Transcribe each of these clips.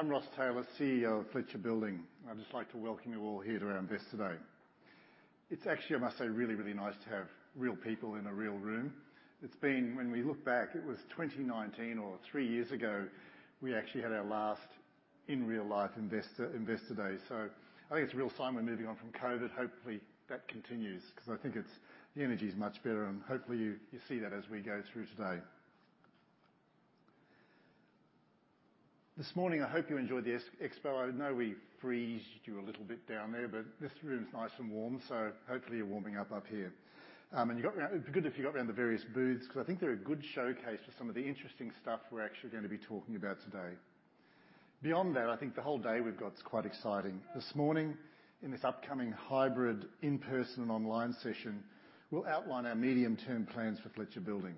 Hello, everyone. I'm Ross Taylor, CEO of Fletcher Building. I'd just like to welcome you all here to our investor day. It's actually, I must say, really, really nice to have real people in a real room. It's been when we look back, it was 2019 or three years ago, we actually had our last in real life investor day. I think it's a real sign we're moving on from COVID. Hopefully, that continues because I think it's the energy is much better and hopefully you see that as we go through today. This morning, I hope you enjoyed the expo. I know we froze you a little bit down there, but this room's nice and warm, so hopefully you're warming up here. It'd be good if you got around the various booths because I think they're a good showcase for some of the interesting stuff we're actually going to be talking about today. Beyond that, I think the whole day we've got is quite exciting. This morning, in this upcoming hybrid in-person and online session, we'll outline our medium-term plans for Fletcher Building.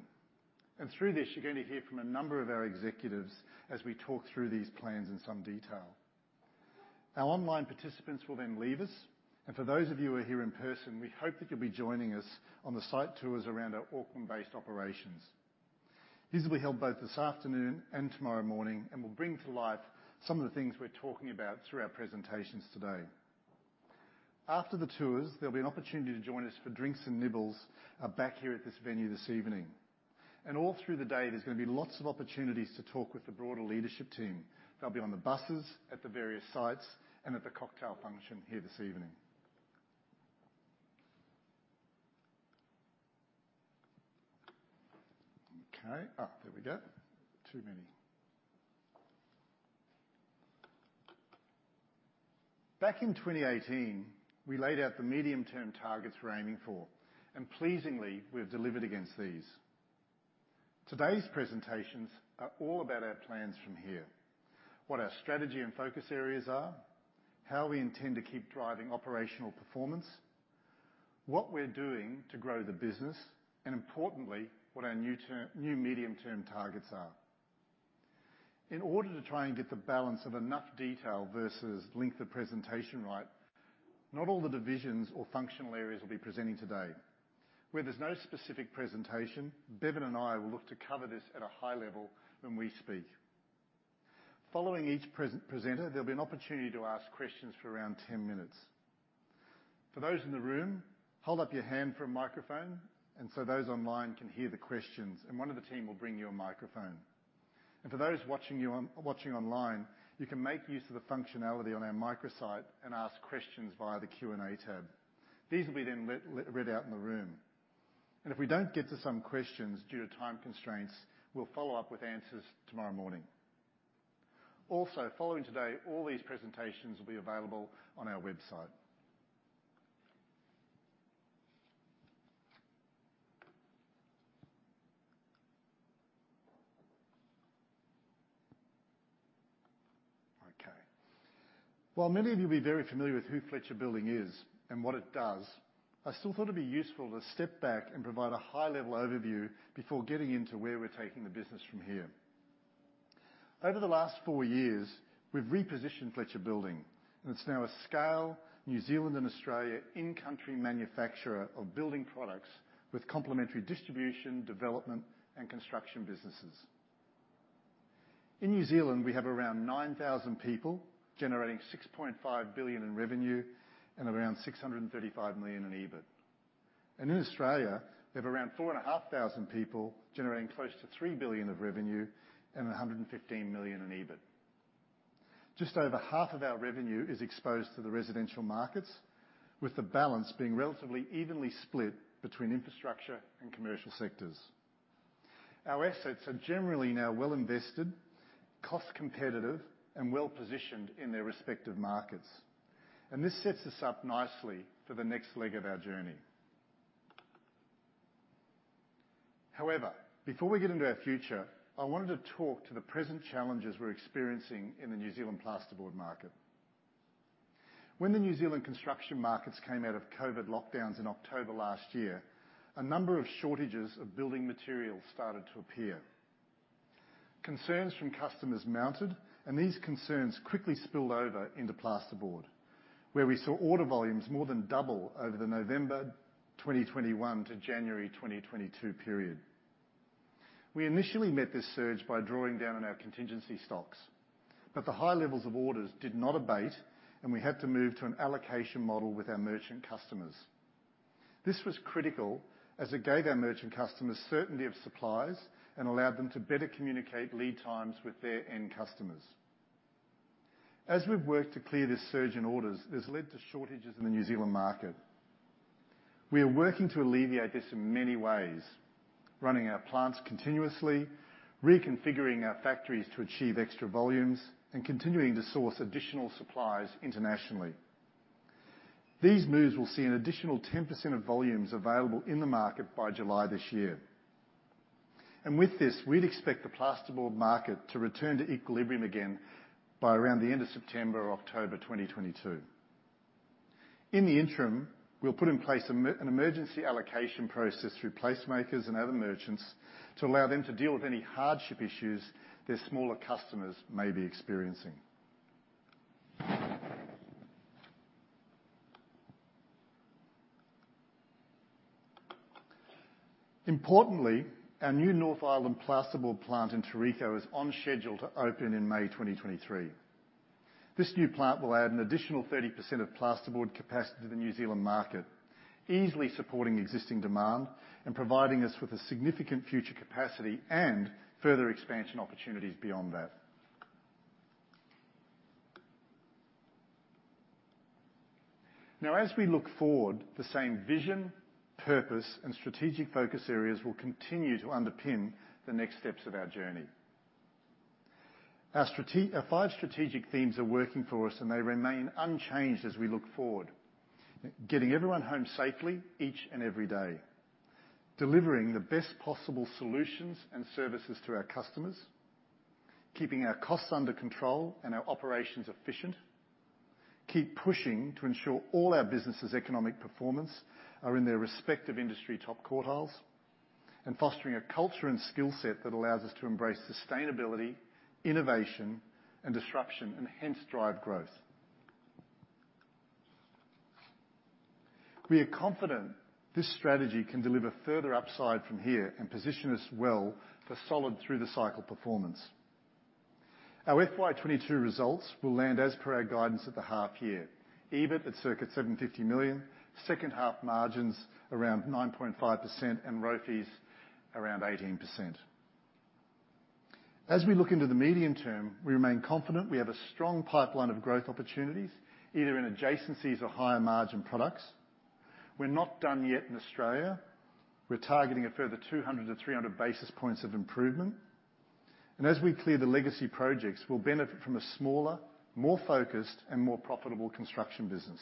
Through this, you're going to hear from a number of our executives as we talk through these plans in some detail. Our online participants will then leave us, and for those of you who are here in person, we hope that you'll be joining us on the site tours around our Auckland-based operations. These will be held both this afternoon and tomorrow morning and will bring to life some of the things we're talking about through our presentations today. After the tours, there'll be an opportunity to join us for drinks and nibbles back here at this venue this evening. All through the day, there's going to be lots of opportunities to talk with the broader leadership team. They'll be on the buses, at the various sites, and at the cocktail function here this evening. Back in 2018, we laid out the medium-term targets we're aiming for, and pleasingly, we have delivered against these. Today's presentations are all about our plans from here, what our strategy and focus areas are, how we intend to keep driving operational performance, what we're doing to grow the business, and importantly, what our new medium-term targets are. In order to try and get the balance of enough detail versus length of presentation right, not all the divisions or functional areas will be presenting today. Where there's no specific presentation, Bevan and I will look to cover this at a high level when we speak. Following each presenter, there'll be an opportunity to ask questions for around ten minutes. For those in the room, hold up your hand for a microphone, and so those online can hear the questions, and one of the team will bring you a microphone. For those watching online, you can make use of the functionality on our microsite and ask questions via the Q&A tab. These will be then read out in the room. If we don't get to some questions due to time constraints, we'll follow up with answers tomorrow morning. Following today, all these presentations will be available on our website. Okay. While many of you will be very familiar with who Fletcher Building is and what it does, I still thought it'd be useful to step back and provide a high-level overview before getting into where we're taking the business from here. Over the last four years, we've repositioned Fletcher Building, and it's now a scaled New Zealand and Australia in-country manufacturer of building products with complementary distribution, development, and construction businesses. In New Zealand, we have around 9,000 people generating 6.5 billion in revenue and around 635 million in EBIT. In Australia, we have around 4,500 people generating close to 3 billion of revenue and 115 million in EBIT. Just over half of our revenue is exposed to the residential markets, with the balance being relatively evenly split between infrastructure and commercial sectors. Our assets are generally now well invested, cost competitive, and well-positioned in their respective markets. This sets us up nicely for the next leg of our journey. However, before we get into our future, I wanted to talk to the present challenges we're experiencing in the New Zealand plasterboard market. When the New Zealand construction markets came out of COVID lockdowns in October last year, a number of shortages of building materials started to appear. Concerns from customers mounted, and these concerns quickly spilled over into plasterboard, where we saw order volumes more than double over the November 2021 to January 2022 period. We initially met this surge by drawing down on our contingency stocks, but the high levels of orders did not abate, and we had to move to an allocation model with our merchant customers. This was critical as it gave our merchant customers certainty of supplies and allowed them to better communicate lead times with their end customers. As we've worked to clear this surge in orders, it's led to shortages in the New Zealand market. We are working to alleviate this in many ways, running our plants continuously, reconfiguring our factories to achieve extra volumes, and continuing to source additional supplies internationally. These moves will see an additional 10% of volumes available in the market by July this year. With this, we'd expect the plasterboard market to return to equilibrium again by around the end of September or October 2022. In the interim, we'll put in place an emergency allocation process through PlaceMakers and other merchants to allow them to deal with any hardship issues their smaller customers may be experiencing. Importantly, our new North Island plasterboard plant in Tauriko is on schedule to open in May 2023. This new plant will add an additional 30% of plasterboard capacity to the New Zealand market, easily supporting existing demand and providing us with a significant future capacity and further expansion opportunities beyond that. Now as we look forward, the same vision, purpose, and strategic focus areas will continue to underpin the next steps of our journey. Our five strategic themes are working for us, and they remain unchanged as we look forward. Getting everyone home safely each and every day. Delivering the best possible solutions and services to our customers. Keeping our costs under control and our operations efficient. Keep pushing to ensure all our business' economic performance are in their respective industry top quartiles. Fostering a culture and skill set that allows us to embrace sustainability, innovation, and disruption, and hence drive growth. We are confident this strategy can deliver further upside from here and position us well for solid through-the-cycle performance. Our FY 2022 results will land as per our guidance at the half year. EBIT at circa 750 million. Second half margins around 9.5%, and ROFEs around 18%. As we look into the medium term, we remain confident we have a strong pipeline of growth opportunities, either in adjacencies or higher margin products. We're not done yet in Australia. We're targeting a further 200-300 basis points of improvement. As we clear the legacy projects, we'll benefit from a smaller, more focused, and more profitable construction business.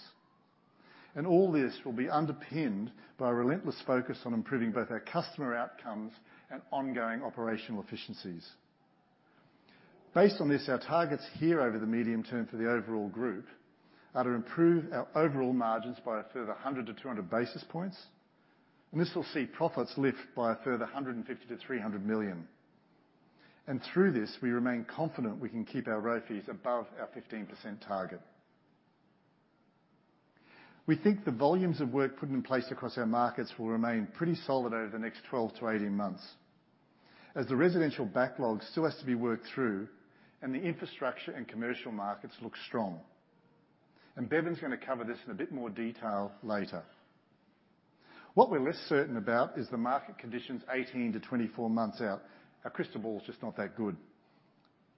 All this will be underpinned by a relentless focus on improving both our customer outcomes and ongoing operational efficiencies. Based on this, our targets here over the medium term for the overall group are to improve our overall margins by a further 100-200 basis points. This will see profits lift by a further 150 million-300 million. Through this, we remain confident we can keep our ROFEs above our 15% target. We think the volumes of work put in place across our markets will remain pretty solid over the next 12-18 months, as the residential backlog still has to be worked through and the infrastructure and commercial markets look strong. Bevan's gonna cover this in a bit more detail later. What we're less certain about is the market conditions 18-24 months out. Our crystal ball is just not that good.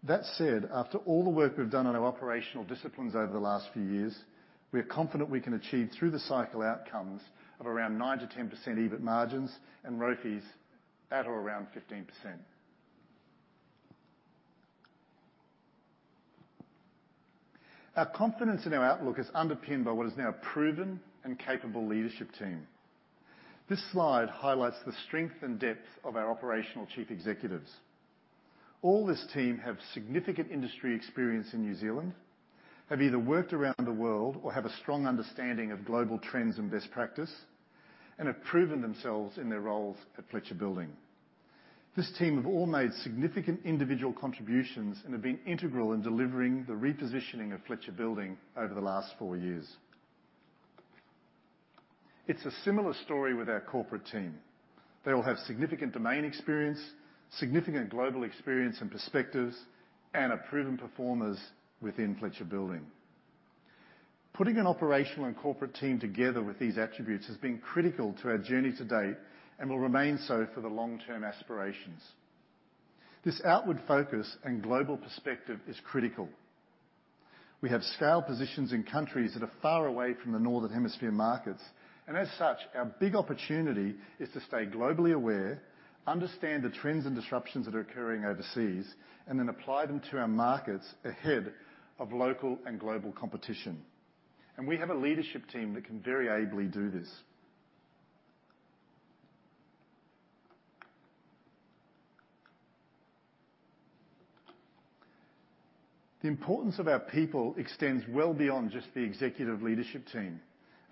That said, after all the work we've done on our operational disciplines over the last few years, we are confident we can achieve through-the-cycle outcomes of around 9%-10% EBIT margins and ROFEs at or around 15%. Our confidence in our outlook is underpinned by what is now a proven and capable leadership team. This slide highlights the strength and depth of our operational chief executives. All this team have significant industry experience in New Zealand, have either worked around the world or have a strong understanding of global trends and best practice, and have proven themselves in their roles at Fletcher Building. This team have all made significant individual contributions and have been integral in delivering the repositioning of Fletcher Building over the last four years. It's a similar story with our corporate team. They all have significant domain experience, significant global experience and perspectives, and are proven performers within Fletcher Building. Putting an operational and corporate team together with these attributes has been critical to our journey to date and will remain so for the long-term aspirations. This outward focus and global perspective is critical. We have scale positions in countries that are far away from the Northern Hemisphere markets, and as such, our big opportunity is to stay globally aware, understand the trends and disruptions that are occurring overseas, and then apply them to our markets ahead of local and global competition. We have a leadership team that can very ably do this. The importance of our people extends well beyond just the executive leadership team.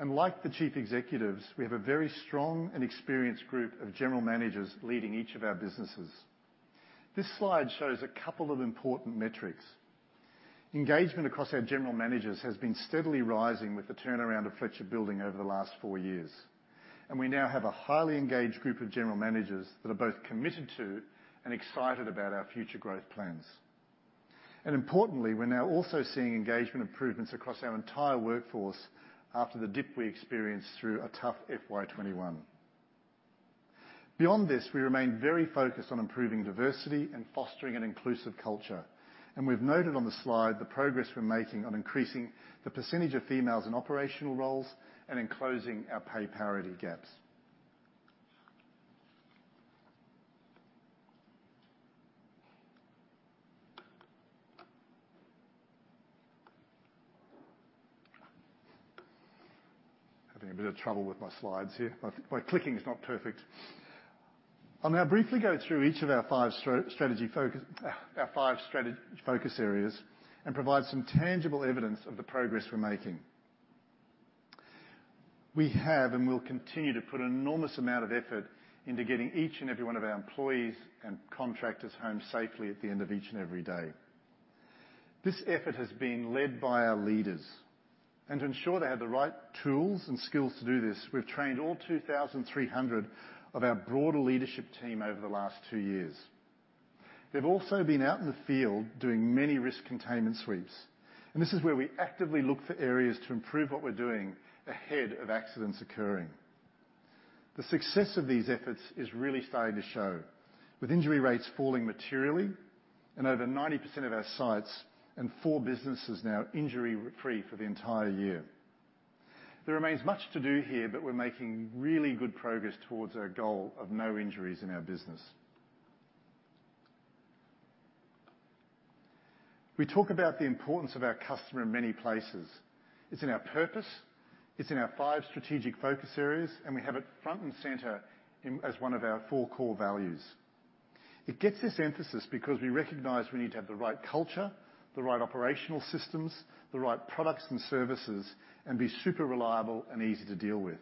Like the chief executives, we have a very strong and experienced group of general managers leading each of our businesses. This slide shows a couple of important metrics. Engagement across our general managers has been steadily rising with the turnaround of Fletcher Building over the last four years. We now have a highly engaged group of general managers that are both committed to and excited about our future growth plans. Importantly, we're now also seeing engagement improvements across our entire workforce after the dip we experienced through a tough FY 2021. Beyond this, we remain very focused on improving diversity and fostering an inclusive culture. We've noted on the slide the progress we're making on increasing the percentage of females in operational roles and in closing our pay parity gaps. Having a bit of trouble with my slides here. My clicking is not perfect. I'll now briefly go through each of our five strategy focus areas and provide some tangible evidence of the progress we're making. We have and will continue to put an enormous amount of effort into getting each and every one of our employees and contractors home safely at the end of each and every day. This effort has been led by our leaders. To ensure they have the right tools and skills to do this, we've trained all 2,300 of our broader leadership team over the last two years. They've also been out in the field doing many risk containment sweeps, and this is where we actively look for areas to improve what we're doing ahead of accidents occurring. The success of these efforts is really starting to show, with injury rates falling materially and over 90% of our sites and four businesses now injury-free for the entire year. There remains much to do here, but we're making really good progress towards our goal of no injuries in our business. We talk about the importance of our customer in many places. It's in our purpose, it's in our five strategic focus areas, and we have it front and center, as one of our four core values. It gets this emphasis because we recognize we need to have the right culture, the right operational systems, the right products and services, and be super reliable and easy to deal with.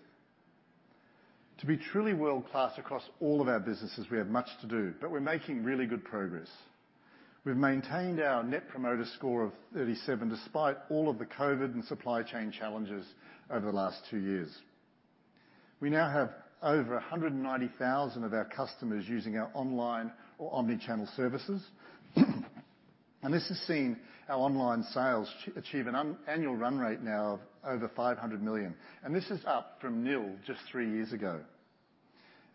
To be truly world-class across all of our businesses, we have much to do, but we're making really good progress. We've maintained our net promoter score of 37, despite all of the COVID and supply chain challenges over the last two years. We now have over 190,000 of our customers using our online or omni-channel services. This has seen our online sales achieve an annual run rate now of over 500 million, and this is up from nil just three years ago.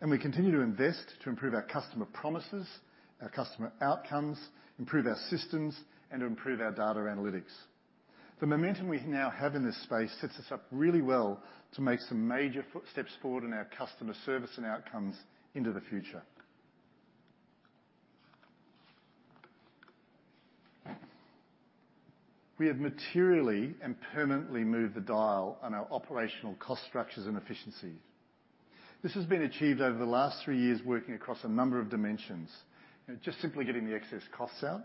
We continue to invest to improve our customer promises, our customer outcomes, improve our systems, and to improve our data analytics. The momentum we now have in this space sets us up really well to make some major footsteps forward in our customer service and outcomes into the future. We have materially and permanently moved the dial on our operational cost structures and efficiencies. This has been achieved over the last three years working across a number of dimensions. You know, just simply getting the excess costs out,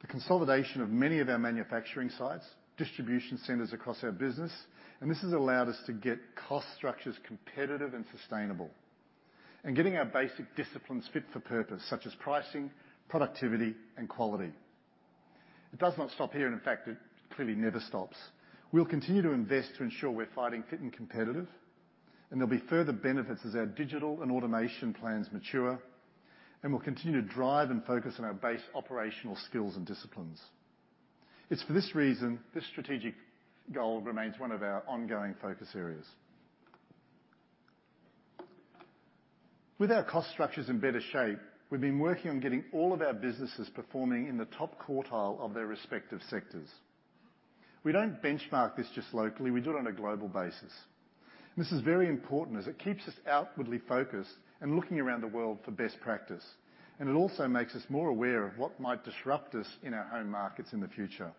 the consolidation of many of our manufacturing sites, distribution centers across our business, and this has allowed us to get cost structures competitive and sustainable. Getting our basic disciplines fit for purpose, such as pricing, productivity, and quality. It does not stop here. In fact, it clearly never stops. We'll continue to invest to ensure we're fighting fit and competitive, and there'll be further benefits as our digital and automation plans mature, and we'll continue to drive and focus on our base operational skills and disciplines. It's for this reason, this strategic goal remains one of our ongoing focus areas. With our cost structures in better shape, we've been working on getting all of our businesses performing in the top quartile of their respective sectors. We don't benchmark this just locally, we do it on a global basis. This is very important as it keeps us outwardly focused and looking around the world for best practice. It also makes us more aware of what might disrupt us in our home markets in the future.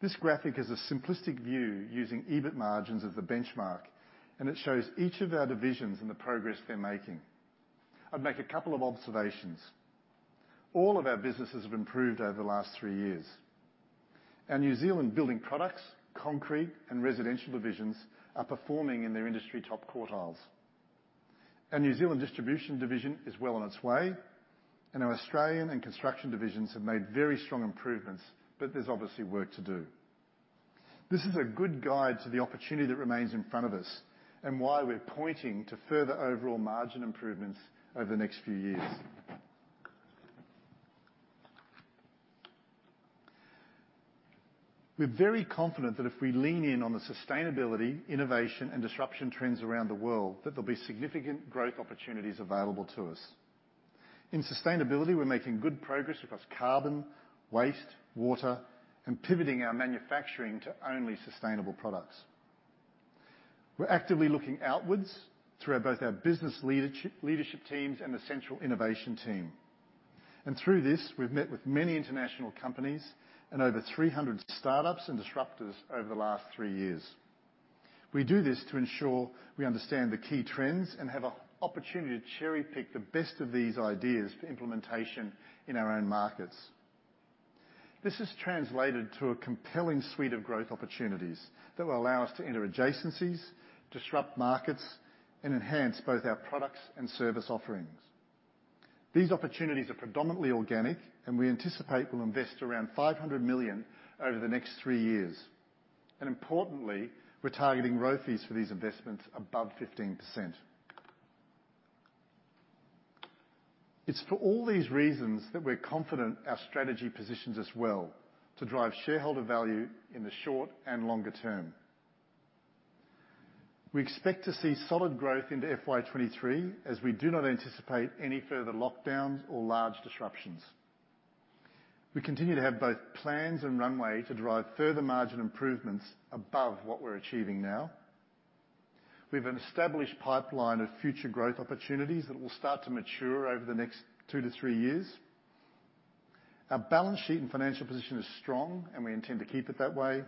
This graphic is a simplistic view using EBIT margins of the benchmark, and it shows each of our divisions and the progress they're making. I'd make a couple of observations. All of our businesses have improved over the last three years. Our New Zealand building products, concrete, and residential divisions are performing in their industry top quartiles. Our New Zealand distribution division is well on its way, and our Australian and construction divisions have made very strong improvements, but there's obviously work to do. This is a good guide to the opportunity that remains in front of us and why we're pointing to further overall margin improvements over the next few years. We're very confident that if we lean in on the sustainability, innovation, and disruption trends around the world, that there'll be significant growth opportunities available to us. In sustainability, we're making good progress across carbon, waste, water, and pivoting our manufacturing to only sustainable products. We're actively looking outwards through our, both our business leadership teams and the central innovation team. Through this, we've met with many international companies and over 300 startups and disruptors over the last three years. We do this to ensure we understand the key trends and have an opportunity to cherry-pick the best of these ideas for implementation in our own markets. This has translated to a compelling suite of growth opportunities that will allow us to enter adjacencies, disrupt markets, and enhance both our products and service offerings. These opportunities are predominantly organic, and we anticipate we'll invest around 500 million over the next three years. Importantly, we're targeting ROIC for these investments above 15%. It's for all these reasons that we're confident our strategy positions us well to drive shareholder value in the short and longer term. We expect to see solid growth into FY 2023, as we do not anticipate any further lockdowns or large disruptions. We continue to have both plans and runway to drive further margin improvements above what we're achieving now. We have an established pipeline of future growth opportunities that will start to mature over the next two to three years. Our balance sheet and financial position is strong, and we intend to keep it that way.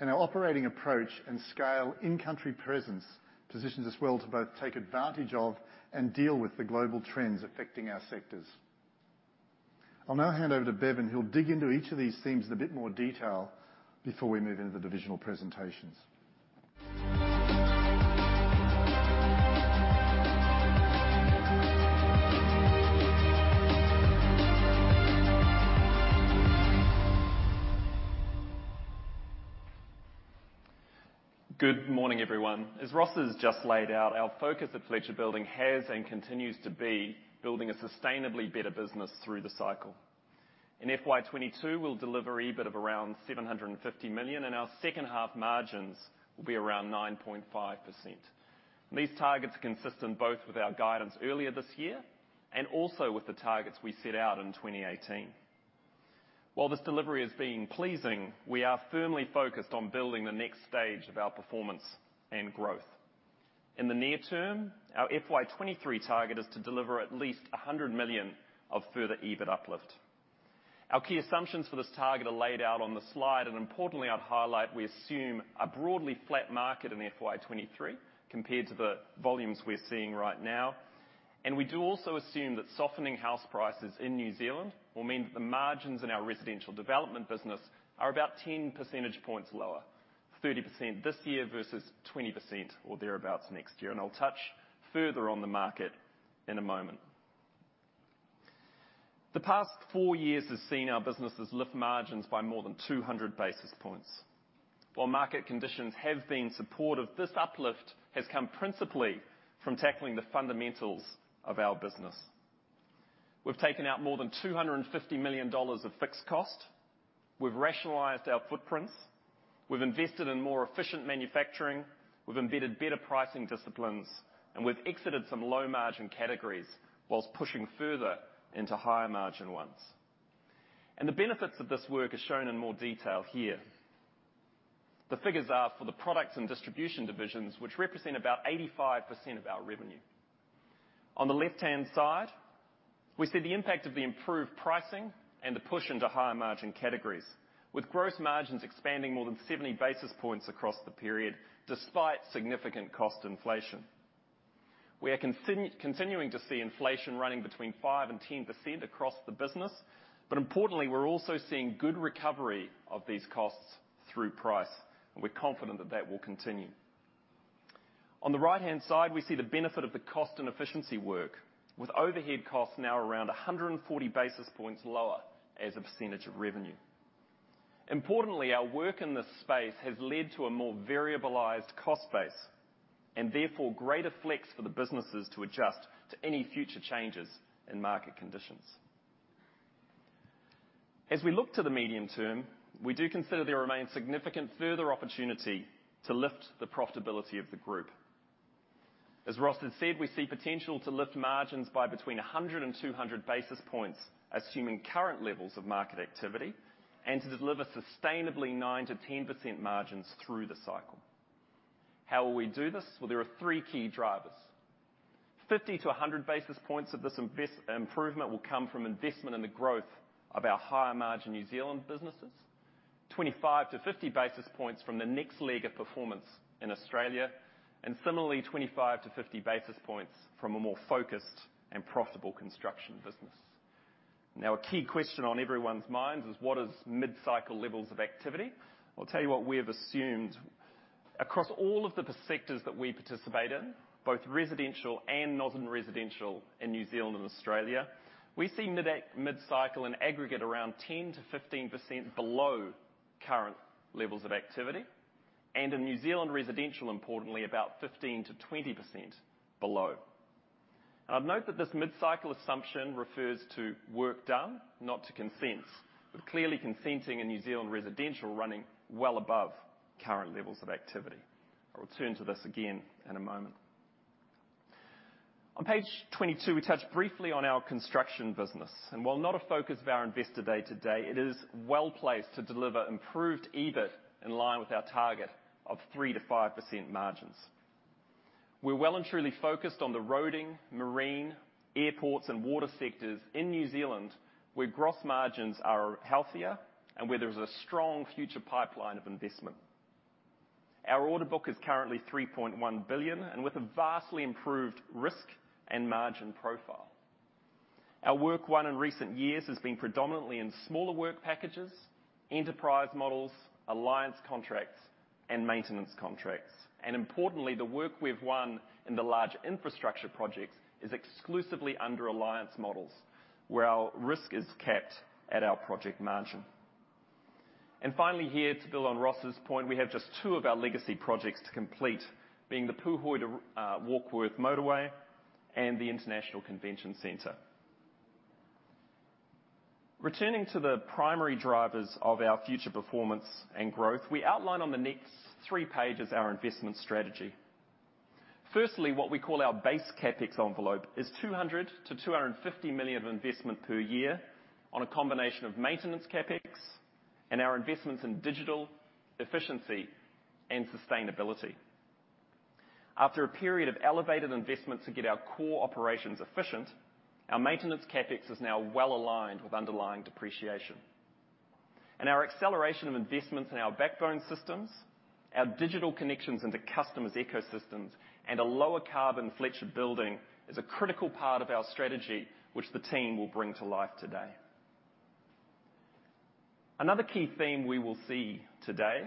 Our operating approach and scale in-country presence positions us well to both take advantage of and deal with the global trends affecting our sectors. I'll now hand over to Bevan, who'll dig into each of these themes in a bit more detail before we move into the divisional presentations. Good morning, everyone. As Ross has just laid out, our focus at Fletcher Building has and continues to be building a sustainably better business through the cycle. In FY 2022, we'll deliver EBIT of around 750 million. Our second half margins will be around 9.5%. These targets are consistent both with our guidance earlier this year and also with the targets we set out in 2018. While this delivery is being pleasing, we are firmly focused on building the next stage of our performance and growth. In the near term, our FY 2023 target is to deliver at least 100 million of further EBIT uplift. Our key assumptions for this target are laid out on the slide, and importantly, I'd highlight we assume a broadly flat market in FY 2023 compared to the volumes we're seeing right now. We do also assume that softening house prices in New Zealand will mean that the margins in our residential development business are about 10 percentage points lower, 30% this year versus 20% or thereabout next year. I'll touch further on the market in a moment. The past 4 years has seen our businesses lift margins by more than 200 basis points. While market conditions have been supportive, this uplift has come principally from tackling the fundamentals of our business. We've taken out more than 250 million dollars of fixed cost. We've rationalized our footprints. We've invested in more efficient manufacturing. We've embedded better pricing disciplines, and we've exited some low-margin categories whilst pushing further into higher margin ones. The benefits of this work are shown in more detail here. The figures are for the products and distribution divisions, which represent about 85% of our revenue. On the left-hand side, we see the impact of the improved pricing and the push into higher margin categories, with gross margins expanding more than 70 basis points across the period despite significant cost inflation. We are continuing to see inflation running between 5% and 10% across the business. Importantly, we're also seeing good recovery of these costs through price, and we're confident that that will continue. On the right-hand side, we see the benefit of the cost and efficiency work, with overhead costs now around 140 basis points lower as a percentage of revenue. Importantly, our work in this space has led to a more variabilized cost base, and therefore greater flex for the businesses to adjust to any future changes in market conditions. As we look to the medium term, we do consider there remains significant further opportunity to lift the profitability of the group. As Ross has said, we see potential to lift margins by between 100 and 200 basis points, assuming current levels of market activity, and to deliver sustainably 9%-10% margins through the cycle. How will we do this? Well, there are three key drivers. 50-100 basis points of this invest improvement will come from investment in the growth of our higher margin New Zealand businesses. 25-50 basis points from the next leg of performance in Australia, and similarly, 25-50 basis points from a more focused and profitable construction business. Now, a key question on everyone's minds is what is mid-cycle levels of activity? I'll tell you what we have assumed. Across all of the sectors that we participate in, both residential and non-residential in New Zealand and Australia, we see mid-cycle in aggregate around 10%-15% below current levels of activity. In New Zealand residential, importantly, about 15%-20% below. I'd note that this mid-cycle assumption refers to work done, not to consents, with clearly consenting in New Zealand residential running well above current levels of activity. I'll return to this again in a moment. On page 22, we touch briefly on our construction business, and while not a focus of our investor day to day, it is well-placed to deliver improved EBIT in line with our target of 3%-5% margins. We're well and truly focused on the roading, marine, airports, and water sectors in New Zealand, where gross margins are healthier and where there's a strong future pipeline of investment. Our order book is currently 3.1 billion and with a vastly improved risk and margin profile. Our work won in recent years has been predominantly in smaller work packages, enterprise models, alliance contracts, and maintenance contracts. Importantly, the work we've won in the larger infrastructure projects is exclusively under alliance models, where our risk is capped at our project margin. Finally, here, to build on Ross's point, we have just two of our legacy projects to complete, being the Pūhoi to Warkworth Motorway and the International Convention Centre. Returning to the primary drivers of our future performance and growth, we outline on the next three pages our investment strategy. Firstly, what we call our base CapEx envelope is 200 million-250 million of investment per year on a combination of maintenance CapEx and our investments in digital efficiency and sustainability. After a period of elevated investment to get our core operations efficient, our maintenance CapEx is now well-aligned with underlying depreciation. Our acceleration of investments in our backbone systems, our digital connections into customers' ecosystems, and a lower carbon Fletcher Building is a critical part of our strategy, which the team will bring to life today. Another key theme we will see today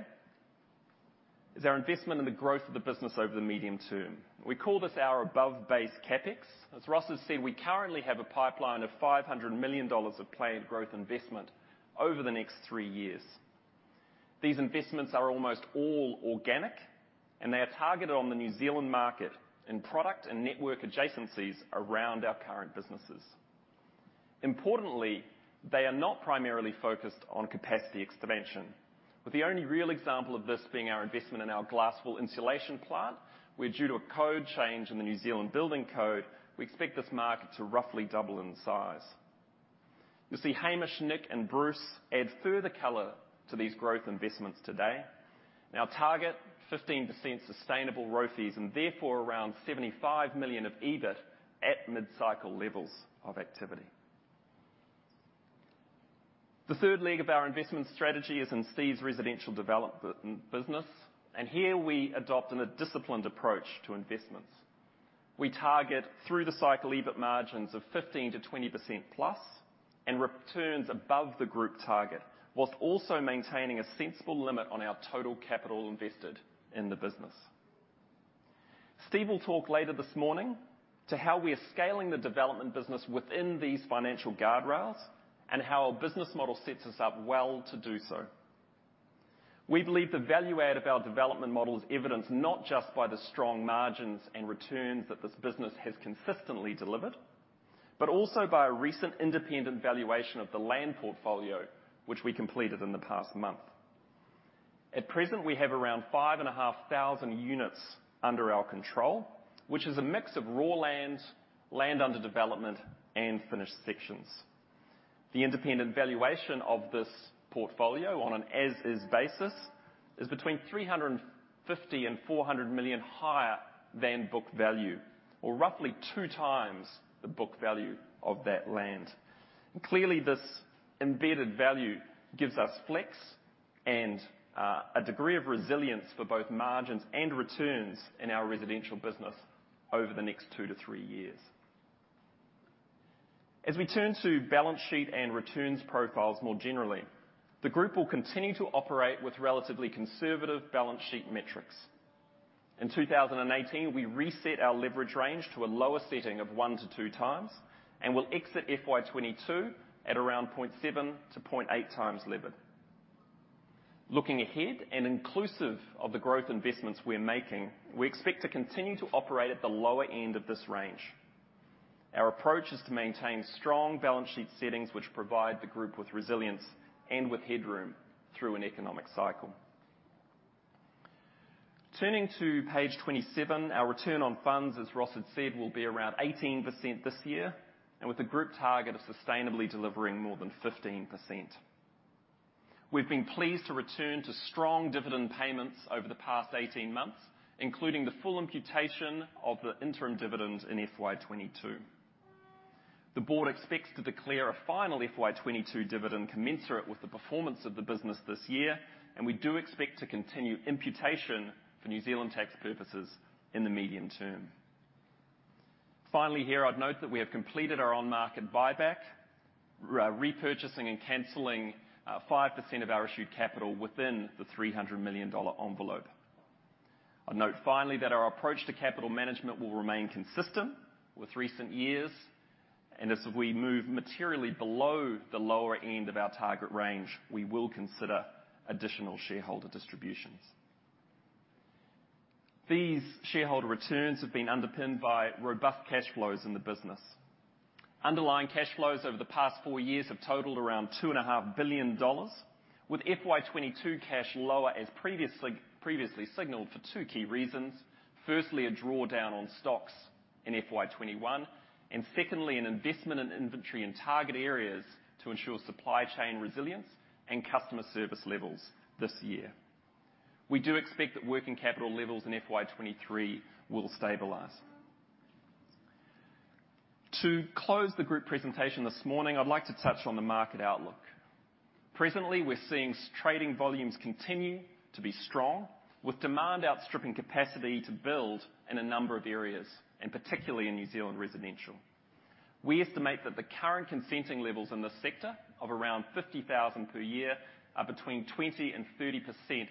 is our investment in the growth of the business over the medium term. We call this our above-base CapEx. As Ross has said, we currently have a pipeline of 500 million dollars of planned growth investment over the next three years. These investments are almost all organic, and they are targeted on the New Zealand market in product and network adjacencies around our current businesses. Importantly, they are not primarily focused on capacity expansion. With the only real example of this being our investment in our glass wool insulation plant, where due to a code change in the New Zealand Building Code, we expect this market to roughly double in size. You'll see Hamish, Nick, and Bruce add further color to these growth investments today. Now target 15% sustainable ROEs and therefore around 75 million of EBIT at mid-cycle levels of activity. The third leg of our investment strategy is in Steve's residential development business, and here we adopt in a disciplined approach to investments. We target through the cycle EBIT margins of 15%-20%+ and returns above the group target, while also maintaining a sensible limit on our total capital invested in the business. Steve will talk later this morning about how we are scaling the development business within these financial guardrails and how our business model sets us up well to do so. We believe the value add of our development model is evidenced not just by the strong margins and returns that this business has consistently delivered, but also by a recent independent valuation of the land portfolio, which we completed in the past month. At present, we have around 5,500 units under our control, which is a mix of raw land under development, and finished sections. The independent valuation of this portfolio on an as is basis is between 350 million and 400 million higher than book value or roughly 2x the book value of that land. Clearly, this embedded value gives us flex and a degree of resilience for both margins and returns in our residential business over the next 2-3 years. As we turn to balance sheet and returns profiles more generally, the group will continue to operate with relatively conservative balance sheet metrics. In 2018, we reset our leverage range to a lower setting of 1x-2x and will exit FY 2022 at around 0.7x-0.8x levered. Looking ahead and inclusive of the growth investments we're making, we expect to continue to operate at the lower end of this range. Our approach is to maintain strong balance sheet settings, which provide the group with resilience and with headroom through an economic cycle. Turning to page 27, our return on funds, as Ross had said, will be around 18% this year and with a group target of sustainably delivering more than 15%. We've been pleased to return to strong dividend payments over the past 18 months, including the full imputation of the interim dividends in FY 2022. The board expects to declare a final FY 2022 dividend commensurate with the performance of the business this year, and we do expect to continue imputation for New Zealand tax purposes in the medium term. Finally here, I'd note that we have completed our on-market buyback, repurchasing and canceling 5% of our issued capital within the 300 million dollar envelope. I'd note finally that our approach to capital management will remain consistent with recent years, and as we move materially below the lower end of our target range, we will consider additional shareholder distributions. These shareholder returns have been underpinned by robust cash flows in the business. Underlying cash flows over the past four years have totaled around 2.5 billion dollars, with FY 2022 cash lower as previously signaled for two key reasons. Firstly, a drawdown on stocks in FY 2021, and secondly, an investment in inventory and target areas to ensure supply chain resilience and customer service levels this year. We do expect that working capital levels in FY 2023 will stabilize. To close the group presentation this morning, I'd like to touch on the market outlook. Presently, we're seeing trading volumes continue to be strong, with demand outstripping capacity to build in a number of areas, and particularly in New Zealand residential. We estimate that the current consenting levels in this sector of around 50,000 per year are between 20% and 30%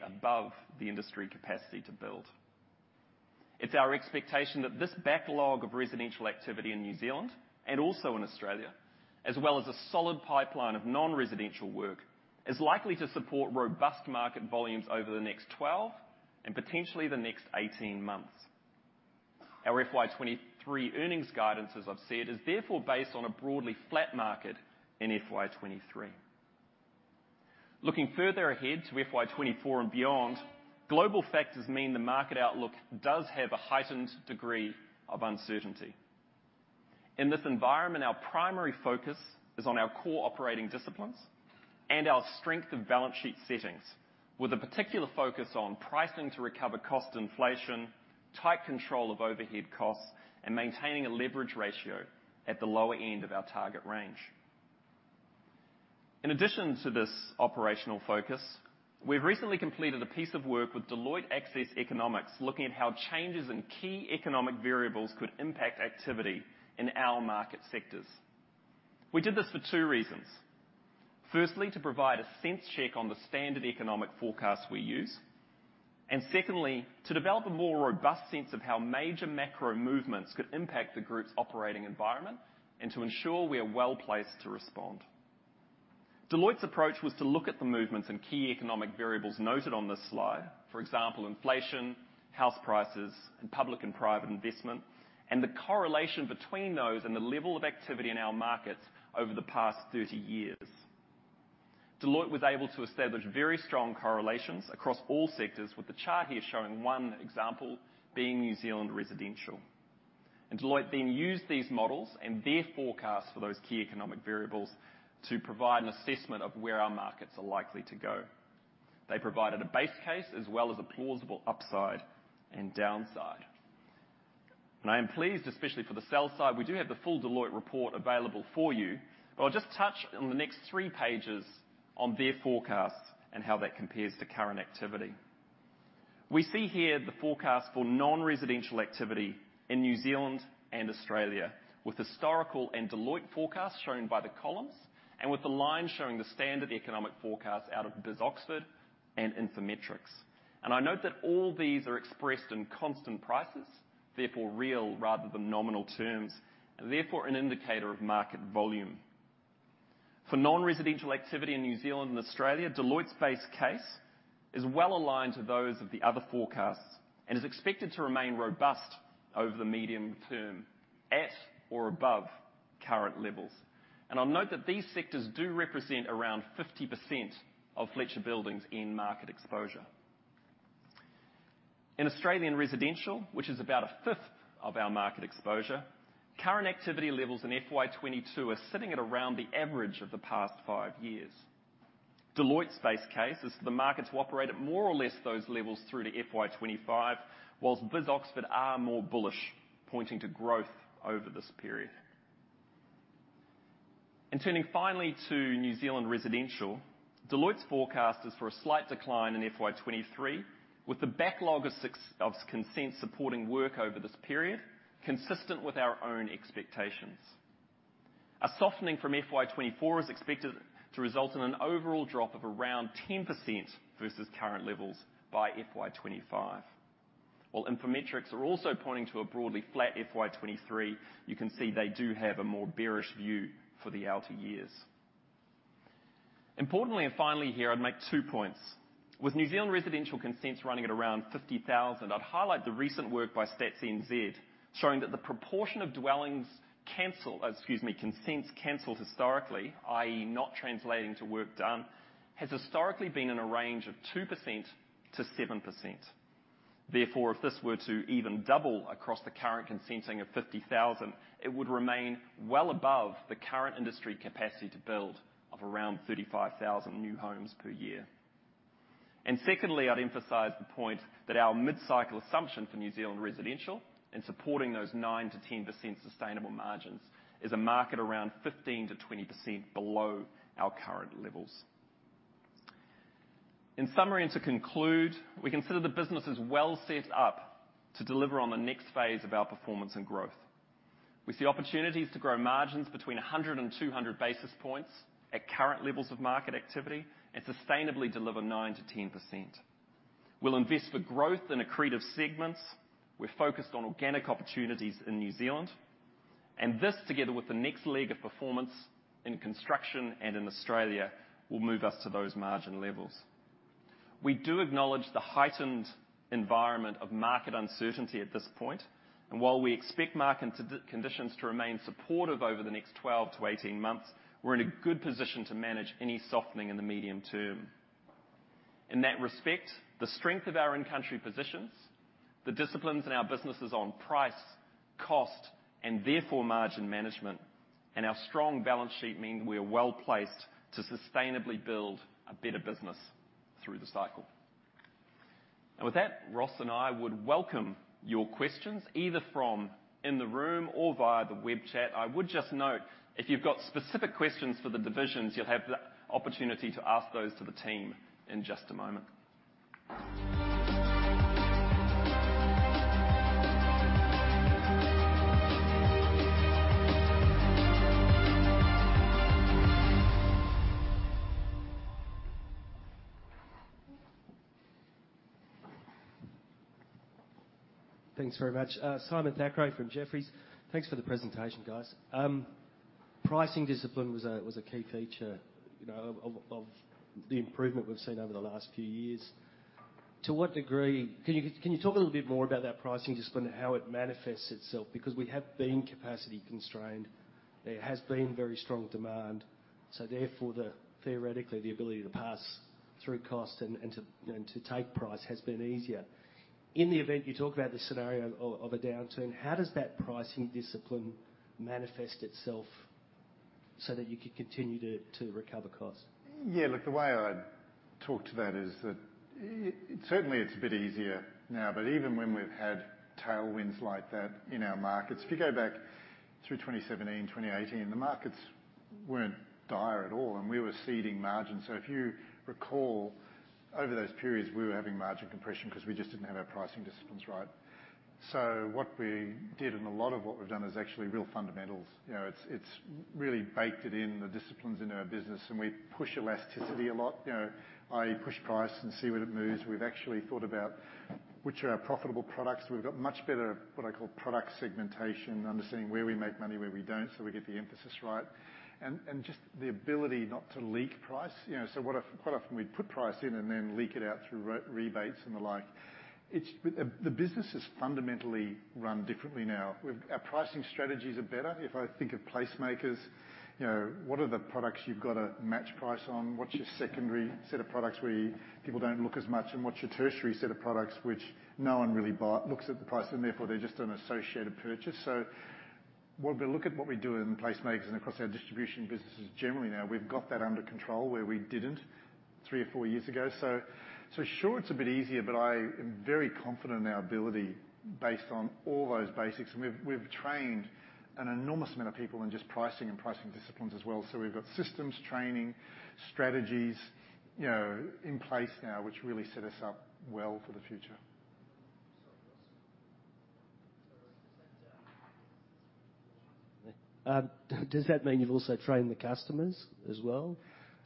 above the industry capacity to build. It's our expectation that this backlog of residential activity in New Zealand and also in Australia, as well as a solid pipeline of non-residential work, is likely to support robust market volumes over the next 12 and potentially the next 18 months. Our FY 2023 earnings guidance, as I've said, is therefore based on a broadly flat market in FY 2023. Looking further ahead to FY 2024 and beyond, global factors mean the market outlook does have a heightened degree of uncertainty. In this environment, our primary focus is on our core operating disciplines and our strength of balance sheet settings, with a particular focus on pricing to recover cost inflation, tight control of overhead costs, and maintaining a leverage ratio at the lower end of our target range. In addition to this operational focus, we've recently completed a piece of work with Deloitte Access Economics looking at how changes in key economic variables could impact activity in our market sectors. We did this for two reasons. Firstly, to provide a sense check on the standard economic forecast we use. Secondly, to develop a more robust sense of how major macro movements could impact the group's operating environment and to ensure we are well-placed to respond. Deloitte's approach was to look at the movements in key economic variables noted on this slide, for example, inflation, house prices, and public and private investment, and the correlation between those and the level of activity in our markets over the past 30 years. Deloitte was able to establish very strong correlations across all sectors with the chart here showing one example, being New Zealand Residential. Deloitte then used these models and their forecasts for those key economic variables to provide an assessment of where our markets are likely to go. They provided a base case as well as a plausible upside and downside. I am pleased, especially for the sell side. We do have the full Deloitte report available for you. I'll just touch on the next 3 pages on their forecasts and how that compares to current activity. We see here the forecast for non-residential activity in New Zealand and Australia, with historical and Deloitte forecasts shown by the columns and with the line showing the standard economic forecast out of BIS Oxford Economics and Infometrics. I note that all these are expressed in constant prices, therefore real rather than nominal terms, and therefore an indicator of market volume. For non-residential activity in New Zealand and Australia, Deloitte's base case is well-aligned to those of the other forecasts and is expected to remain robust over the medium term at or above current levels. I'll note that these sectors do represent around 50% of Fletcher Building's end market exposure. In Australian residential, which is about a fifth of our market exposure, current activity levels in FY 2022 are sitting at around the average of the past five years. Deloitte's base case is for the market to operate at more or less those levels through to FY 25, while BIS Oxford Economics are more bullish, pointing to growth over this period. Turning finally to New Zealand residential, Deloitte's forecast is for a slight decline in FY 23, with the backlog of consents supporting work over this period, consistent with our own expectations. A softening from FY 24 is expected to result in an overall drop of around 10% versus current levels by FY 25. While Infometrics are also pointing to a broadly flat FY 23, you can see they do have a more bearish view for the outer years. Importantly and finally here, I'd make two points. With New Zealand residential consents running at around 50,000, I'd highlight the recent work by Stats NZ, showing that the proportion of consents canceled historically, i.e. not translating to work done, has historically been in a range of 2%-7%. Therefore, if this were to even double across the current consenting of 50,000, it would remain well above the current industry capacity to build of around 35,000 new homes per year. Secondly, I'd emphasize the point that our mid-cycle assumption for New Zealand residential and supporting those 9%-10% sustainable margins is a market around 15%-20% below our current levels. In summary, and to conclude, we consider the business is well set up to deliver on the next phase of our performance and growth. We see opportunities to grow margins between 100 and 200 basis points at current levels of market activity and sustainably deliver 9%-10%. We'll invest for growth in accretive segments. We're focused on organic opportunities in New Zealand. This, together with the next leg of performance in construction and in Australia, will move us to those margin levels. We do acknowledge the heightened environment of market uncertainty at this point, and while we expect market d-conditions to remain supportive over the next 12-18 months, we're in a good position to manage any softening in the medium term. In that respect, the strength of our in-country positions, the disciplines in our businesses on price, cost, and therefore margin management, and our strong balance sheet mean we are well-placed to sustainably build a better business through the cycle. With that, Ross and I would welcome your questions, either from in the room or via the web chat. I would just note, if you've got specific questions for the divisions, you'll have the opportunity to ask those to the team in just a moment. Thanks very much. Simon Thackray from Jefferies. Thanks for the presentation, guys. Pricing discipline was a key feature, you know, of the improvement we've seen over the last few years. To what degree can you talk a little bit more about that pricing discipline and how it manifests itself? Because we have been capacity constrained. There has been very strong demand. Therefore, theoretically, the ability to pass through costs and to take price has been easier. In the event you talk about the scenario of a downturn, how does that pricing discipline manifest itself so that you can continue to recover costs? Yeah. Look, the way I'd talk to that is that. Certainly it's a bit easier now, but even when we've had tailwinds like that in our markets, if you go back through 2017, 2018, the markets weren't dire at all, and we were ceding margins. If you recall, over those periods, we were having margin compression because we just didn't have our pricing disciplines right. What we did, and a lot of what we've done is actually real fundamentals. You know, it's really baked it in, the disciplines in our business, and we push elasticity a lot. You know, I push price and see where it moves. We've actually thought about which are our profitable products. We've got much better, what I call product segmentation, understanding where we make money, where we don't, so we get the emphasis right. Just the ability not to leak price. You know, quite often we put price in and then leak it out through rebates and the like. It's the business is fundamentally run differently now. Our pricing strategies are better. If I think of PlaceMakers, you know, what are the products you've got to match price on? What's your secondary set of products where people don't look as much, and what's your tertiary set of products which no one really looks at the price and therefore they're just an associated purchase. When we look at what we do in PlaceMakers and across our distribution businesses generally now, we've got that under control where we didn't three or four years ago. Sure, it's a bit easier, but I am very confident in our ability based on all those basics. We've trained an enormous amount of people in just pricing disciplines as well. We've got systems, training, strategies, you know, in place now, which really set us up well for the future. Does that mean you've also trained the customers as well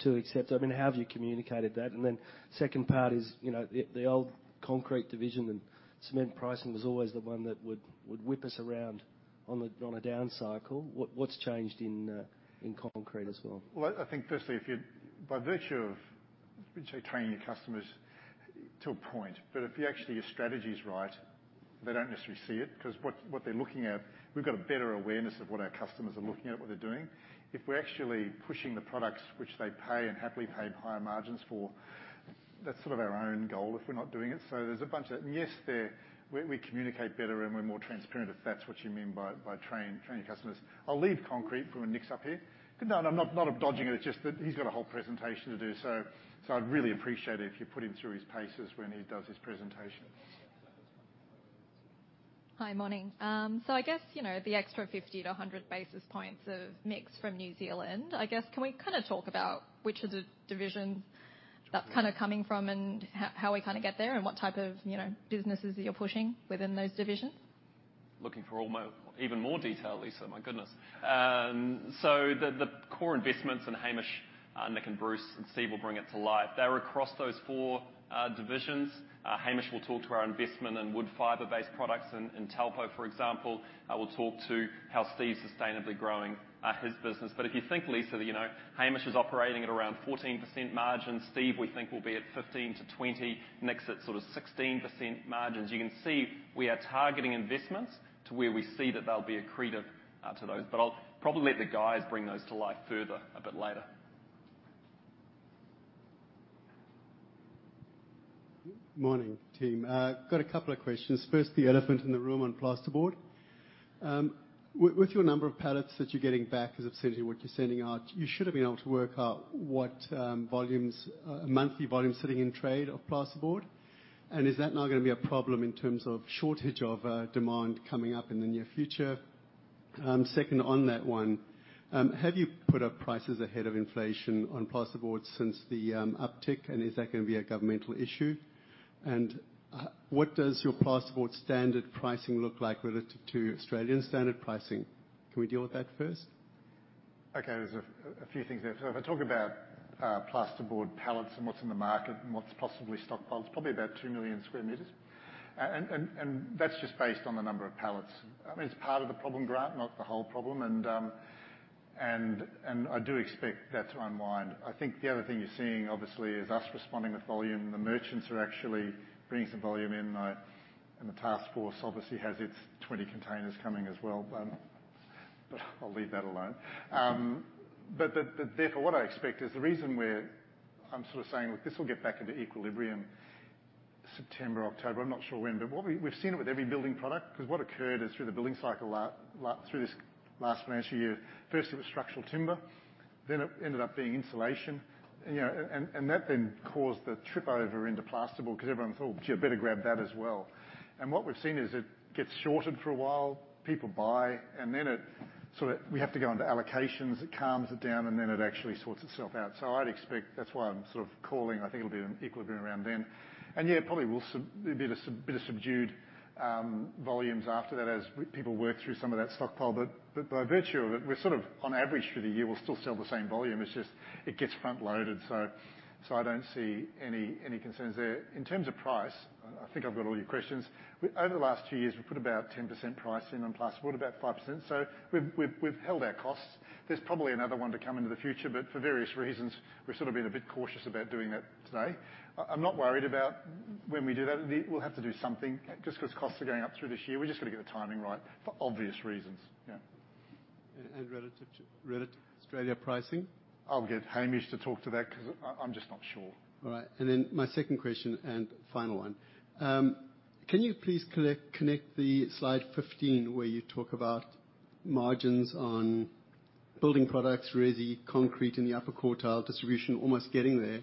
to accept? I mean, how have you communicated that? Then second part is, you know, the old concrete division and cement pricing was always the one that would whip us around on a down cycle. What's changed in concrete as well? Well, I think firstly, by virtue of training your customers to a point, but if you actually. Your strategy is right, they don't necessarily see it because what they're looking at, we've got a better awareness of what our customers are looking at, what they're doing. If we're actually pushing the products which they pay and happily paid higher margins for, that's sort of our own goal if we're not doing it. So there's a bunch of that. Yes, we communicate better and we're more transparent, if that's what you mean by training your customers. I'll leave concrete for when Nick's up here. Good. No, I'm not dodging it. It's just that he's got a whole presentation to do, so I'd really appreciate it if you put him through his paces when he does his presentation. Hi, morning. I guess, you know, the extra 50-100 basis points of mix from New Zealand, I guess, can we kind of talk about which of the divisions that's kind of coming from and how we kind of get there, and what type of, you know, businesses you're pushing within those divisions? Looking for even more detail, Lisa. My goodness. The core investments, and Hamish, Nick and Bruce, and Steve will bring it to life. They're across those four divisions. Hamish will talk to our investment in wood fiber-based products. Taupō, for example, will talk to how Steve's sustainably growing his business. If you think, Lisa, that, you know, Hamish is operating at around 14% margins, Steve, we think, will be at 15%-20%, Nick's at sort of 16% margins. You can see we are targeting investments to where we see that they'll be accretive to those. I'll probably let the guys bring those to life further a bit later. Morning, team. Got a couple of questions. First, the elephant in the room on plasterboard. With your number of pallets that you're getting back as a percentage of what you're sending out, you should have been able to work out what volumes, monthly volumes sitting in trade of plasterboard. Is that now gonna be a problem in terms of shortage of demand coming up in the near future? Second on that one, have you put up prices ahead of inflation on plasterboard since the uptick, and is that gonna be a governmental issue? What does your plasterboard standard pricing look like relative to Australian standard pricing? Can we deal with that first? Okay. There's a few things there. So if I talk about plasterboard pallets and what's in the market and what's possibly stockpiled, it's probably about 2 million square meters. That's just based on the number of pallets. I mean, it's part of the problem, Grant, not the whole problem. I do expect that to unwind. I think the other thing you're seeing, obviously, is us responding with volume. The merchants are actually bringing some volume in, and the task force obviously has its 20 containers coming as well. I'll leave that alone. Therefore, what I expect is the reason I'm sort of saying, look, this will get back into equilibrium September, October. I'm not sure when. What we. We've seen it with every building product, 'cause what occurred is through the building cycle through this last financial year, first it was structural timber, then it ended up being insulation. You know, and that then caused the trip over into plasterboard because everyone thought, "Gee, I better grab that as well." What we've seen is it gets shorted for a while, people buy, and then it sort of we have to go into allocations, it calms it down, and then it actually sorts itself out. I'd expect. That's why I'm sort of calling, I think it'll be in equilibrium around then. Yeah, probably there'll be a bit of subdued volumes after that as people work through some of that stockpile. By virtue of it, we're sort of on average for the year, we'll still sell the same volume. It's just, it gets front-loaded. I don't see any concerns there. In terms of price, I think I've got all your questions. Over the last two years, we've put about 10% price in on plasterboard, about 5%. We've held our costs. There's probably another one to come into the future, but for various reasons, we've sort of been a bit cautious about doing that today. I'm not worried about when we do that. We'll have to do something just 'cause costs are going up through this year. We've just got to get the timing right for obvious reasons. Yeah. Relative to Australia pricing? I'll get Hamish to talk to that 'cause I'm just not sure. All right. My second question, and final one. Can you please connect the slide 15 where you talk about margins on Building products, resi, concrete in the upper quartile distribution almost getting there.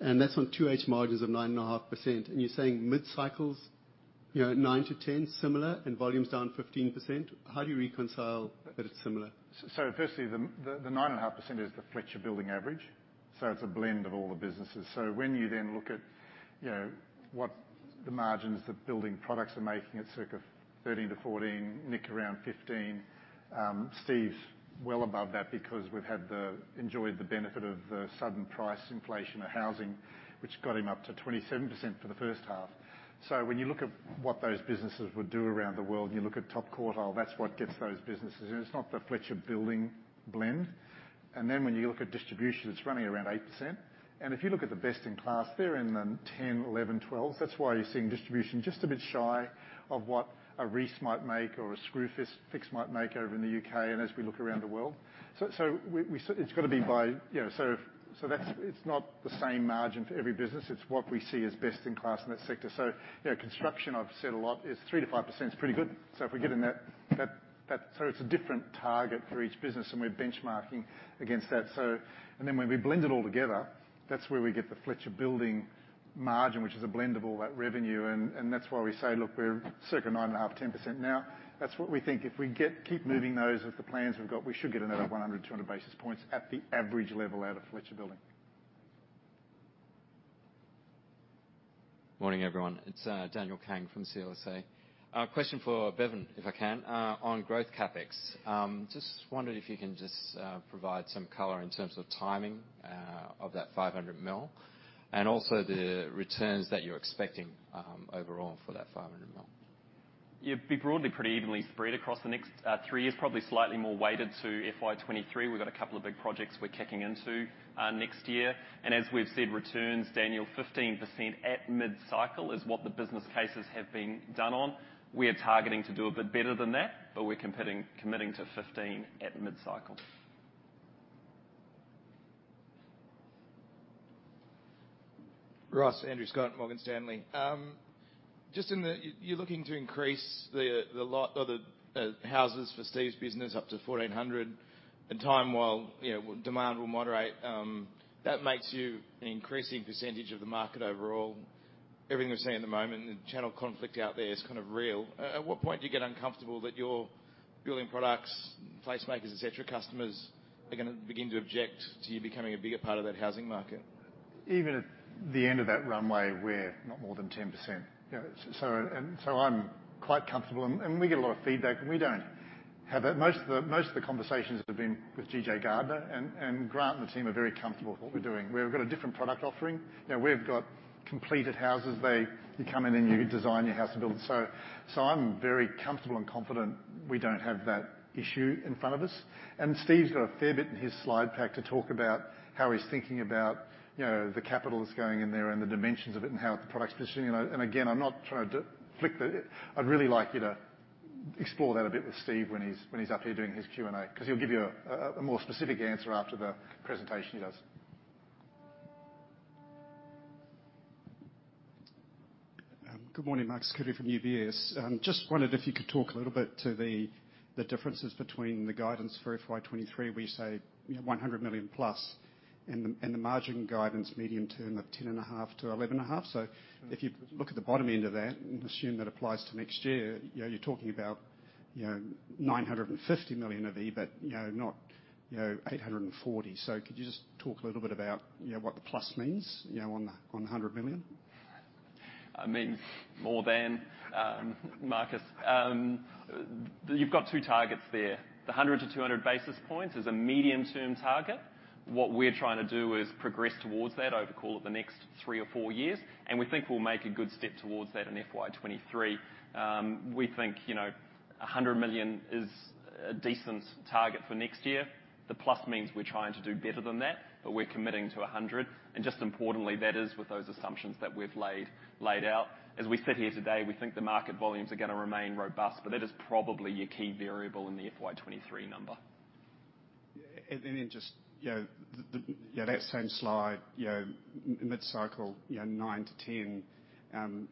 That's on 2H margins of 9.5%. You're saying mid-cycle, 9%-10%, similar, and volumes down 15%. How do you reconcile that it's similar? Firstly, the 9.5% is the Fletcher Building average, so it's a blend of all the businesses. When you then look at, you know, what the margins that building products are making, it's circa 13%-14%, Nick around 15%. Steve's well above that because we've enjoyed the benefit of the sudden price inflation of housing, which got him up to 27% for the first half. When you look at what those businesses would do around the world, and you look at top quartile, that's what gets those businesses in. It's not the Fletcher Building blend. When you look at distribution, it's running around 8%. If you look at the best in class, they're in the 10, 11, 12. That's why you're seeing distribution just a bit shy of what a Reece might make or a Screwfix might make over in the UK and as we look around the world. It's gotta be by, you know, that's not the same margin for every business. It's what we see as best in class in that sector. You know, construction, I've said a lot, is 3%-5% is pretty good. If we get in that it's a different target for each business, and we're benchmarking against that. When we blend it all together, that's where we get the Fletcher Building margin, which is a blend of all that revenue, and that's why we say, look, we're circa 9.5%-10% now. That's what we think. If we keep moving those with the plans we've got, we should get another 100-200 basis points at the average level out of Fletcher Building. Morning, everyone. It's Daniel Kang from CLSA. Question for Bevan, if I can, on growth CapEx. Just wondered if you can just provide some color in terms of timing of that 500 million, and also the returns that you're expecting, overall for that 500 million. Yeah. Be broadly pretty evenly spread across the next three years, probably slightly more weighted to FY 2023. We've got a couple of big projects we're kicking into next year. As we've said, returns, Daniel, 15% at mid-cycle is what the business cases have been done on. We are targeting to do a bit better than that, but we're committing to 15% at mid-cycle. Ross, Andrew Scott, Morgan Stanley. Just, you're looking to increase the lot or the houses for Steve's business up to 1,400 at a time while, you know, demand will moderate. That makes you an increasing percentage of the market overall. Everything we're seeing at the moment, the channel conflict out there is kind of real. At what point do you get uncomfortable that your building products, PlaceMakers, et cetera, customers are gonna begin to object to you becoming a bigger part of that housing market? Even at the end of that runway, we're not more than 10%. You know, I'm quite comfortable. We get a lot of feedback. Most of the conversations have been with GJ Gardner, and Grant and the team are very comfortable with what we're doing. We've got a different product offering. You know, we've got completed houses. You come in and you design your house and build it. I'm very comfortable and confident we don't have that issue in front of us. Steve's got a fair bit in his slide pack to talk about how he's thinking about, you know, the capital that's going in there and the dimensions of it and how the product's positioning. I'm not trying to flick the. I'd really like you to explore that a bit with Steve when he's up here doing his Q&A, 'cause he'll give you a more specific answer after the presentation he does. Good morning, Marcus Curley from UBS. Just wondered if you could talk a little bit to the differences between the guidance for FY 2023. We say, you know, 100 million +, and the margin guidance medium term of 10.5%-11.5%. If you look at the bottom end of that and assume that applies to next year, you know, you're talking about, you know, 950 million of EBIT, you know, not, you know, 840 million. Could you just talk a little bit about, you know, what the plus means, you know, on the 100 million? I mean, more than Marcus. You've got two targets there. The 100-200 basis points is a medium-term target. What we're trying to do is progress towards that over call it the next three or four years, and we think we'll make a good step towards that in FY 2023. We think, you know, 100 million is a decent target for next year. The plus means we're trying to do better than that, but we're committing to 100 million. Just importantly, that is with those assumptions that we've laid out. As we sit here today, we think the market volumes are gonna remain robust, but that is probably your key variable in the FY 2023 number. Just, you know, Yeah, that same slide, you know, mid-cycle, you know, 9-10,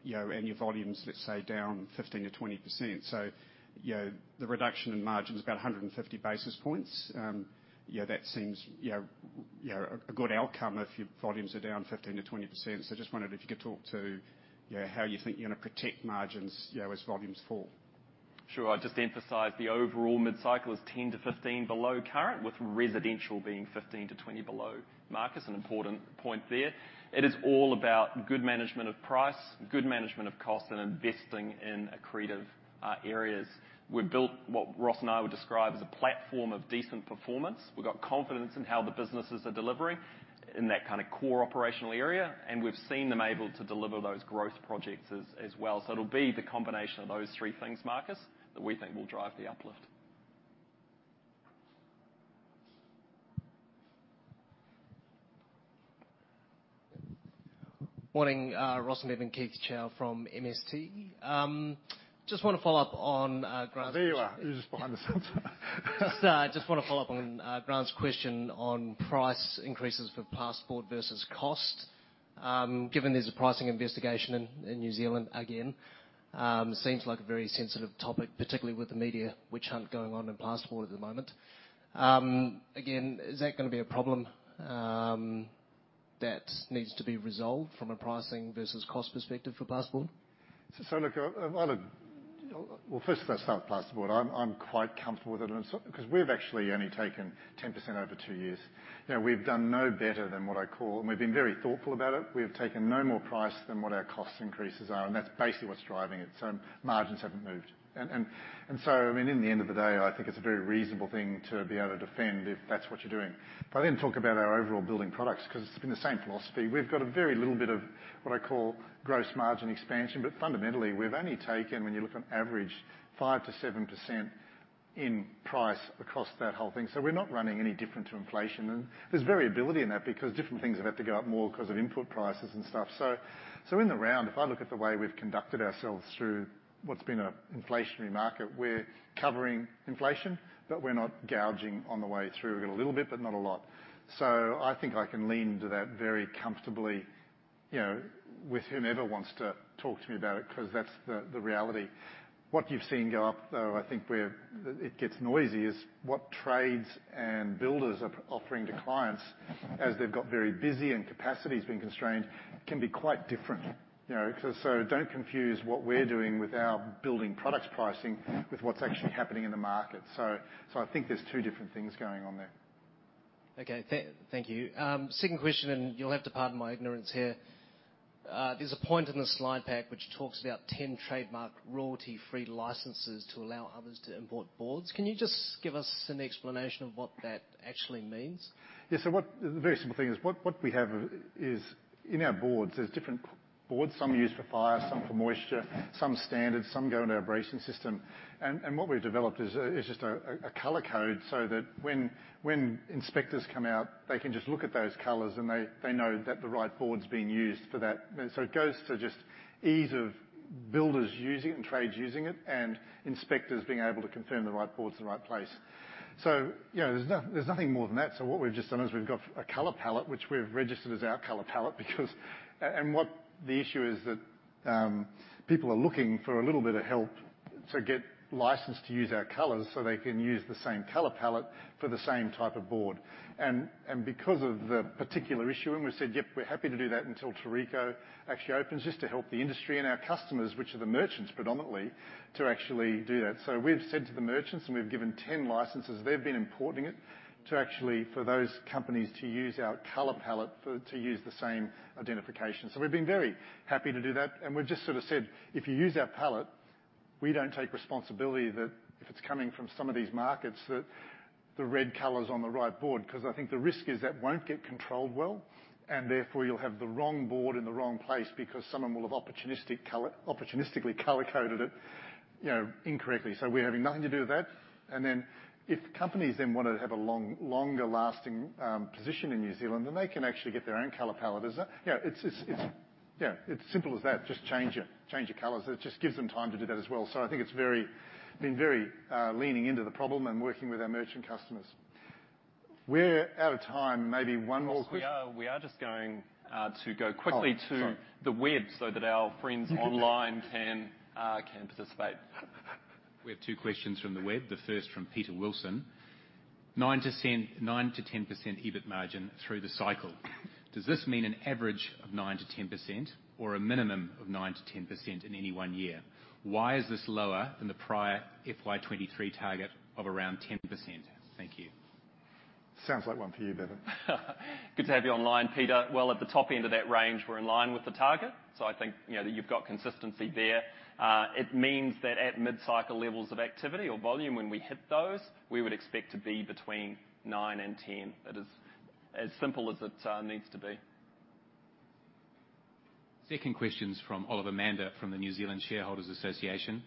you know, and your volumes, let's say, down 15%-20%. You know, the reduction in margin is about 150 basis points. You know, that seems, you know, a good outcome if your volumes are down 15%-20%. Just wondered if you could talk to, you know, how you think you're gonna protect margins, you know, as volumes fall. Sure. I'd just emphasize the overall mid-cycle is 10%-15% below current, with residential being 15%-20% below Marcus, an important point there. It is all about good management of price, good management of cost, and investing in accretive areas. We've built what Ross and I would describe as a platform of decent performance. We've got confidence in how the businesses are delivering in that kinda core operational area, and we've seen them able to deliver those growth projects as well. It'll be the combination of those three things, Marcus, that we think will drive the uplift. Morning, Ross and Bevan, Keith Chau from MST. Just want to follow up on Grant's. Oh, there you are. You're just behind the center. No, I just want to follow up on Grant's question on price increases for plasterboard versus cost. Given there's a pricing investigation in New Zealand again, seems like a very sensitive topic, particularly with the media witch hunt going on in plasterboard at the moment. Again, is that gonna be a problem? That needs to be resolved from a pricing versus cost perspective for plasterboard? Look, well, first of all, let's start with plasterboard. I'm quite comfortable with it and so 'cause we've actually only taken 10% over two years. You know, we've done no better than what I call, and we've been very thoughtful about it. We have taken no more price than what our cost increases are, and that's basically what's driving it. Margins haven't moved. I mean, in the end of the day, I think it's a very reasonable thing to be able to defend if that's what you're doing. If I then talk about our overall building products, 'cause it's been the same philosophy. We've got a very little bit of what I call gross margin expansion, but fundamentally, we've only taken, when you look on average, 5%-7% in price across that whole thing. We're not running any different to inflation. There's variability in that because different things have had to go up more 'cause of input prices and stuff. In the round, if I look at the way we've conducted ourselves through what's been an inflationary market, we're covering inflation, but we're not gouging on the way through. We've got a little bit, but not a lot. I think I can lean to that very comfortably, you know, with whomever wants to talk to me about it, 'cause that's the reality. What you've seen go up, though, I think where it gets noisy, is what trades and builders are offering to clients, as they've got very busy and capacity's been constrained, can be quite different. You know, so don't confuse what we're doing with our building products pricing with what's actually happening in the market. I think there's two different things going on there. Okay. Thank you. Second question, and you'll have to pardon my ignorance here. There's a point in the slide pack which talks about 10 trademark royalty-free licenses to allow others to import boards. Can you just give us an explanation of what that actually means? Yeah. The very simple thing is what we have is in our boards, there's different boards. Some are used for fire, some for moisture, some standard, some go in our bracing system. What we've developed is just a color code so that when inspectors come out, they can just look at those colors and they know that the right board's being used for that. It goes to just ease of builders using it and trades using it, and inspectors being able to confirm the right board's in the right place. You know, there's nothing more than that. What we've just done is we've got a color palette, which we've registered as our color palette because. What the issue is that people are looking for a little bit of help to get licensed to use our colors so they can use the same color palette for the same type of board. Because of the particular issue, we've said, "Yep, we're happy to do that until Tauriko actually opens," just to help the industry and our customers, which are the merchants predominantly, to actually do that. We've said to the merchants, and we've given 10 licenses. They've been importing it to actually, for those companies to use our color palette to use the same identification. We've been very happy to do that, and we've just sort of said, "If you use our palette, we don't take responsibility that if it's coming from some of these markets, that the red color's on the right board." Because I think the risk is that won't get controlled well, and therefore you'll have the wrong board in the wrong place because someone will have opportunistically color-coded it, you know, incorrectly. We're having nothing to do with that. Then if companies then wanna have a longer lasting position in New Zealand, then they can actually get their own color palette. There's no. You know, it's simple as that. Just change it, change the colors. It just gives them time to do that as well. I think it's very been very, leaning into the problem and working with our merchant customers. We're out of time. Maybe one more question. Yes, we are. We are just going to go quickly. Oh, sorry. To the web so that our friends online can participate. We have two questions from the web, the first from Peter Wilson. 9%, 9%-10% EBIT margin through the cycle. Does this mean an average of 9%-10% or a minimum of 9%-10% in any one year? Why is this lower than the prior FY 2023 target of around 10%? Thank you. Sounds like one for you, Bevan. Good to have you online, Peter. Well, at the top end of that range, we're in line with the target, so I think, you know, that you've got consistency there. It means that at mid-cycle levels of activity or volume, when we hit those, we would expect to be between 9%-10%. It is as simple as it needs to be. Second question's from Oliver Mander from the New Zealand Shareholders' Association.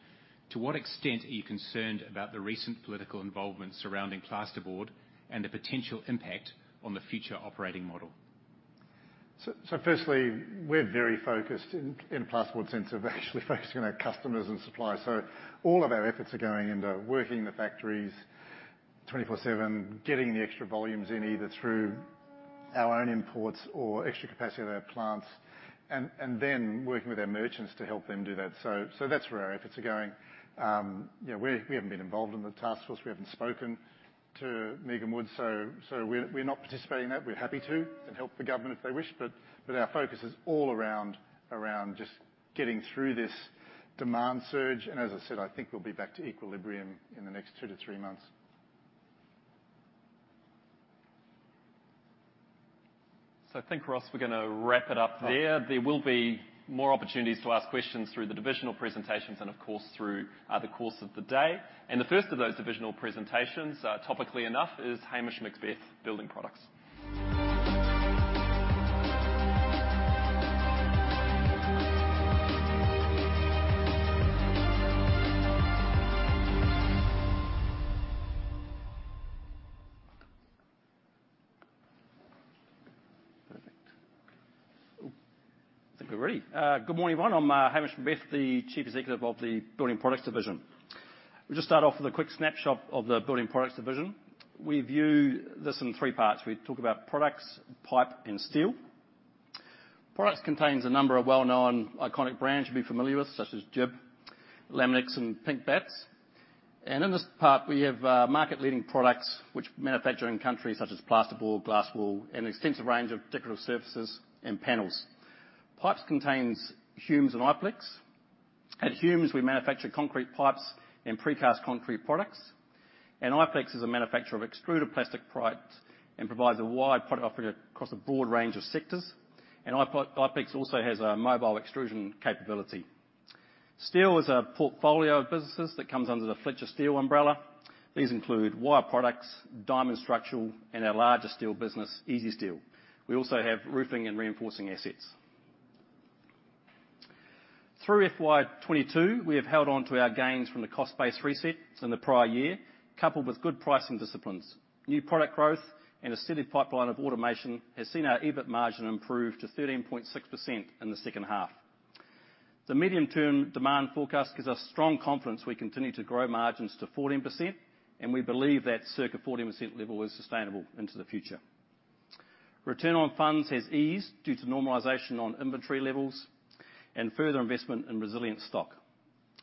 To what extent are you concerned about the recent political involvement surrounding plasterboard and the potential impact on the future operating model? Firstly, we're very focused in a plasterboard sense of actually focusing on our customers and suppliers. All of our efforts are going into working the factories 24/7, getting the extra volumes in either through our own imports or extra capacity of our plants, and then working with our merchants to help them do that. That's where our efforts are going. You know, we haven't been involved in the task force. We haven't spoken to Megan Woods, so we're not participating in that. We're happy to help the government if they wish, but our focus is all around just getting through this demand surge. As I said, I think we'll be back to equilibrium in the next 2-3 months. I think, Ross, we're gonna wrap it up there. Right. There will be more opportunities to ask questions through the divisional presentations and of course, through the course of the day. The first of those divisional presentations, topically enough, is Hamish McBeath, Building Products. Perfect. I think we're ready. Good morning, everyone. I'm Hamish McBeath, the Chief Executive of the Building Products division. We'll just start off with a quick snapshot of the Building Products division. We view this in three parts. We talk about products, pipe, and steel. Products contains a number of well-known iconic brands you'll be familiar with, such as Gyprock, Laminex, and Pink Batts. In this part, we have market-leading products such as plasterboard, glass wool, and an extensive range of decorative surfaces and panels. Pipes contains Humes and Iplex. At Humes, we manufacture concrete pipes and precast concrete products. Iplex is a manufacturer of extruded plastic products and provides a wide product offering across a broad range of sectors. Iplex also has a mobile extrusion capability. Steel is a portfolio of businesses that comes under the Fletcher Steel umbrella. These include wire products, Dimond Structural, and our largest steel business, Easysteel. We also have roofing and reinforcing assets. Through FY 2022, we have held on to our gains from the cost base resets in the prior year, coupled with good pricing disciplines. New product growth and a steady pipeline of automation has seen our EBIT margin improve to 13.6% in the second half. The medium term demand forecast gives us strong confidence we continue to grow margins to 14%, and we believe that circa 14% level is sustainable into the future. Return on funds has eased due to normalization on inventory levels and further investment in resilient stock.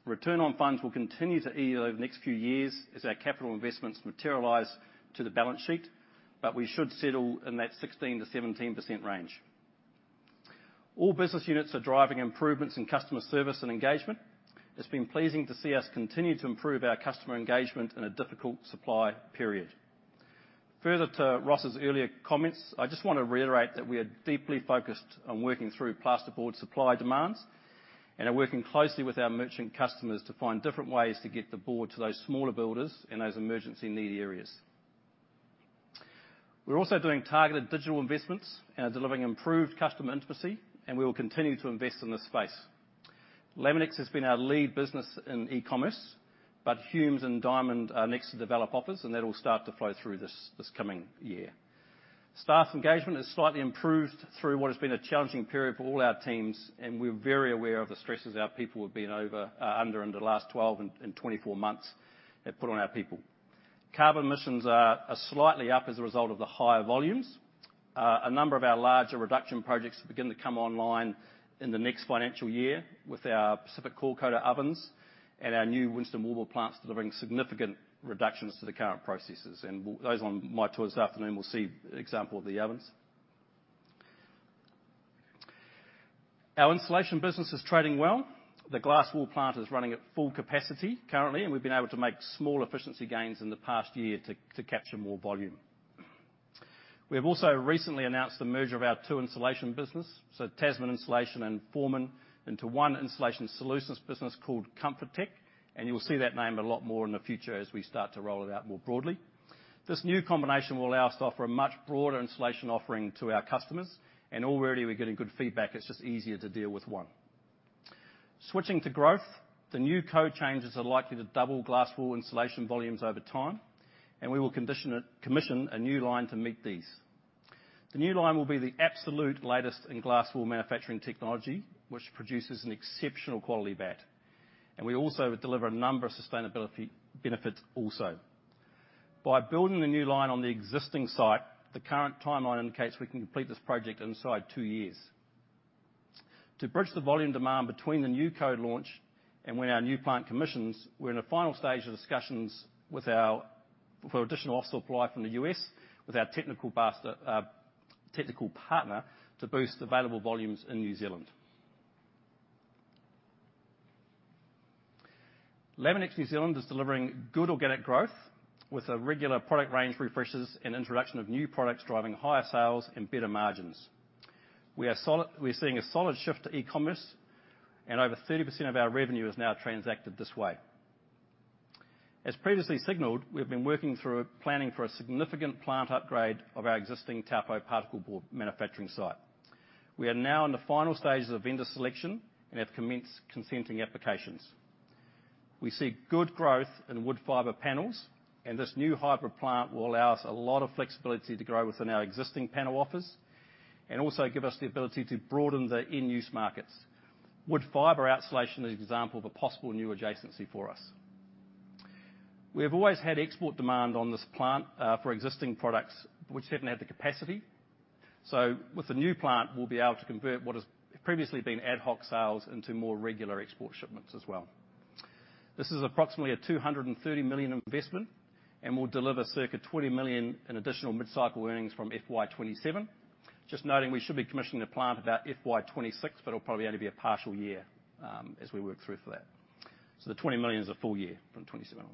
Return on funds will continue to ease over the next few years as our capital investments materialize to the balance sheet, but we should settle in that 16%-17% range. All business units are driving improvements in customer service and engagement. It's been pleasing to see us continue to improve our customer engagement in a difficult supply period. Further to Ross's earlier comments, I just want to reiterate that we are deeply focused on working through plasterboard supply demands and are working closely with our merchant customers to find different ways to get the board to those smaller builders in those emergency need areas. We're also doing targeted digital investments and are delivering improved customer intimacy, and we will continue to invest in this space. Laminex has been our lead business in e-commerce, but Humes and Dimond are next to develop offers, and that will start to flow through this coming year. Staff engagement has slightly improved through what has been a challenging period for all our teams, and we're very aware of the stresses our people have been over, under in the last 12 and 24 months have put on our people. Carbon emissions are slightly up as a result of the higher volumes. A number of our larger reduction projects begin to come online in the next financial year with our Pacific Coilcoaters ovens and our new Winstone Wallboards plants delivering significant reductions to the current processes. Those on my tours this afternoon will see an example of the ovens. Our insulation business is trading well. The glass wool plant is running at full capacity currently, and we've been able to make small efficiency gains in the past year to capture more volume. We have also recently announced the merger of our two insulation business, so Tasman Insulation and Forman, into one insulation solutions business called Comfortech, and you'll see that name a lot more in the future as we start to roll it out more broadly. This new combination will allow us to offer a much broader insulation offering to our customers, and already we're getting good feedback. It's just easier to deal with one. Switching to growth, the new code changes are likely to double glass wool insulation volumes over time, and we will commission a new line to meet these. The new line will be the absolute latest in glass wool manufacturing technology, which produces an exceptional quality batt, and we also deliver a number of sustainability benefits also. By building the new line on the existing site, the current timeline indicates we can complete this project inside two years. To bridge the volume demand between the new code launch and when our new plant commissions, we're in the final stage of discussions for additional supply from the US with our technical partner to boost available volumes in New Zealand. Laminex New Zealand is delivering good organic growth with a regular product range refreshes and introduction of new products driving higher sales and better margins. We're seeing a solid shift to e-commerce and over 30% of our revenue is now transacted this way. As previously signaled, we've been working through planning for a significant plant upgrade of our existing Taupō particleboard manufacturing site. We are now in the final stages of vendor selection and have commenced consenting applications. We see good growth in wood fiber panels, and this new hybrid plant will allow us a lot of flexibility to grow within our existing panel offers and also give us the ability to broaden the in-use markets. Wood fiber out insulation is an example of a possible new adjacency for us. We have always had export demand on this plant for existing products which haven't had the capacity. With the new plant, we'll be able to convert what has previously been ad hoc sales into more regular export shipments as well. This is approximately a 230 million investment and will deliver circa 20 million in additional mid-cycle earnings from FY 2027. Just noting we should be commissioning the plant about FY 2026, but it'll probably only be a partial year as we work through for that. The 20 million is a full year from 2027 on.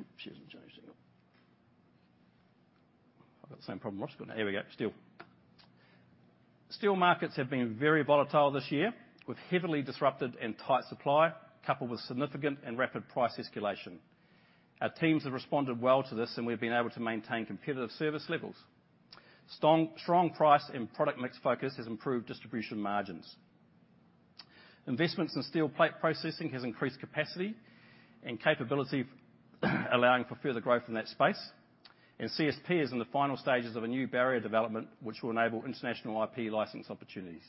Oops, she hasn't changed it yet. I've got the same problem Ross got. Here we go. Steel. Steel markets have been very volatile this year with heavily disrupted and tight supply coupled with significant and rapid price escalation. Our teams have responded well to this, and we've been able to maintain competitive service levels. Strong price and product mix focus has improved distribution margins. Investments in steel plate processing has increased capacity and capability allowing for further growth in that space. CSP is in the final stages of a new barrier development which will enable international IP license opportunities.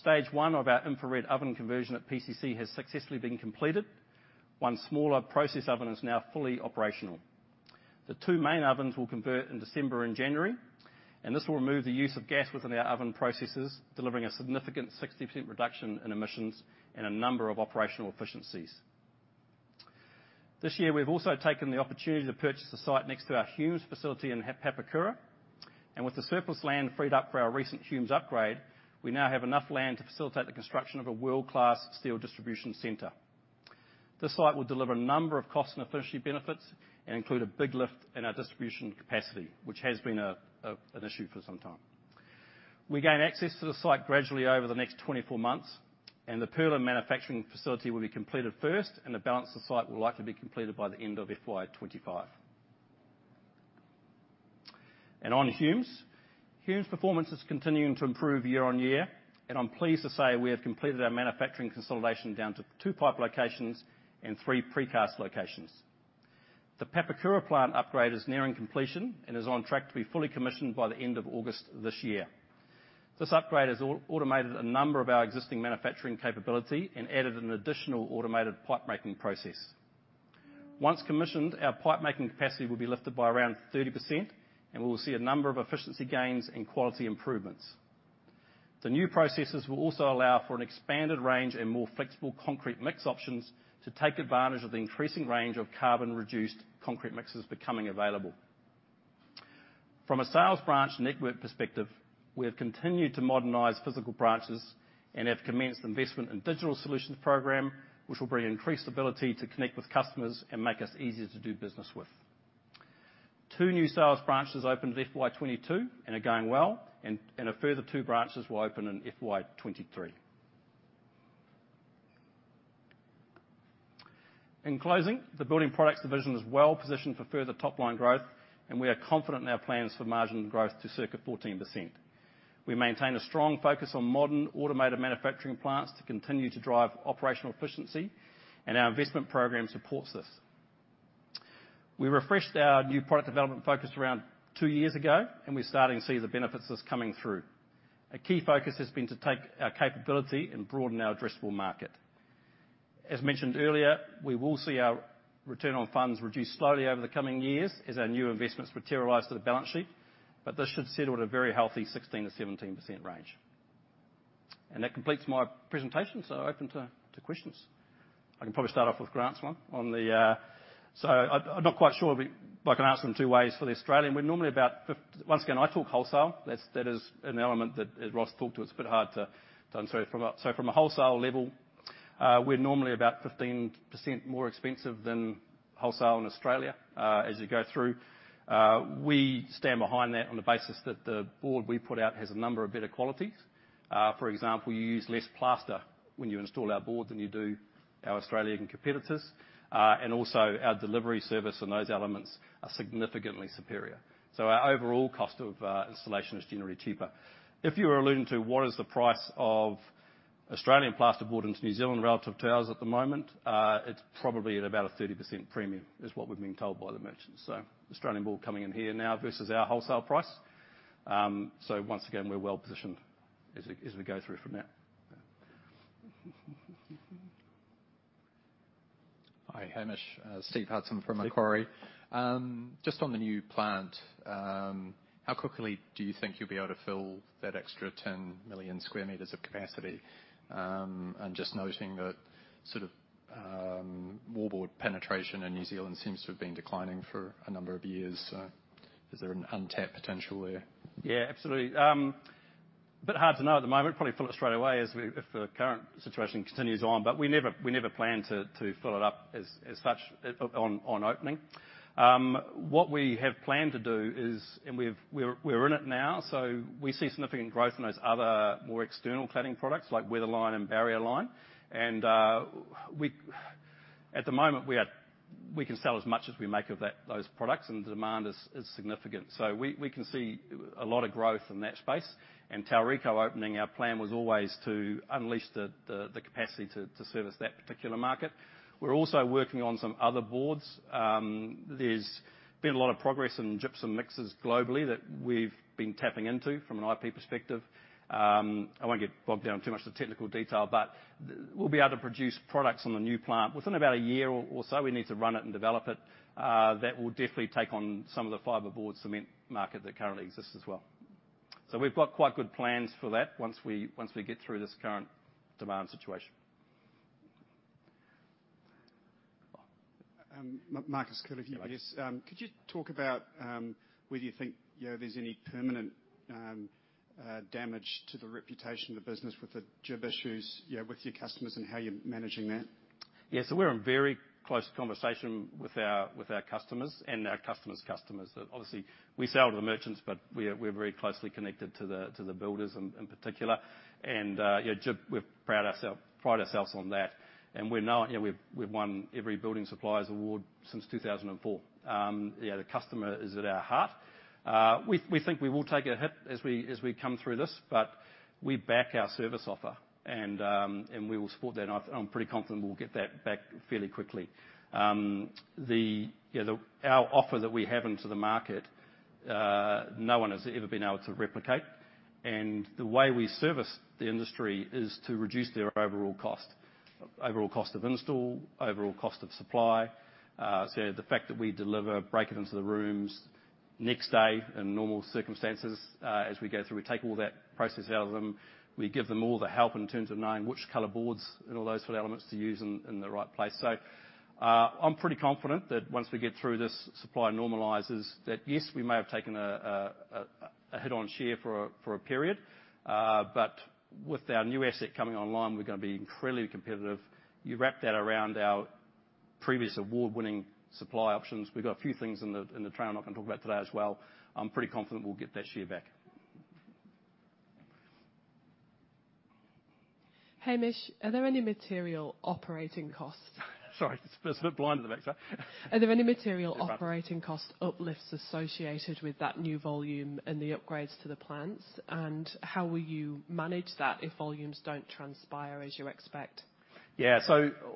Stage one of our infrared oven conversion at PCC has successfully been completed. One smaller process oven is now fully operational. The two main ovens will convert in December and January, and this will remove the use of gas within our oven processes, delivering a significant 60% reduction in emissions and a number of operational efficiencies. This year, we've also taken the opportunity to purchase a site next to our Humes facility in Papakura. With the surplus land freed up for our recent Humes upgrade, we now have enough land to facilitate the construction of a world-class steel distribution center. This site will deliver a number of cost and efficiency benefits, and include a big lift in our distribution capacity, which has been an issue for some time. We gain access to the site gradually over the next 24 months, and the purlin manufacturing facility will be completed first, and the balance of site will likely be completed by the end of FY 2025. On Humes' performance is continuing to improve year-over-year, and I'm pleased to say we have completed our manufacturing consolidation down to 2 pipe locations and 3 precast locations. The Papakura plant upgrade is nearing completion and is on track to be fully commissioned by the end of August this year. This upgrade has automated a number of our existing manufacturing capability and added an additional automated pipe-making process. Once commissioned, our pipe-making capacity will be lifted by around 30%, and we will see a number of efficiency gains and quality improvements. The new processes will also allow for an expanded range and more flexible concrete mix options to take advantage of the increasing range of carbon-reduced concrete mixes becoming available. From a sales branch network perspective, we have continued to modernize physical branches and have commenced investment in digital solutions program, which will bring increased ability to connect with customers and make us easier to do business with. Two new sales branches opened in FY 2022 and are going well, and a further two branches will open in FY 2023. In closing, the Building Products division is well-positioned for further top-line growth, and we are confident in our plans for margin growth to circa 14%. We maintain a strong focus on modern automated manufacturing plants to continue to drive operational efficiency, and our investment program supports this. We refreshed our new product development focus around two years ago, and we're starting to see the benefits that's coming through. A key focus has been to take our capability and broaden our addressable market. As mentioned earlier, we will see our return on funds reduce slowly over the coming years as our new investments materialize to the balance sheet, but this should settle at a very healthy 16%-17% range. That completes my presentation, so open to questions. I can probably start off with Grant's one on the. I'm not quite sure, but I can answer in two ways for the Australian. We're normally about. Once again, I talk wholesale. That is an element that, as Ross talked to, it's a bit hard to answer from a wholesale level. We're normally about 15% more expensive than wholesale in Australia as you go through. We stand behind that on the basis that the board we put out has a number of better qualities. For example, we use less plaster when you install our board than you do our Australian competitors. And also, our delivery service and those elements are significantly superior. So our overall cost of installation is generally cheaper. If you were alluding to what is the price of Australian plaster boards in New Zealand relative to ours at the moment, it's probably at about a 30% premium, is what we've been told by the movers. So Australian wall coming in here now versus our wholesale price. So once again, we're well positioned as we go through from there. Hi, Hamish. Stephen Hudson from Macquarie. Just on the new plant, how quickly do you think you'll be able to fill that extra 10 million square meters of capacity? Just noting that sort of wallboard penetration in New Zealand seems to have been declining for a number of years. Is there an untapped potential there? Yeah, absolutely. Bit hard to know at the moment. Probably fill it straight away if the current situation continues on, but we never plan to fill it up as such on opening. What we have planned to do is we're in it now. We see significant growth in those other more external cladding products like Weatherline and Barrierline. At the moment, we can sell as much as we make of those products, and the demand is significant. We can see a lot of growth in that space. Tauriko opening, our plan was always to unleash the capacity to service that particular market. We're also working on some other boards. There's been a lot of progress in gypsum mixes globally that we've been tapping into from an IP perspective. I won't get bogged down in too much of the technical detail, but we'll be able to produce products on the new plant. Within about a year or so we need to run it and develop it. That will definitely take on some of the fiber cement market that currently exists as well. We've got quite good plans for that once we get through this current demand situation. Marcus Curley here. Hi, Marcus. Could you talk about whether you think, you know, there's any permanent damage to the reputation of the business with the GIB issues, you know, with your customers, and how you're managing that? Yeah. We're in very close conversation with our customers and our customers' customers. Obviously, we sell to the merchants, but we're very closely connected to the builders in particular. GIB, we pride ourselves on that, and we've won every building suppliers award since 2004. The customer is at our heart. We think we will take a hit as we come through this, but we back our service offer and we will support that. I'm pretty confident we'll get that back fairly quickly. Our offer that we have into the market, no one has ever been able to replicate. The way we service the industry is to reduce their overall cost. Overall cost of install, overall cost of supply. The fact that we deliver, break it into the rooms next day in normal circumstances, as we go through, we take all that process out of them. We give them all the help in terms of knowing which color boards and all those sort of elements to use in the right place. I'm pretty confident that once we get through this, supply normalizes that, yes, we may have taken a hit on share for a period, but with our new asset coming online, we're gonna be incredibly competitive. You wrap that around our previous award-winning supply options. We've got a few things in the tray I'm not gonna talk about today as well. I'm pretty confident we'll get that share back. Hamish, are there any material operating costs? Sorry, just there's a bit blind at the back, sorry. Are there any material? It's better. Operating cost uplifts associated with that new volume and the upgrades to the plants? How will you manage that if volumes don't transpire as you expect? Yeah.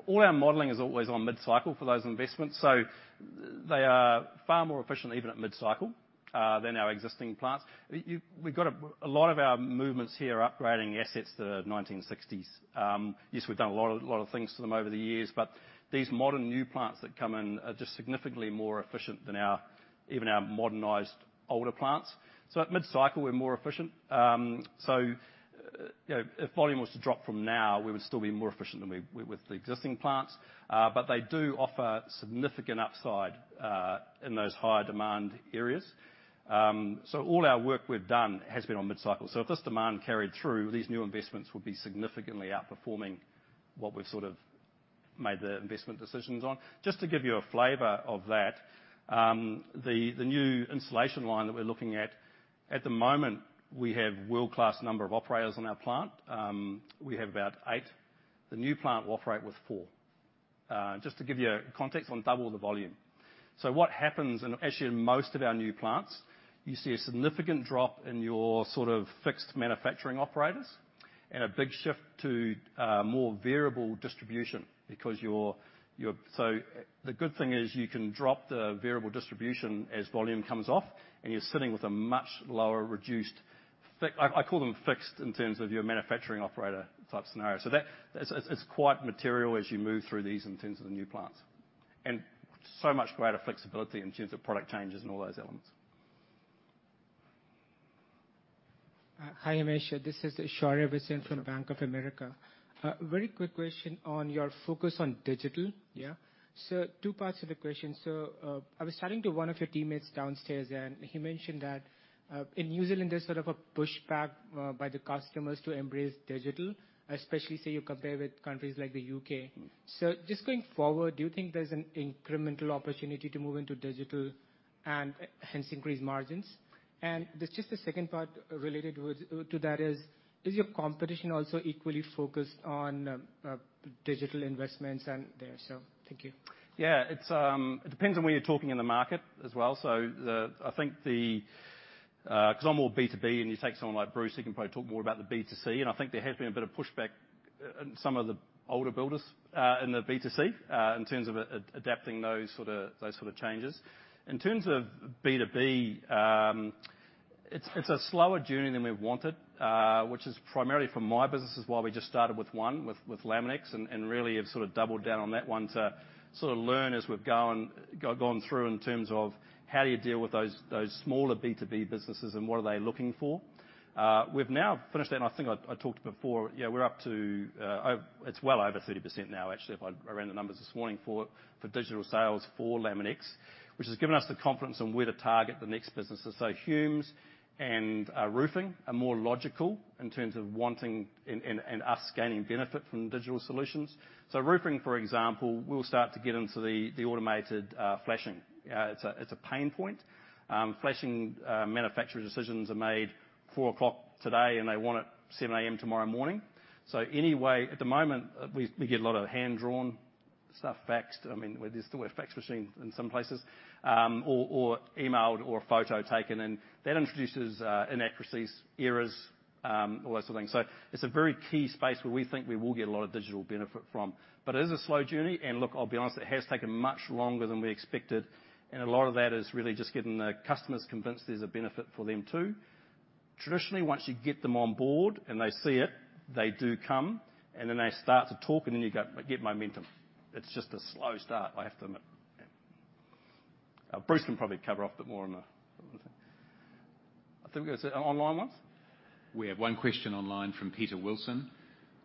All our modeling is always on mid-cycle for those investments. They are far more efficient, even at mid-cycle, than our existing plants. We've got a lot of our movements here are upgrading assets to the 1960s. Yes, we've done a lot of things to them over the years, but these modern new plants that come in are just significantly more efficient than our, even our modernized older plants. At mid-cycle, we're more efficient. You know, if volume was to drop from now, we would still be more efficient than we with the existing plants. But they do offer significant upside in those higher demand areas. All our work we've done has been on mid-cycle. If this demand carried through, these new investments would be significantly outperforming what we've sort of made the investment decisions on. Just to give you a flavor of that, the new installation line that we're looking at the moment, we have world-class number of operators on our plant. We have about 8. The new plant will operate with 4. Just to give you a context on double the volume. What happens, actually, in most of our new plants, you see a significant drop in your sort of fixed manufacturing operators and a big shift to more variable distribution because you're. The good thing is you can drop the variable distribution as volume comes off, and you're sitting with a much lower. Like I call them fixed in terms of your manufacturing operator type scenario. That, it's quite material as you move through these in terms of the new plants. Much greater flexibility in terms of product changes and all those elements. Hi, Hamish. This is Aishwarya Viswanathan from Bank of America. Very quick question on your focus on digital. Two parts of the question. I was talking to one of your teammates downstairs, and he mentioned that in New Zealand, there's sort of a pushback by the customers to embrace digital, especially say you compare with countries like the UK. Just going forward, do you think there's an incremental opportunity to move into digital and hence increase margins? There's just a second part related with to that is your competition also equally focused on digital investments and there? Thank you. Yeah. It depends on where you're talking in the market as well. I think, 'cause I'm more B2B and you take someone like Bruce, he can probably talk more about the B2C, and I think there has been a bit of pushback in some of the older builders in the B2C in terms of adapting those sort of changes. In terms of B2B, it's a slower journey than we wanted, which is primarily for my business. This is why we just started with one, with Laminex and really have sort of doubled down on that one to sort of learn as we've gone through in terms of how do you deal with those smaller B2B businesses and what are they looking for. We've now finished it, and I think I talked before. Yeah, we're up to well over 30% now. Actually, I ran the numbers this morning for digital sales for Laminex, which has given us the confidence on where to target the next businesses. Humes and Roofing are more logical in terms of wanting and us gaining benefit from digital solutions. Roofing, for example, we'll start to get into the automated flashing. It's a pain point. Flashing manufacturer decisions are made 4:00 P.M. today, and they want it 7:00 A.M. tomorrow morning. Anyway, at the moment, we get a lot of hand-drawn stuff faxed. I mean, there's still a fax machine in some places, or emailed or a photo taken in. That introduces inaccuracies, errors, all those sort of things. It's a very key space where we think we will get a lot of digital benefit from. It is a slow journey. Look, I'll be honest, it has taken much longer than we expected, and a lot of that is really just getting the customers convinced there's a benefit for them, too. Traditionally, once you get them on board and they see it, they do come, and then they start to talk, and then you go get momentum. It's just a slow start, I have to admit. Yeah. Bruce can probably cover off a bit more on the thing. I think it was online ones. We have one question online from Peter Wilson.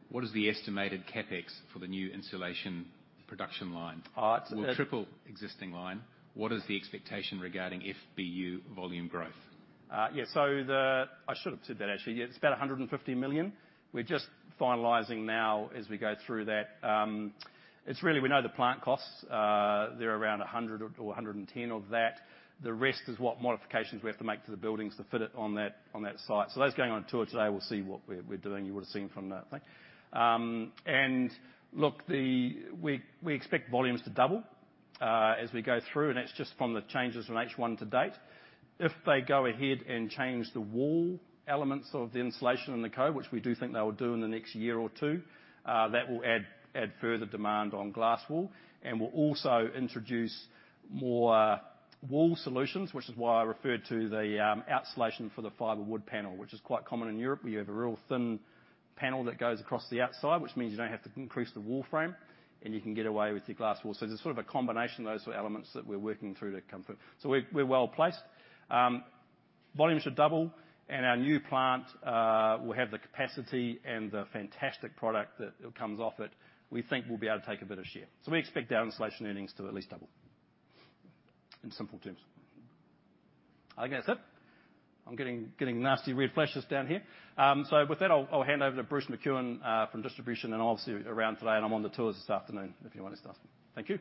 What is the estimated CapEx for the new insulation production line? Will it triple existing line? What is the expectation regarding FBU volume growth? I should have said that actually. Yeah, it's about 150 million. We're just finalizing now as we go through that. It's really we know the plant costs. They're around 100 or 110 of that. The rest is what modifications we have to make to the buildings to fit it on that site. Those going on tour today will see what we're doing. You would have seen from that thing. Look, we expect volumes to double as we go through, and that's just from the changes from H1 to date. If they go ahead and change the wall elements of the insulation and the core, which we do think they will do in the next year or two, that will add further demand on glass wool and will also introduce more wall solutions, which is why I referred to the Outsulation for the fibrewood panel, which is quite common in Europe, where you have a real thin panel that goes across the outside, which means you don't have to increase the wall frame, and you can get away with your glass wool. It's a sort of a combination of those sort of elements that we're working through to come through. We're well-placed. Volumes should double, and our new plant will have the capacity and the fantastic product that comes off it, we think we'll be able to take a bit of share. We expect our insulation earnings to at least double, in simple terms. I think that's it. I'm getting nasty red flashes down here. With that, I'll hand over to Bruce McEwen from Distribution, and obviously around today, and I'm on the tours this afternoon if anyone needs to ask me. Thank you.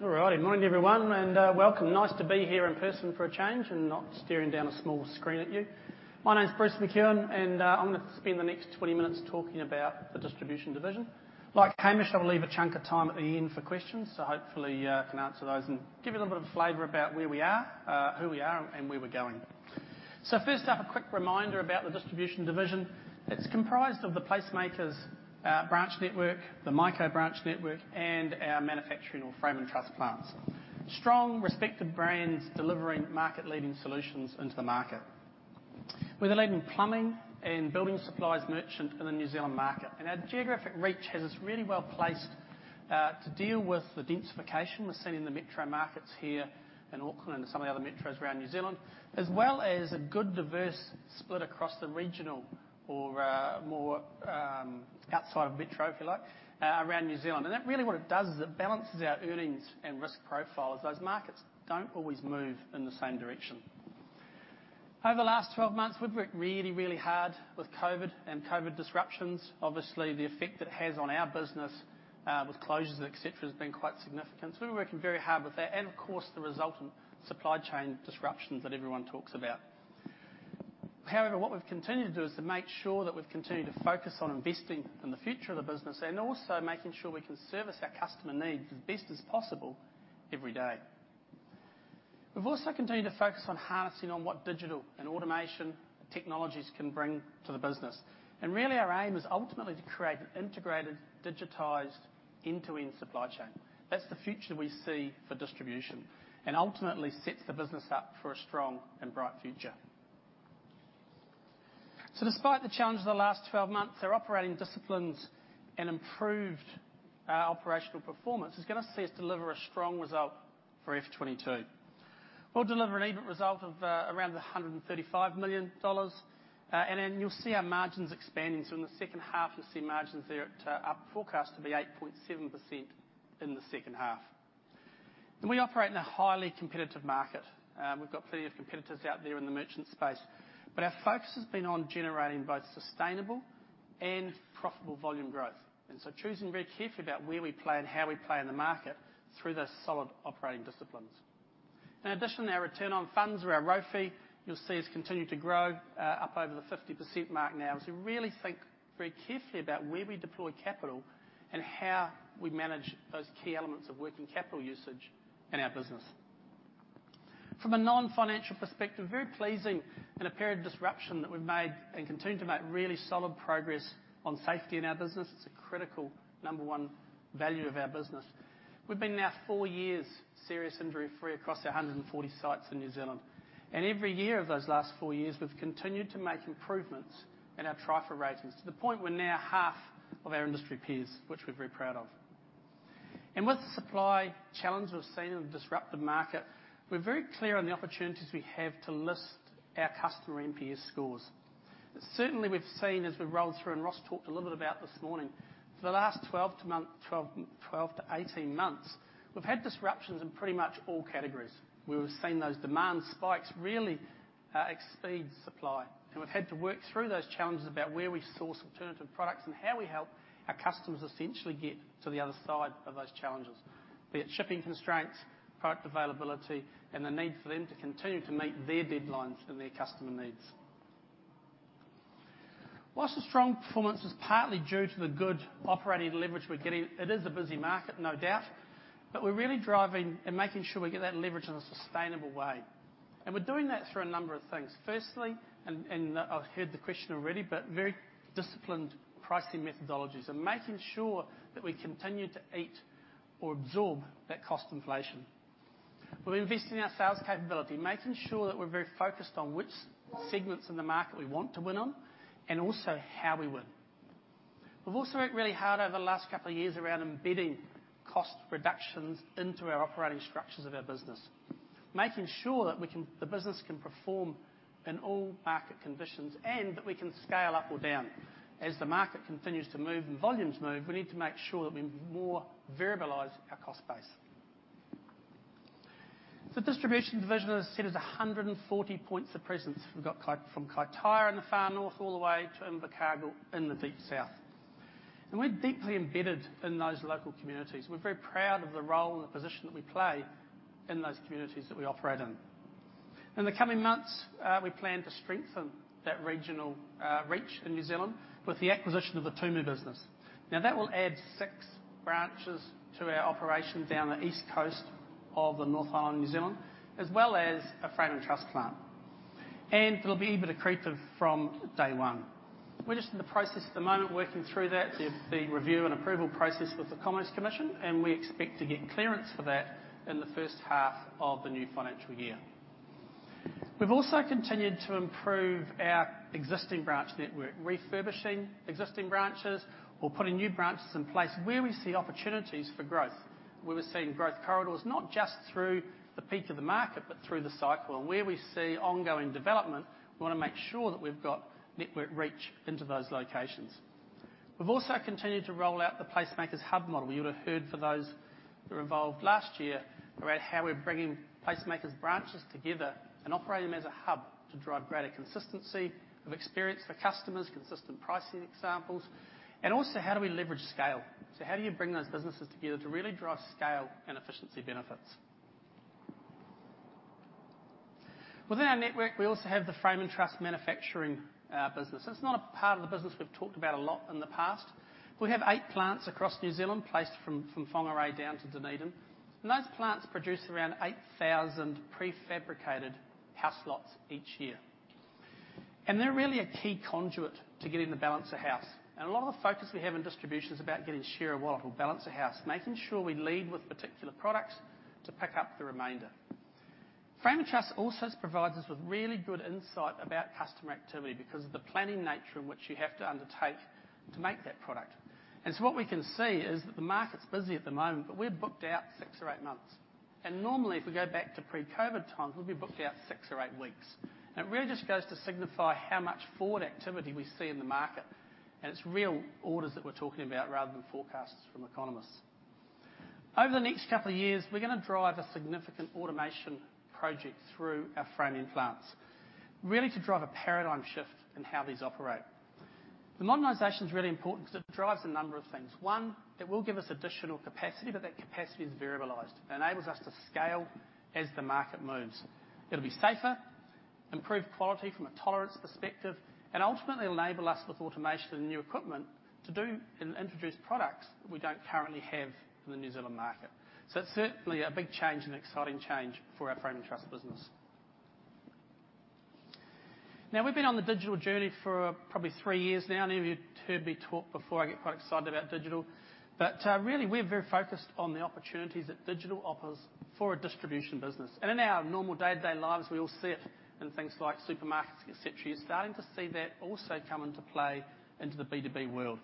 All right. Morning, everyone, and welcome. Nice to be here in person for a change and not staring down a small screen at you. My name's Bruce McEwen, and I'm gonna spend the next 20 minutes talking about the Distribution division. Like Hamish, I'll leave a chunk of time at the end for questions, so hopefully can answer those and give you a little bit of flavor about where we are, who we are, and where we're going. First up, a quick reminder about the Distribution division. It's comprised of the PlaceMakers branch network, the Mico branch network, and our manufacturing or frame and truss plants. Strong, respective brands delivering market-leading solutions into the market. We're the leading plumbing and building supplies merchant in the New Zealand market, and our geographic reach has us really well placed to deal with the densification we're seeing in the metro markets here in Auckland and some of the other metros around New Zealand, as well as a good diverse split across the regional or more outside of metro, if you like, around New Zealand. That really what it does is it balances our earnings and risk profiles. Those markets don't always move in the same direction. Over the last 12 months, we've worked really hard with COVID and disruptions. Obviously, the effect it has on our business with closures, et cetera, has been quite significant. We're working very hard with that and, of course, the resultant supply chain disruptions that everyone talks about. However, what we've continued to do is to make sure that we've continued to focus on investing in the future of the business and also making sure we can service our customer needs as best as possible every day. We've also continued to focus on harnessing what digital and automation technologies can bring to the business. Really our aim is ultimately to create an integrated, digitized, end-to-end supply chain. That's the future we see for Distribution, and ultimately sets the business up for a strong and bright future. Despite the challenge of the last 12 months, our operating disciplines and improved operational performance is gonna see us deliver a strong result for FY22. We'll deliver an EBIT result of around 135 million dollars, and then you'll see our margins expanding. In the second half, you'll see margins there that are forecast to be 8.7% in the second half. We operate in a highly competitive market. We've got plenty of competitors out there in the merchant space, but our focus has been on generating both sustainable and profitable volume growth, choosing very carefully about where we play and how we play in the market through the solid operating disciplines. In addition, our return on funds or our ROFE, you'll see, has continued to grow up over the 50% mark now, as we really think very carefully about where we deploy capital and how we manage those key elements of working capital usage in our business. From a non-financial perspective, very pleasing in a period of disruption that we've made and continue to make really solid progress on safety in our business. It's a critical number one value of our business. We've been now four years serious injury-free across our 140 sites in New Zealand. Every year of those last four years, we've continued to make improvements in our TRIFR ratings to the point we're now half of our industry peers, which we're very proud of. With the supply challenge we've seen in the disruptive market, we're very clear on the opportunities we have to lift our customer NPS scores. Certainly, we've seen as we've rolled through, and Ross talked a little bit about this morning, for the last 12-18 months, we've had disruptions in pretty much all categories. We've seen those demand spikes really exceed supply, and we've had to work through those challenges about where we source alternative products and how we help our customers essentially get to the other side of those challenges. Be it shipping constraints, product availability, and the need for them to continue to meet their deadlines and their customer needs. While the strong performance is partly due to the good operating leverage we're getting, it is a busy market, no doubt, but we're really driving and making sure we get that leverage in a sustainable way. We're doing that through a number of things. First, I've heard the question already, but very disciplined pricing methodologies and making sure that we continue to eat or absorb that cost inflation. We're investing in our sales capability, making sure that we're very focused on which segments in the market we want to win on and also how we win. We've also worked really hard over the last couple of years around embedding cost reductions into our operating structures of our business, making sure that the business can perform in all market conditions and that we can scale up or down. As the market continues to move and volumes move, we need to make sure that we more variabilize our cost base. The Distribution division is set as 140 points of presence. We've got from Kaitaia in the far north all the way to Invercargill in the deep south. We're deeply embedded in those local communities. We're very proud of the role and the position that we play in those communities that we operate in. In the coming months, we plan to strengthen that regional reach in New Zealand with the acquisition of the Tumu business. Now, that will add six branches to our operation down the east coast of the North Island, New Zealand, as well as a frame and truss plant. It'll be accretive from day one. We're just in the process at the moment, working through that, the review and approval process with the Commerce Commission, and we expect to get clearance for that in the first half of the new financial year. We've also continued to improve our existing branch network, refurbishing existing branches or putting new branches in place where we see opportunities for growth. Where we're seeing growth corridors, not just through the peak of the market but through the cycle, and where we see ongoing development, we wanna make sure that we've got network reach into those locations. We've also continued to roll out the PlaceMakers Hub model. You would have heard for those who were involved last year about how we're bringing PlaceMakers branches together and operate them as a hub to drive greater consistency of experience for customers, consistent pricing examples, and also how do we leverage scale. How do you bring those businesses together to really drive scale and efficiency benefits? Within our network, we also have the frame and truss manufacturing business. It's not a part of the business we've talked about a lot in the past. We have 8 plants across New Zealand, placed from Whangārei down to Dunedin, and those plants produce around 8,000 prefabricated house lots each year. They're really a key conduit to getting the balance of house. A lot of focus we have in distribution is about getting share of wallet or balance of house, making sure we lead with particular products to pick up the remainder. Frame and Truss also provides us with really good insight about customer activity because of the planning nature in which you have to undertake to make that product. What we can see is that the market's busy at the moment, but we're booked out six or eight months. Normally, if we go back to pre-COVID times, we'd be booked out six or eight weeks. It really just goes to signify how much forward activity we see in the market, and it's real orders that we're talking about rather than forecasts from economists. Over the next couple of years, we're gonna drive a significant automation project through our framing plants, really to drive a paradigm shift in how these operate. The modernization is really important because it drives a number of things. One, it will give us additional capacity, but that capacity is variabilized, enables us to scale as the market moves. It'll be safer, improve quality from a tolerance perspective, and ultimately enable us with automation and new equipment to do and introduce products we don't currently have in the New Zealand market. It's certainly a big change and exciting change for our Frame and Truss business. Now, we've been on the digital journey for probably three years now. Many of you heard me talk before. I get quite excited about digital. Really, we're very focused on the opportunities that digital offers for a distribution business. In our normal day-to-day lives, we all see it in things like supermarkets, et cetera. You're starting to see that also come into play into the B2B world.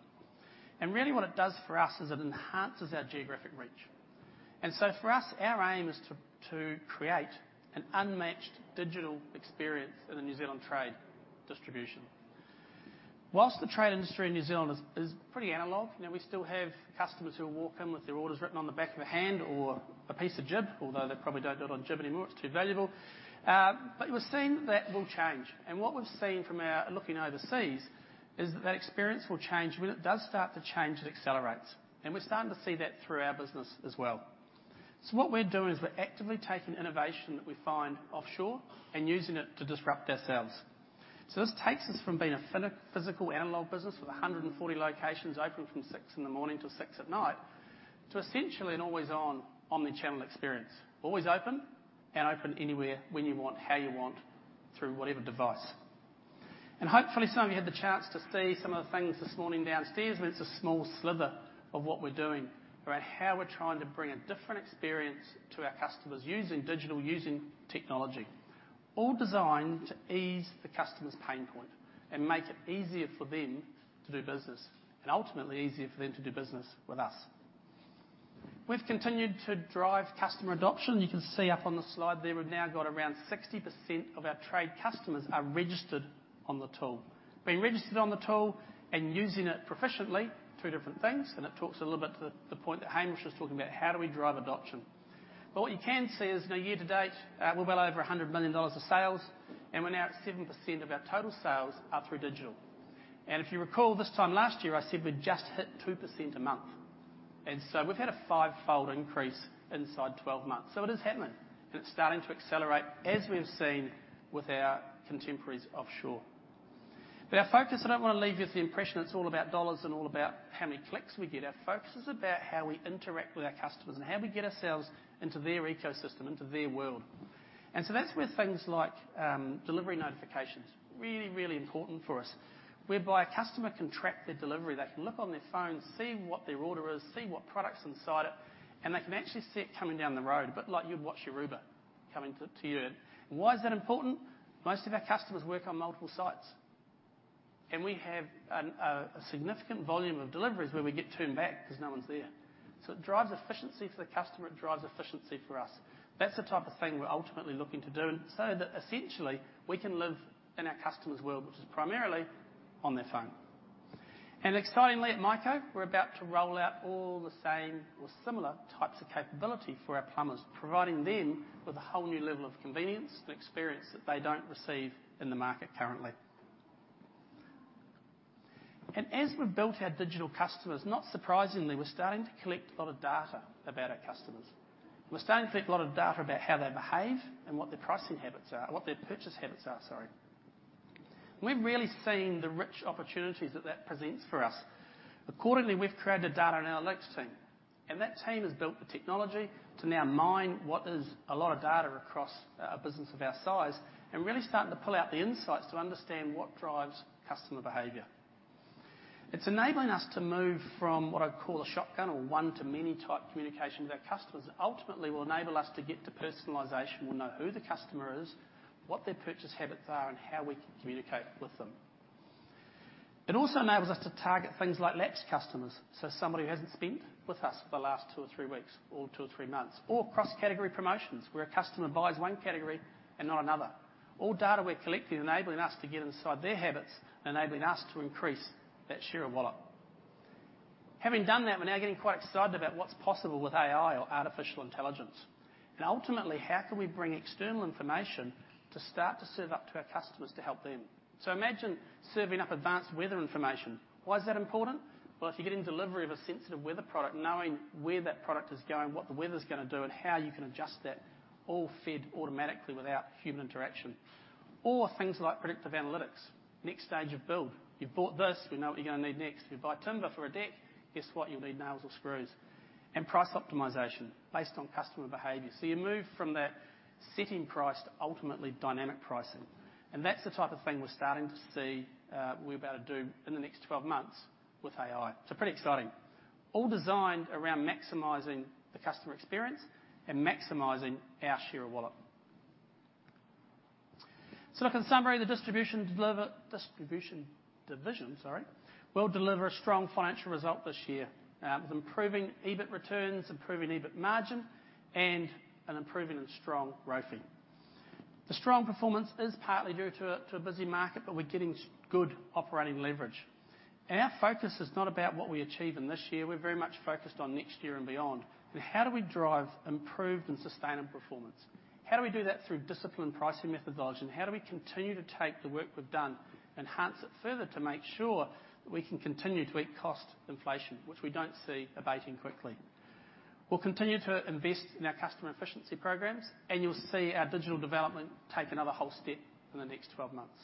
Really what it does for us is it enhances our geographic reach. For us, our aim is to create an unmatched digital experience in the New Zealand trade distribution. While the trade industry in New Zealand is pretty analog, you know, we still have customers who will walk in with their orders written on the back of a hand or a piece of GIB, although they probably don't do it on GIB anymore, it's too valuable. We're seeing that will change. What we've seen from our looking overseas is that that experience will change. When it does start to change, it accelerates. We're starting to see that through our business as well. What we're doing is we're actively taking innovation that we find offshore and using it to disrupt ourselves. This takes us from being a physical analog business with 140 locations open from 6:00 A.M. till 6:00 P.M. to essentially an always on omni-channel experience. Always open and open anywhere, when you want, how you want, through whatever device. Hopefully, some of you had the chance to see some of the things this morning downstairs, but it's a small sliver of what we're doing around how we're trying to bring a different experience to our customers using digital, using technology, all designed to ease the customer's pain point and make it easier for them to do business and ultimately easier for them to do business with us. We've continued to drive customer adoption. You can see up on the slide there, we've now got around 60% of our trade customers are registered on the tool. Being registered on the tool and using it proficiently, two different things, and it talks a little bit to the point that Hamish was talking about, how do we drive adoption? What you can see is year to date, we're well over 100 million dollars of sales, and we're now at 7% of our total sales are through digital. If you recall this time last year, I said we'd just hit 2% a month. We've had a five-fold increase inside 12 months. It is happening, and it's starting to accelerate as we've seen with our contemporaries offshore. Our focus, I don't wanna leave you with the impression it's all about dollars and all about how many clicks we get. Our focus is about how we interact with our customers and how we get ourselves into their ecosystem, into their world. That's where things like delivery notifications, really, really important for us, whereby a customer can track their delivery. They can look on their phone, see what their order is, see what products inside it, and they can actually see it coming down the road, a bit like you'd watch your Uber coming to you. Why is that important? Most of our customers work on multiple sites, and we have a significant volume of deliveries where we get turned back 'cause no one's there. It drives efficiency for the customer, it drives efficiency for us. That's the type of thing we're ultimately looking to do so that essentially we can live in our customer's world, which is primarily on their phone. Excitingly at Mico, we're about to roll out all the same or similar types of capability for our plumbers, providing them with a whole new level of convenience and experience that they don't receive in the market currently. As we've built our digital customers, not surprisingly, we're starting to collect a lot of data about our customers. We're starting to collect a lot of data about how they behave and what their pricing habits are, what their purchase habits are, sorry. We're really seeing the rich opportunities that that presents for us. Accordingly, we've created a data analytics team, and that team has built the technology to now mine what is a lot of data across a business of our size and really starting to pull out the insights to understand what drives customer behavior. It's enabling us to move from what I'd call a shotgun or one to many type communication with our customers. Ultimately, will enable us to get to personalization. We'll know who the customer is, what their purchase habits are, and how we can communicate with them. It also enables us to target things like lapsed customers, so somebody who hasn't spent with us for the last two or three weeks or two or three months. Or cross-category promotions, where a customer buys one category and not another. All data we're collecting enabling us to get inside their habits, enabling us to increase that share of wallet. Having done that, we're now getting quite excited about what's possible with AI or artificial intelligence and ultimately, how can we bring external information to start to serve up to our customers to help them. Imagine serving up advanced weather information. Why is that important? Well, if you're getting delivery of a weather-sensitive product, knowing where that product is going, what the weather's gonna do, and how you can adjust that, all fed automatically without human interaction. Things like predictive analytics. Next stage of build. You've bought this, we know what you're gonna need next. If you buy timber for a deck, guess what? You'll need nails or screws. Price optimization based on customer behavior. You move from that static price to ultimately dynamic pricing, and that's the type of thing we're starting to see, we're about to do in the next 12 months with AI. It's pretty exciting. All designed around maximizing the customer experience and maximizing our share of wallet. Look, in summary, the distribution division will deliver a strong financial result this year with improving EBIT returns, improving EBIT margin, and an improving and strong ROFE. The strong performance is partly due to a busy market, but we're getting so good operating leverage. Our focus is not about what we achieve in this year; we're very much focused on next year and beyond. How do we drive improved and sustainable performance? How do we do that through disciplined pricing methodology, and how do we continue to take the work we've done, enhance it further to make sure that we can continue to beat cost inflation, which we don't see abating quickly. We'll continue to invest in our customer efficiency programs, and you'll see our digital development take another whole step in the next 12 months.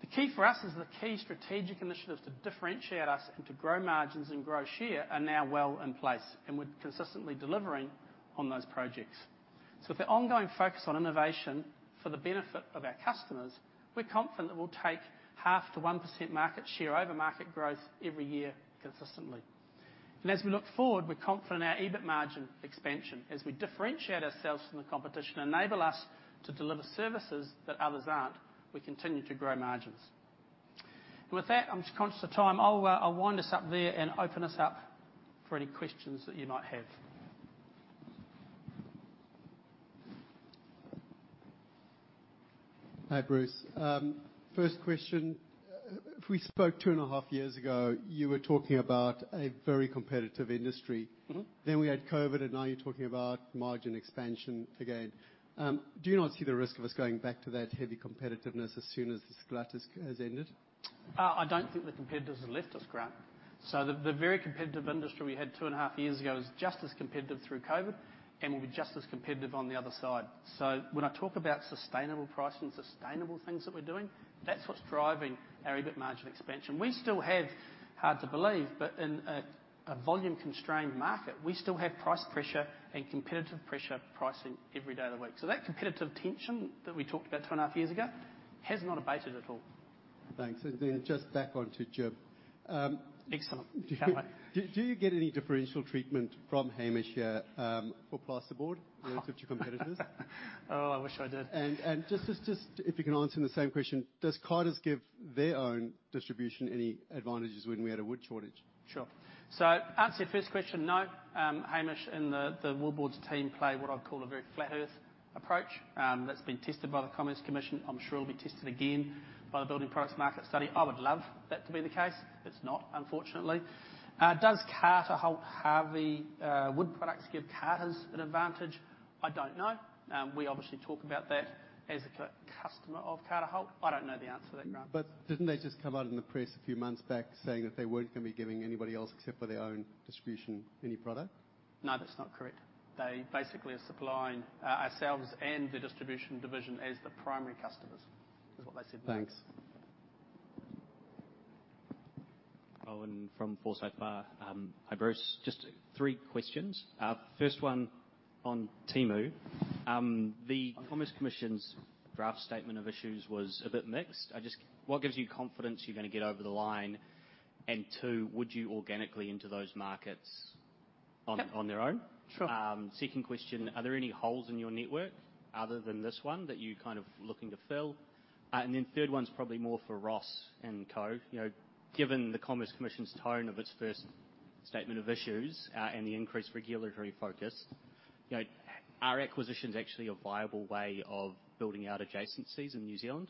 The key for us is the key strategic initiatives to differentiate us and to grow margins and grow share are now well in place, and we're consistently delivering on those projects. With the ongoing focus on innovation for the benefit of our customers, we're confident that we'll take 0.5%-1% market share over market growth every year consistently. As we look forward, we're confident our EBIT margin expansion, as we differentiate ourselves from the competition, enable us to deliver services that others aren't, we continue to grow margins. With that, I'm conscious of time, I'll wind us up there and open us up for any questions that you might have. Hi, Bruce. First question. If we spoke two and a half years ago, you were talking about a very competitive industry. We had COVID, and now you're talking about margin expansion again. Do you not see the risk of us going back to that heavy competitiveness as soon as this glut has ended? I don't think the competitors have left us, Grant. The very competitive industry we had two and a half years ago is just as competitive through COVID and will be just as competitive on the other side. When I talk about sustainable price and sustainable things that we're doing, that's what's driving our EBIT margin expansion. We still have, hard to believe, but in a volume-constrained market, we still have price pressure and competitive pressure pricing every day of the week. That competitive tension that we talked about two and a half years ago has not abated at all. Thanks. Just back onto Jim. Excellent. Can't wait. Do you get any differential treatment from Hamish here, for plasterboard relative to competitors? Oh, I wish I did. If you can answer in the same question, does Carters give their own distribution any advantages when we had a wood shortage? To answer your first question, no. Hamish and the wood products team play what I'd call a very flat Earth approach, that's been tested by the Commerce Commission. I'm sure it'll be tested again by the residential building supplies market study. I would love that to be the case. It's not, unfortunately. Does Carter Holt Harvey wood products give Carters an advantage? I don't know. We obviously talk about that as a customer of Carter Holt. I don't know the answer to that, Grant. Didn't they just come out in the press a few months back saying that they weren't gonna be giving anybody else, except for their own distribution, any product? No, that's not correct. They basically are supplying ourselves and the distribution division as the primary customers, is what they said then. Thanks. Rohan from Forsyth Barr. Hi, Bruce McEwen. Just three questions. First one on Tumu. The Commerce Commission's draft statement of issues was a bit mixed. What gives you confidence you're gonna get over the line? And two, would you organically into those markets on their own? Second question. Are there any holes in your network, other than this one, that you're kind of looking to fill? And then third one's probably more for Ross and co. You know, given the Commerce Commission's tone of its first statement of issues, and the increased regulatory focus, you know, are acquisitions actually a viable way of building out adjacencies in New Zealand?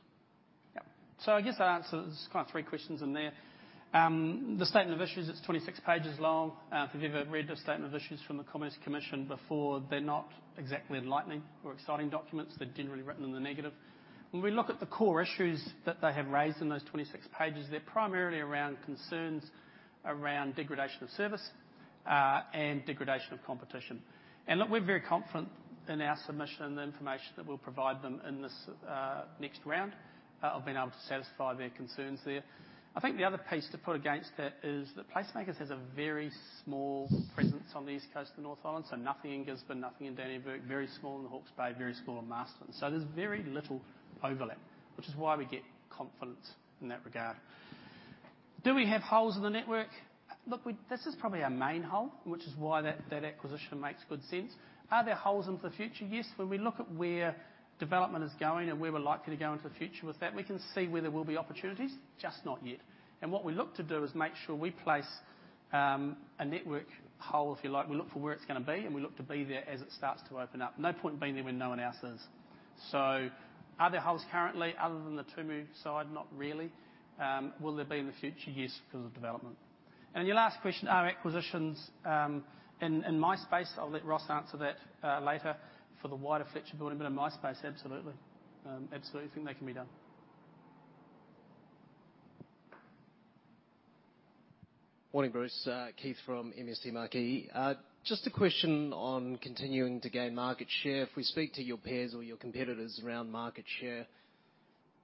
Yep. I guess that answers kind of three questions in there. The statement of issues, it's 26 pages long. If you've ever read a statement of issues from the Commerce Commission before, they're not exactly enlightening or exciting documents. They're generally written in the negative. When we look at the core issues that they have raised in those 26 pages, they're primarily around concerns around degradation of service, and degradation of competition. Look, we're very confident in our submission and the information that we'll provide them in this next round of being able to satisfy their concerns there. I think the other piece to put against that is that PlaceMakers has a very small presence on the East Coast of the North Island, so nothing in Gisborne, nothing in Dannevirke, very small in the Hawke's Bay, very small in Masterton. There's very little overlap, which is why we get confidence in that regard. Do we have holes in the network? Look, this is probably our main hole, which is why that acquisition makes good sense. Are there holes into the future? Yes. When we look at where development is going and where we're likely to go into the future with that, we can see where there will be opportunities, just not yet. What we look to do is make sure we place a network hole, if you like. We look for where it's gonna be, and we look to be there as it starts to open up. No point being there when no one else is. Are there holes currently other than the Tumu side? Not really. Will there be in the future? Yes, because of development. Your last question, are acquisitions in my space? I'll let Ross answer that later. For the wider Fletcher Building, but in my space, absolutely. Absolutely think they can be done. Morning, Bruce. Keith from MST Marquee. Just a question on continuing to gain market share. If we speak to your peers or your competitors around market share,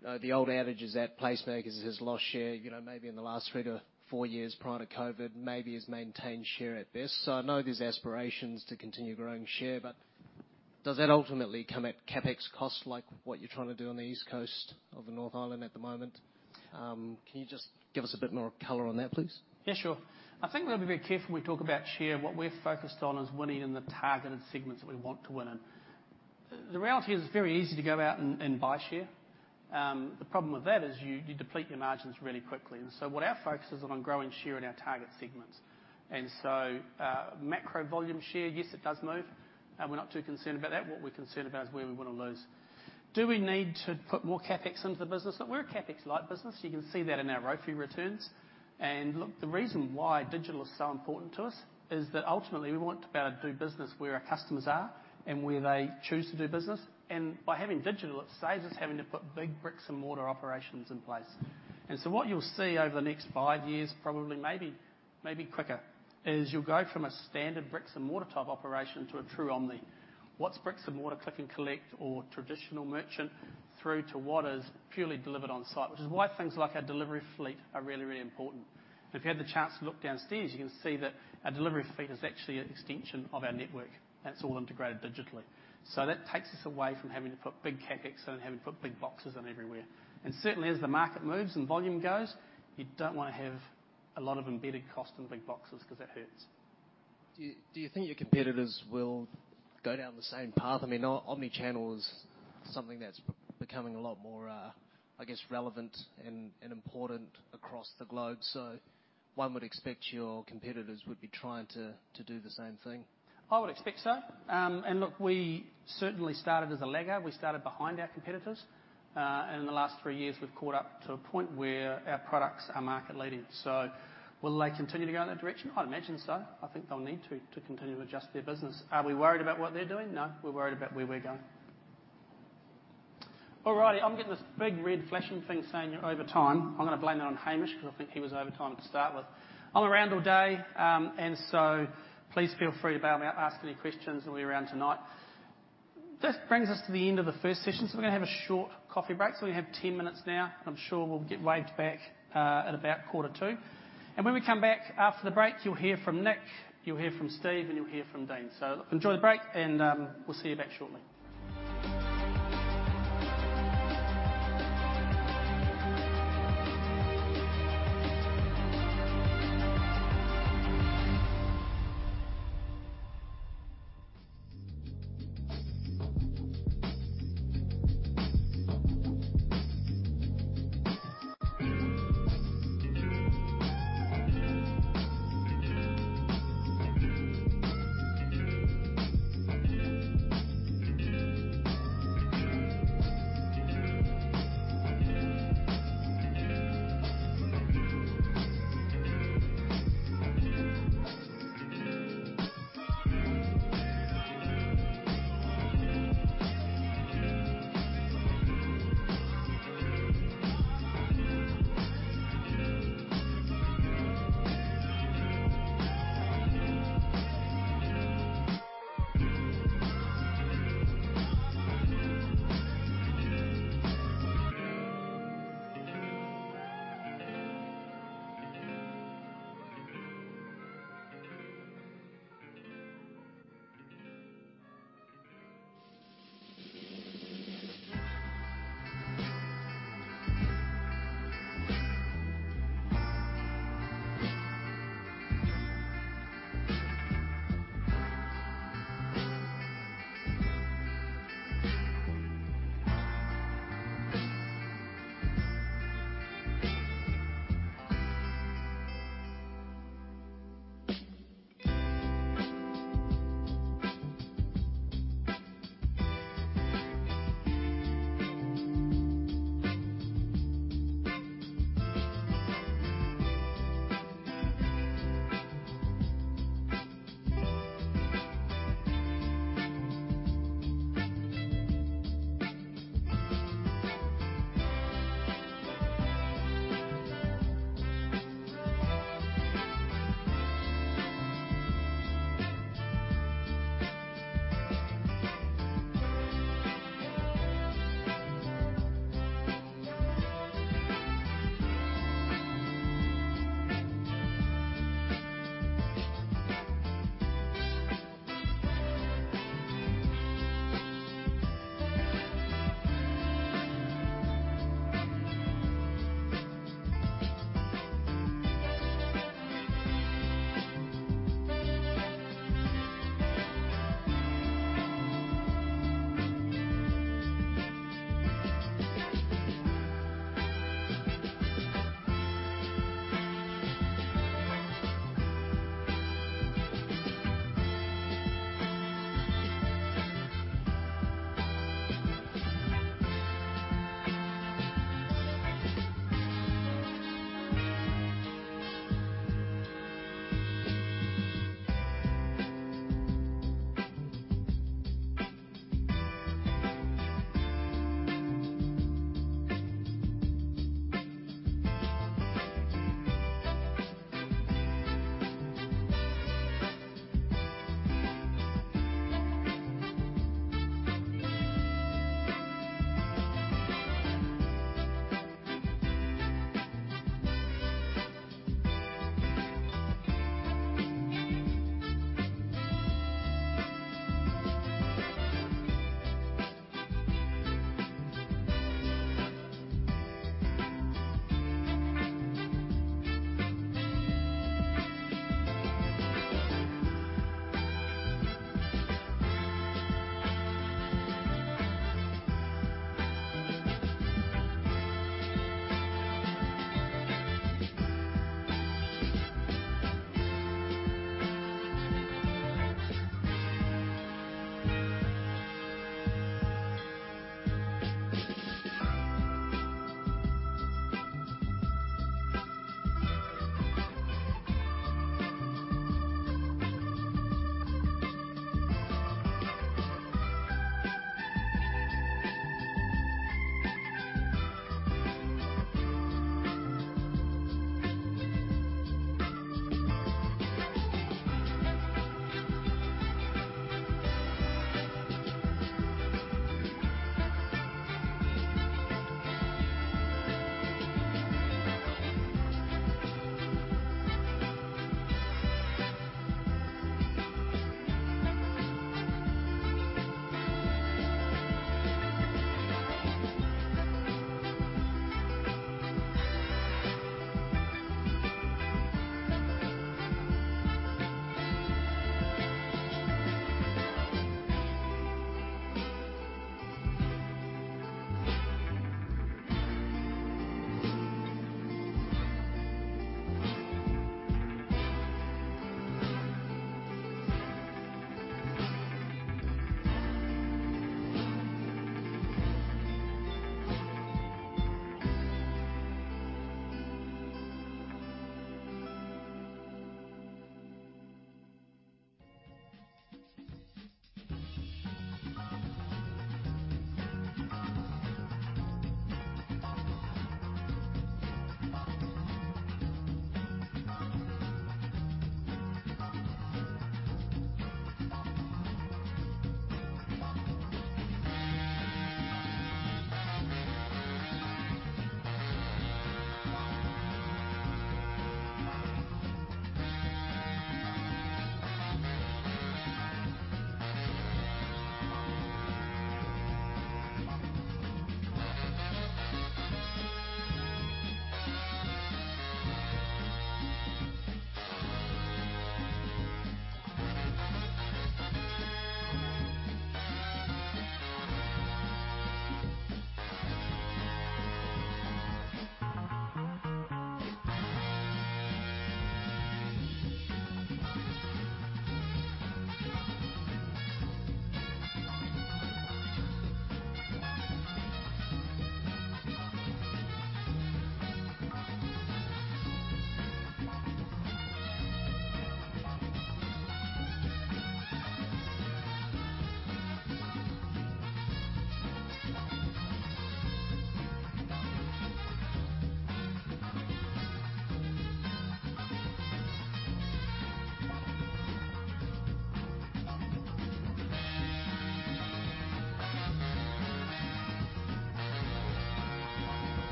you know, the old adage is that PlaceMakers has lost share, you know, maybe in the last 3-4 years prior to COVID, maybe has maintained share at best. I know there's aspirations to continue growing share, but does that ultimately come at CapEx cost, like what you're trying to do on the East Coast of the North Island at the moment? Can you just give us a bit more color on that, please? Yeah, sure. I think we gotta be very careful when we talk about share. What we're focused on is winning in the targeted segments that we want to win in. The reality is it's very easy to go out and buy share. The problem with that is you deplete your margins really quickly. What our focus is on growing share in our target segments. Macro volume share, yes, it does move. We're not too concerned about that. What we're concerned about is where we wanna lose. Do we need to put more CapEx into the business? Look, we're a CapEx-light business. You can see that in our ROIC returns. Look, the reason why digital is so important to us is that ultimately we want to be able to do business where our customers are and where they choose to do business. By having digital, it saves us having to put big bricks-and-mortar operations in place. What you'll see over the next five years, probably maybe quicker, is you'll go from a standard bricks and mortar type operation to a true omni. What's bricks and mortar click and collect or traditional merchant through to what is purely delivered on site, which is why things like our delivery fleet are really, really important. If you had the chance to look downstairs, you can see that our delivery fleet is actually an extension of our network, and it's all integrated digitally. That takes us away from having to put big CapEx in and having to put big boxes in everywhere. Certainly, as the market moves and volume goes, you don't wanna have a lot of embedded cost and big boxes 'cause that hurts. Do you think your competitors will go down the same path? I mean, omni-channel is something that's becoming a lot more, I guess relevant and important across the globe. One would expect your competitors would be trying to do the same thing. I would expect so. Look, we certainly started as a laggard. We started behind our competitors. In the last three years, we've caught up to a point where our products are market leading. Will they continue to go in that direction? I'd imagine so. I think they'll need to continue to adjust their business. Are we worried about what they're doing? No. We're worried about where we're going. All righty, I'm getting this big red flashing thing saying you're over time. I'm gonna blame that on Hamish 'cause I think he was over time to start with. I'm around all day, and so please feel free to be able to ask any questions, and we're around tonight. This brings us to the end of the first session, so we're gonna have a short coffee break. We have 10 minutes now. I'm sure we'll get waved back at about quarter to. When we come back after the break, you'll hear from Nick, you'll hear from Steve, and you'll hear from Dean. Look, enjoy the break and we'll see you back shortly.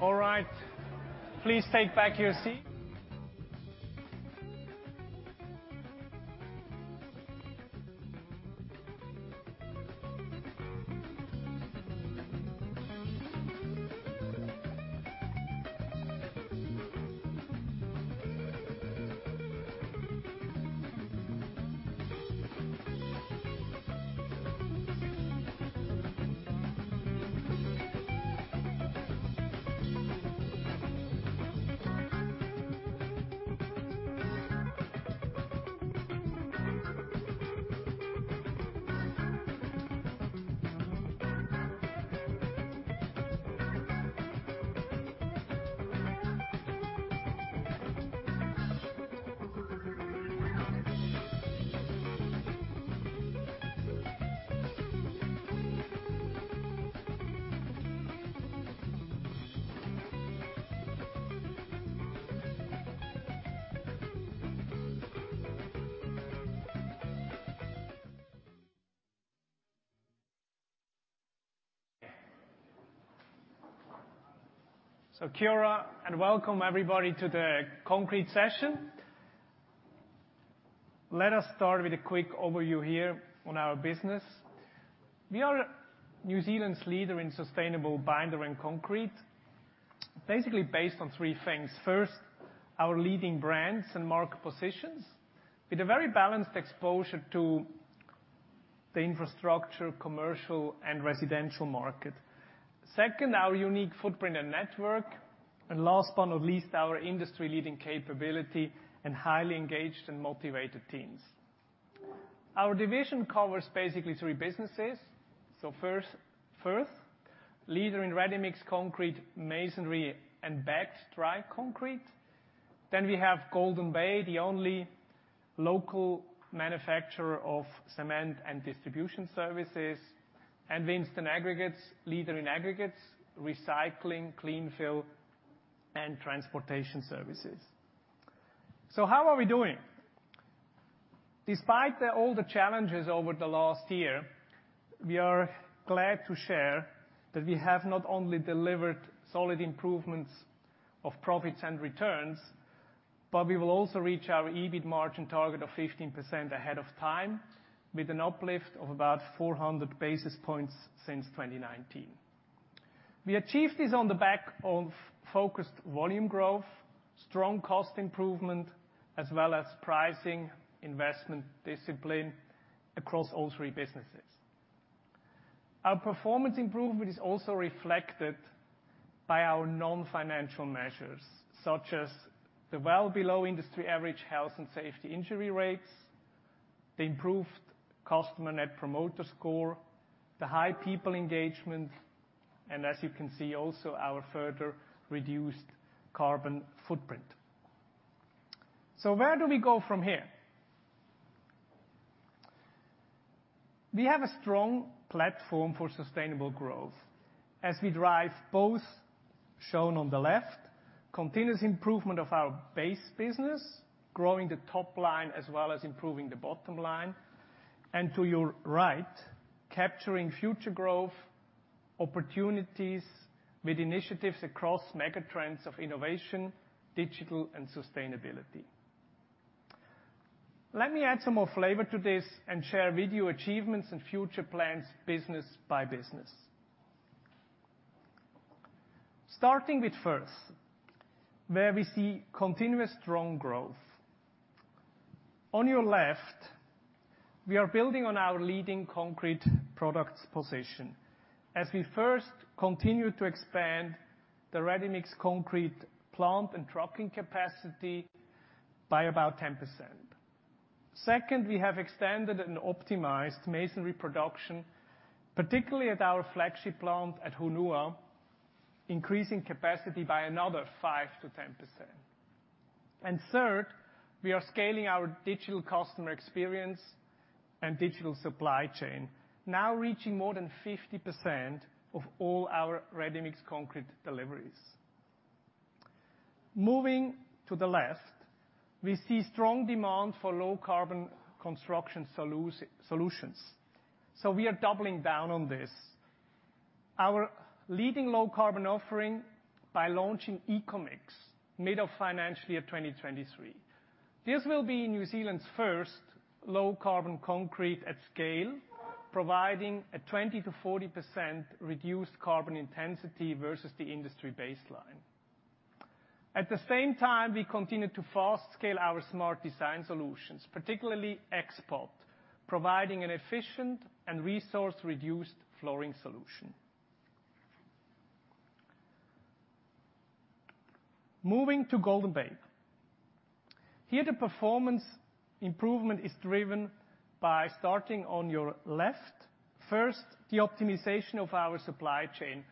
All right. Please take back your seat. Kia ora and welcome everybody to the Concrete session. Let us start with a quick overview here on our business. We are New Zealand's leader in sustainable binder and concrete, basically based on three things. First, our leading brands and market positions with a very balanced exposure to the infrastructure, commercial and residential market. Second, our unique footprint and network. Last but not least, our industry-leading capability and highly engaged and motivated teams. Our division covers basically three businesses. First, Firth, leader in ready-mix concrete, masonry and bagged dry concrete. We have Golden Bay, the only local manufacturer of cement and distribution services. Winstone Aggregates, leader in aggregates, recycling, clean fill and transportation services. How are we doing? Despite the older challenges over the last year, we are glad to share that we have not only delivered solid improvements of profits and returns, but we will also reach our EBIT margin target of 15% ahead of time with an uplift of about 400 basis points since 2019. We achieved this on the back of focused volume growth, strong cost improvement, as well as pricing investment discipline across all three businesses. Our performance improvement is also reflected by our non-financial measures, such as the well below industry average health and safety injury rates, the improved customer net promoter score, the high people engagement, and as you can see, also our further reduced carbon footprint. Where do we go from here? We have a strong platform for sustainable growth as we drive both. Shown on the left, continuous improvement of our base business, growing the top line as well as improving the bottom line. To your right, capturing future growth opportunities with initiatives across mega trends of innovation, digital, and sustainability. Let me add some more flavor to this and share with you achievements and future plans business by business. Starting with Firth, where we see continuous strong growth. On your left, we are building on our leading concrete products position as we first continue to expand the ready-mix concrete plant and trucking capacity by about 10%. Second, we have extended and optimized masonry production, particularly at our flagship plant at Hunua, increasing capacity by another 5%-10%. Third, we are scaling our digital customer experience and digital supply chain, now reaching more than 50% of all our ready-mix concrete deliveries. Moving to the left, we see strong demand for low carbon construction solutions, so we are doubling down on this. Our leading low carbon offering by launching EcoMix, mid of financial year 2023. This will be New Zealand's first low carbon concrete at scale, providing a 20%-40% reduced carbon intensity versus the industry baseline. At the same time, we continue to fast scale our smart design solutions, particularly X-Pod, providing an efficient and resource reduced flooring solution. Moving to Golden Bay. Here, the performance improvement is driven by, starting on your left, first, the optimization of our supply chain,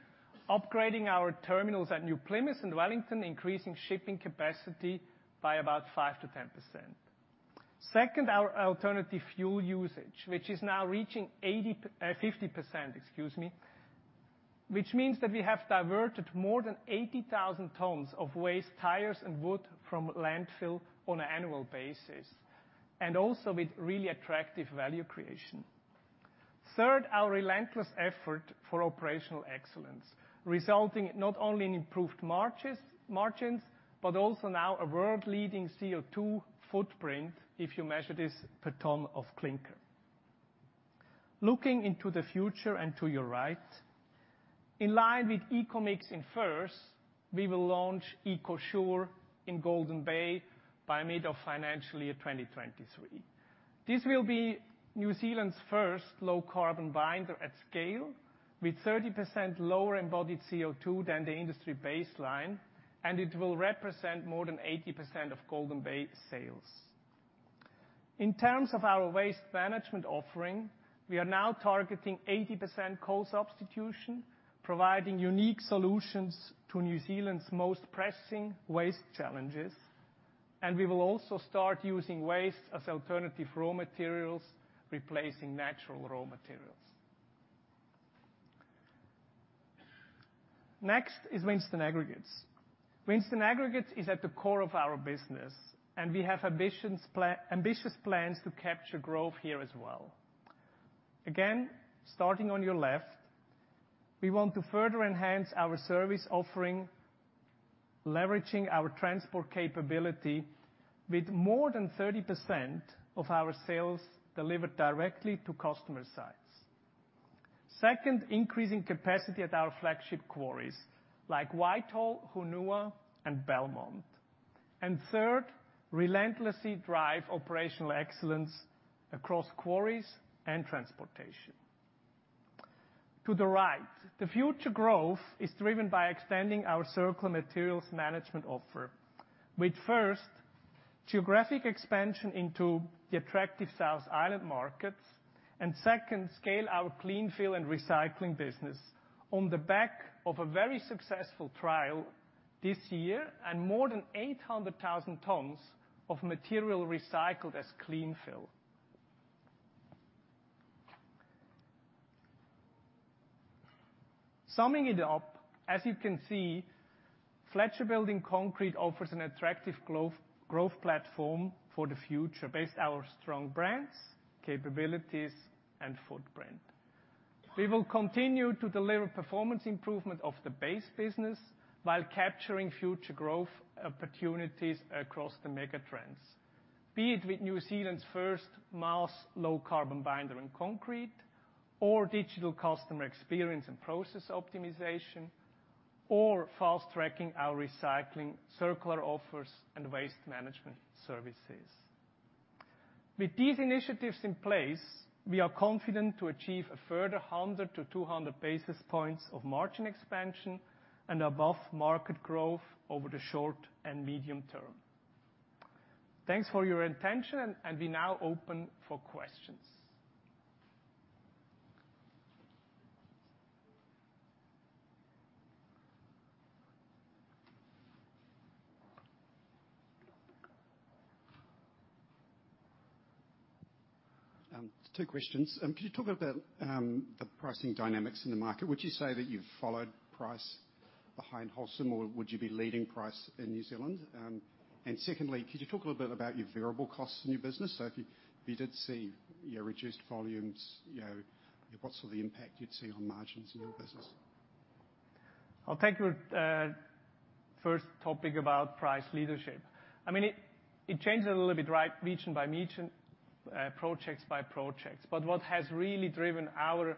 upgrading our terminals at New Plymouth and Wellington, increasing shipping capacity by about 5%-10%. Second, our alternative fuel usage, which is now reaching 50%, excuse me, which means that we have diverted more than 80,000 tons of waste tires and wood from landfill on an annual basis, and also with really attractive value creation. Third, our relentless effort for operational excellence, resulting not only in improved margins, but also now a world-leading CO2 footprint if you measure this per ton of clinker. Looking into the future and to your right, in line with EcoMix in Firth, we will launch EcoSure in Golden Bay by mid of financial year 2023. This will be New Zealand's first low carbon binder at scale, with 30% lower embodied CO2 than the industry baseline, and it will represent more than 80% of Golden Bay sales. In terms of our waste management offering, we are now targeting 80% coal substitution, providing unique solutions to New Zealand's most pressing waste challenges, and we will also start using waste as alternative raw materials, replacing natural raw materials. Next is Winstone Aggregates. Winstone Aggregates is at the core of our business, and we have ambitious plans to capture growth here as well. Again, starting on your left, we want to further enhance our service offering, leveraging our transport capability with more than 30% of our sales delivered directly to customer sites. Second, increasing capacity at our flagship quarries, like Whitehall, Hunua, and Belmont. Third, relentlessly drive operational excellence across quarries and transportation. To the right, the future growth is driven by extending our circular materials management offer. With first, geographic expansion into the attractive South Island markets. Second, scale our clean fill and recycling business on the back of a very successful trial this year and more than 800,000 tons of material recycled as clean fill. Summing it up, as you can see, Fletcher Building Concrete offers an attractive growth platform for the future based our strong brands, capabilities, and footprint. We will continue to deliver performance improvement of the base business while capturing future growth opportunities across the mega trends, be it with New Zealand's first mass low carbon binder and concrete or digital customer experience and process optimization or fast-tracking our recycling circular offers and waste management services. With these initiatives in place, we are confident to achieve a further 100 to 200 basis points of margin expansion and above market growth over the short and medium term. Thanks for your attention, and we now open for questions. Two questions. Could you talk about the pricing dynamics in the market? Would you say that you've followed price behind Holcim or would you be leading price in New Zealand? And secondly, could you talk a little bit about your variable costs in your business? If you did see your reduced volumes, you know, what sort of impact you'd see on margins in your business? I'll take your first topic about price leadership. I mean, it changes a little bit, right, region by region, projects by projects. What has really driven our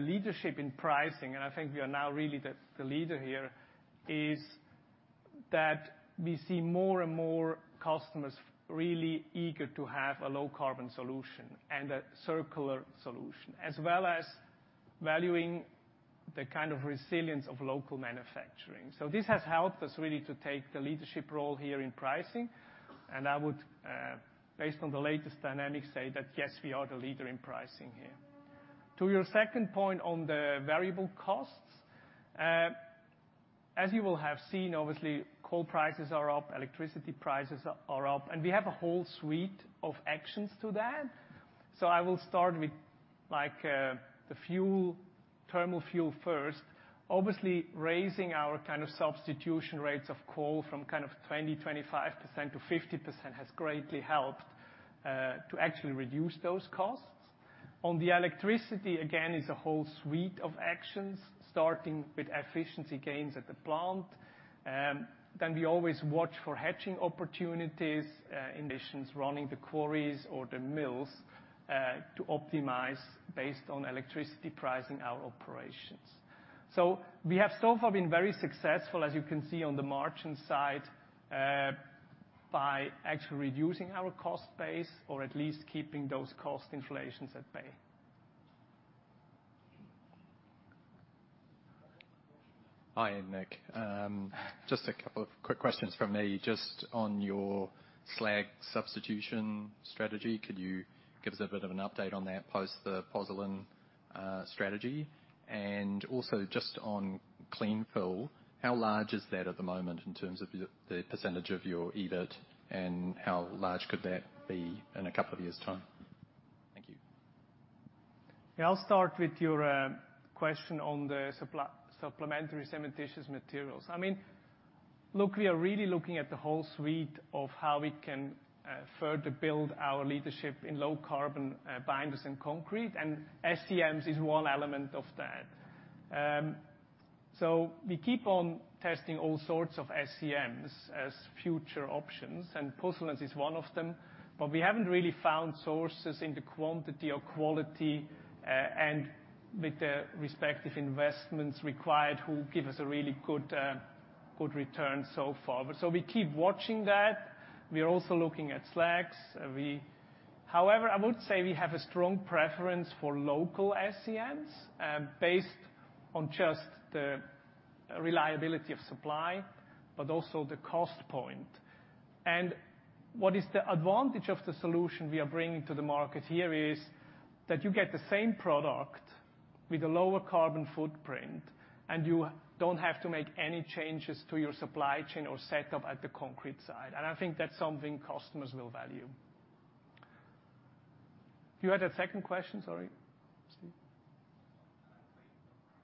leadership in pricing, and I think we are now really the leader here, is that we see more and more customers really eager to have a low carbon solution and a circular solution, as well as valuing the kind of resilience of local manufacturing. This has helped us really to take the leadership role here in pricing, and I would, based on the latest dynamics, say that, yes, we are the leader in pricing here. To your second point on the variable costs, as you will have seen, obviously, coal prices are up, electricity prices are up, and we have a whole suite of actions to that. I will start with, like, the fuel, thermal fuel first. Obviously, raising our kind of substitution rates of coal from kind of 20-25% to 50% has greatly helped to actually reduce those costs. On the electricity, again, is a whole suite of actions, starting with efficiency gains at the plant. Then we always watch for hedging opportunities in conditions, running the quarries or the mills to optimize based on electricity pricing our operations. We have so far been very successful, as you can see on the margin side, by actually reducing our cost base or at least keeping those cost inflations at bay. Hi, Nick. Just a couple of quick questions from me. Just on your slag substitution strategy, could you give us a bit of an update on that post the Pozzolan strategy? And also just on clean fill, how large is that at the moment in terms of your, the percentage of your EBIT, and how large could that be in a couple of years' time? Thank you. Yeah, I'll start with your question on the supplementary cementitious materials. I mean, look, we are really looking at the whole suite of how we can further build our leadership in low carbon binders and concrete, and SCMs is one element of that. We keep on testing all sorts of SCMs as future options, and pozzolans is one of them. But we haven't really found sources in the quantity or quality and with the respective investments required who give us a really good return so far. We keep watching that. We are also looking at slags. However, I would say we have a strong preference for local SCMs based on just the reliability of supply, but also the cost point. What is the advantage of the solution we are bringing to the market here is that you get the same product with a lower carbon footprint, and you don't have to make any changes to your supply chain or setup at the concrete side. I think that's something customers will value. You had a second question? Sorry, Steve.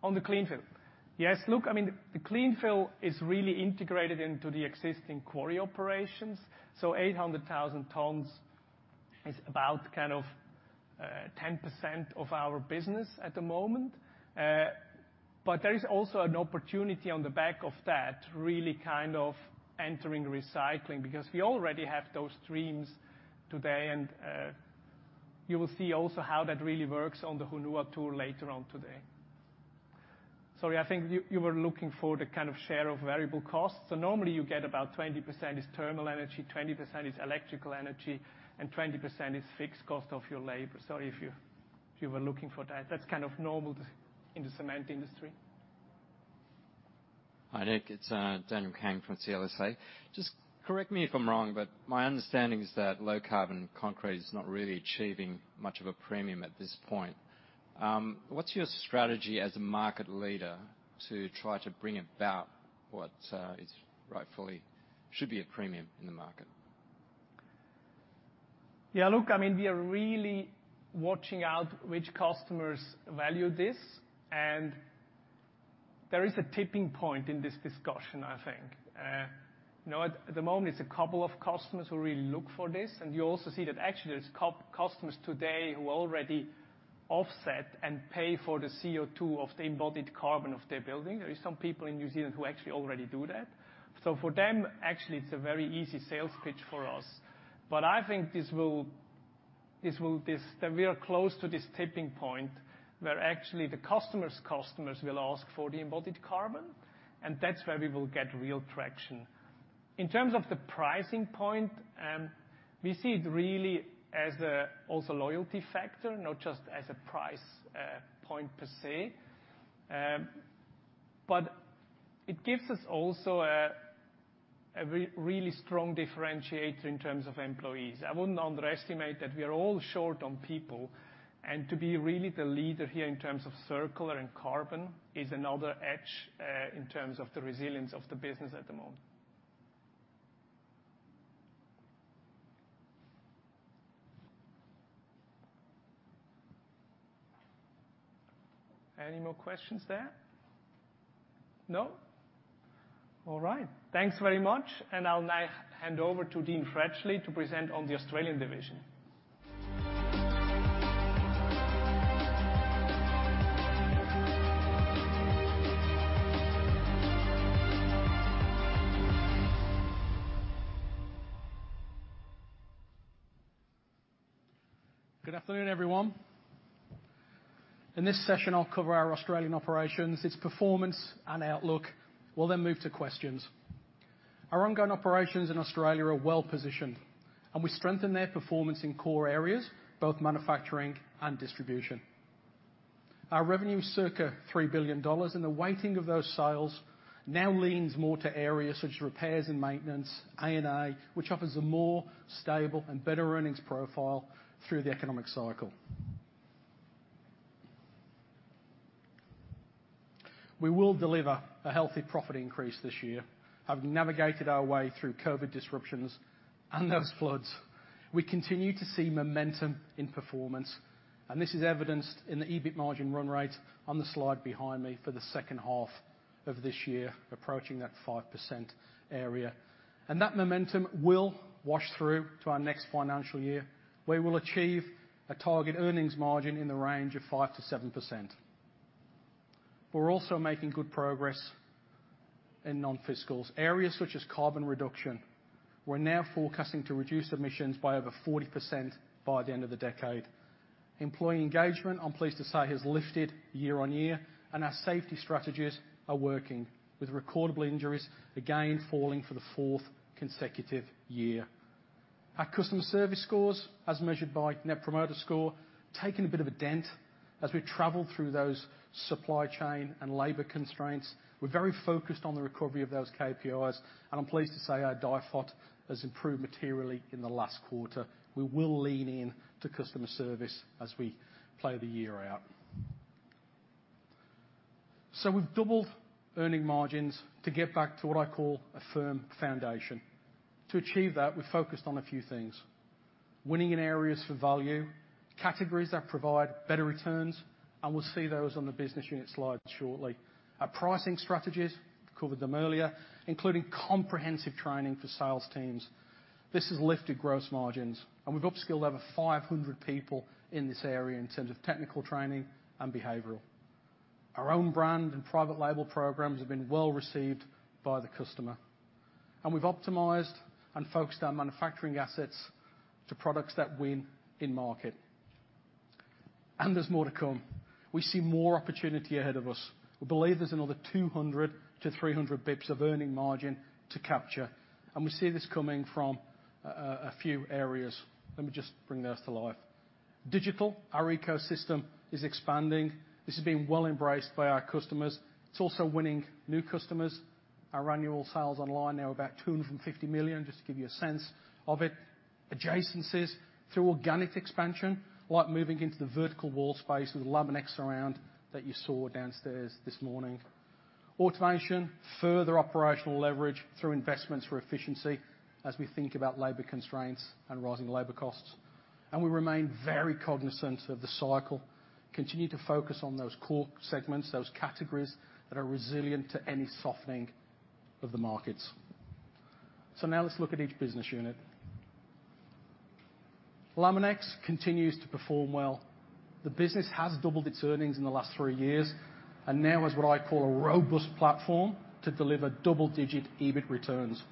On the clean fill. On the clean fill. Yes. Look, I mean, the clean fill is really integrated into the existing quarry operations. Eight hundred thousand tons is about kind of 10% of our business at the moment. But there is also an opportunity on the back of that really kind of entering recycling because we already have those streams today. You will see also how that really works on the Hunua tour later on today. Sorry, I think you were looking for the kind of share of variable costs. Normally you get about 20% thermal energy, 20% electrical energy, and 20% fixed cost of your labor. Sorry if you were looking for that. That's kind of normal too in the cement industry. Hi, Nick. It's Daniel Kang from CLSA. Just correct me if I'm wrong, but my understanding is that low-carbon concrete is not really achieving much of a premium at this point. What's your strategy as a market leader to try to bring about what is rightfully should be a premium in the market? Yeah, look, I mean, we are really watching out which customers value this, and there is a tipping point in this discussion, I think. You know, at the moment, it's a couple of customers who really look for this, and you also see that actually there's customers today who already offset and pay for the CO2 of the embodied carbon of their building. There is some people in New Zealand who actually already do that. So for them, actually, it's a very easy sales pitch for us. But I think that we are close to this tipping point where actually the customer's customers will ask for the embodied carbon, and that's where we will get real traction. In terms of the pricing point, we see it really as a also loyalty factor, not just as a price point per se. It gives us also a really strong differentiator in terms of employees. I wouldn't underestimate that we are all short on people, and to be really the leader here in terms of circular and carbon is another edge in terms of the resilience of the business at the moment. Any more questions there? No? All right. Thanks very much. I'll now hand over to Dean Fradgley to present on the Australian division. Good afternoon, everyone. In this session, I'll cover our Australian operations, its performance and outlook. We'll then move to questions. Our ongoing operations in Australia are well-positioned, and we strengthen their performance in core areas, both manufacturing and distribution. Our revenue is circa 3 billion dollars, and the weighting of those sales now leans more to areas such as repairs and maintenance, R&A, which offers a more stable and better earnings profile through the economic cycle. We will deliver a healthy profit increase this year, having navigated our way through COVID disruptions and those floods. We continue to see momentum in performance, and this is evidenced in the EBIT margin run rate on the slide behind me for the second half of this year, approaching that 5% area. That momentum will wash through to our next financial year. We will achieve a target earnings margin in the range of 5%-7%. We're also making good progress in non-financials areas such as carbon reduction, we're now forecasting to reduce emissions by over 40% by the end of the decade. Employee engagement, I'm pleased to say, has lifted year-on-year, and our safety strategies are working with recordable injuries, again, falling for the fourth consecutive year. Our customer service scores, as measured by Net Promoter Score, taken a bit of a dent as we traveled through those supply chain and labor constraints. We're very focused on the recovery of those KPIs, and I'm pleased to say our DIFOT has improved materially in the last quarter. We will lean in to customer service as we play out the year. We've doubled earnings margins to get back to what I call a firm foundation. To achieve that, we focused on a few things. Winning in areas for value, categories that provide better returns, and we'll see those on the business unit slide shortly. Our pricing strategies, covered them earlier, including comprehensive training for sales teams. This has lifted gross margins, and we've upskilled over 500 people in this area in terms of technical training and behavioral. Our own brand and private label programs have been well received by the customer. We've optimized and focused our manufacturing assets to products that win in market. There's more to come. We see more opportunity ahead of us. We believe there's another 200-300 basis points of earnings margin to capture. We see this coming from a few areas. Let me just bring those to life. Digital, our ecosystem is expanding. This has been well embraced by our customers. It's also winning new customers. Our annual sales online now are about 250 million, just to give you a sense of it. Adjacencies through organic expansion, like moving into the vertical wall space with the Laminex Surround that you saw downstairs this morning. Automation, further operational leverage through investments for efficiency as we think about labor constraints and rising labor costs. We remain very cognizant of the cycle, continue to focus on those core segments, those categories that are resilient to any softening of the markets. Now let's look at each business unit. Laminex continues to perform well. The business has doubled its earnings in the last three years and now is what I call a robust platform to deliver double-digit EBIT returns.